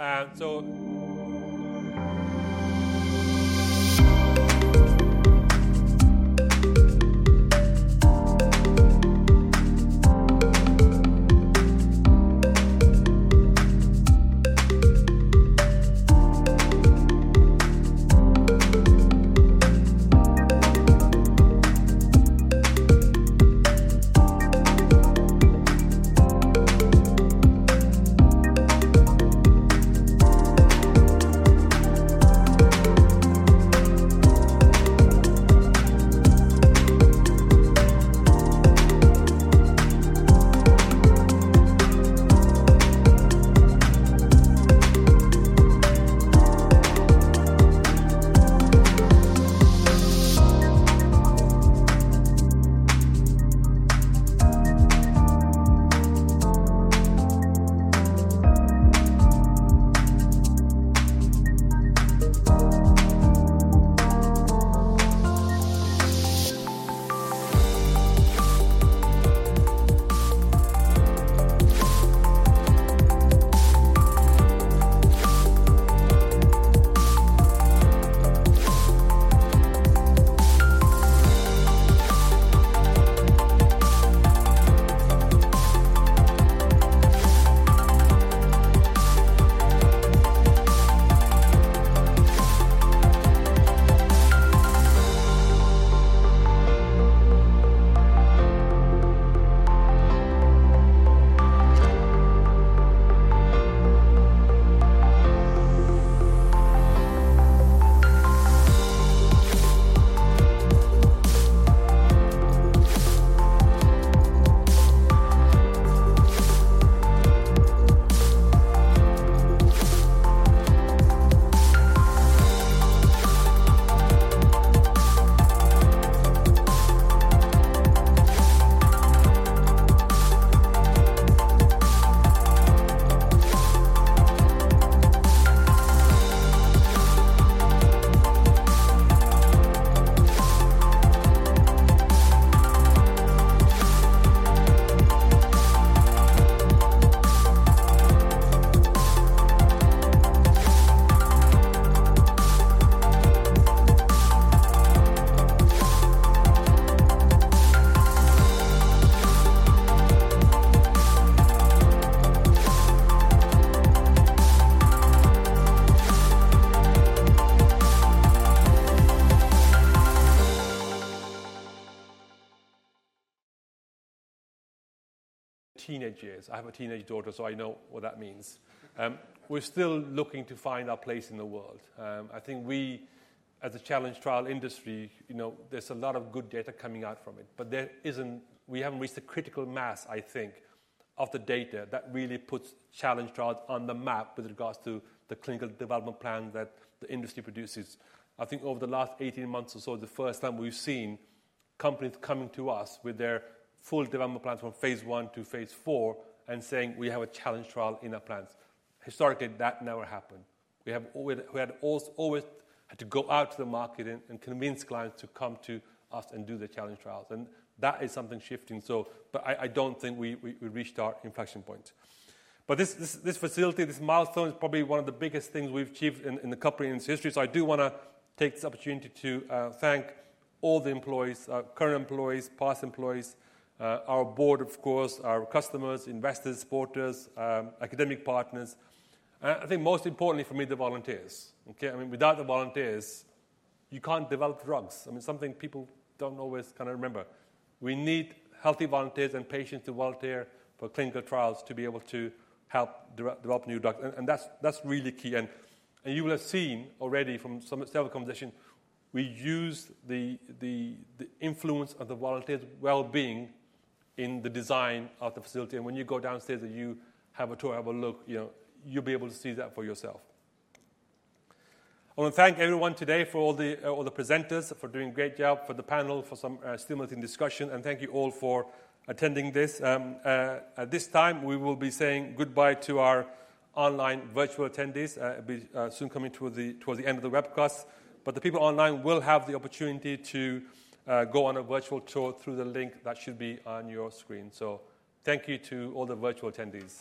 Teenage years. I have a teenage daughter, so I know what that means. We're still looking to find our place in the world. I think we, as a challenge trial industry, you know, there's a lot of good data coming out from it, but there isn't, we haven't reached the critical mass, I think, of the data that really puts challenge trials on the map with regards to the clinical development plan that the industry produces. I think over the last 18 months or so, the first time we've seen companies coming to us with their full development plans from phase I to phase IV and saying, "We have a challenge trial in our plans." Historically, that never happened. We have always had to go out to the market and convince clients to come to us and do the challenge trials, and that is something shifting. So but I don't think we reached our inflection point. But this facility, this milestone, is probably one of the biggest things we've achieved in the company's history. So I do wanna take this opportunity to thank all the employees, current employees, past employees, our board, of course, our customers, investors, supporters, academic partners, I think most importantly for me, the volunteers. Okay? I mean, without the volunteers, you can't develop drugs. I mean, something people don't always kinda remember. We need healthy volunteers and patients to volunteer for clinical trials to be able to help develop new drugs, and that's really key. You will have seen already from several conversations, we use the influence of the volunteer's well-being in the design of the facility. When you go downstairs and you have a tour, have a look, you know, you'll be able to see that for yourself. I want to thank everyone today for all the presenters for doing a great job, for the panel, for some stimulating discussion, and thank you all for attending this. At this time, we will be saying goodbye to our online virtual attendees, soon coming towards the end of the webcast. But the people online will have the opportunity to go on a virtual tour through the link that should be on your screen. So thank you to all the virtual attendees.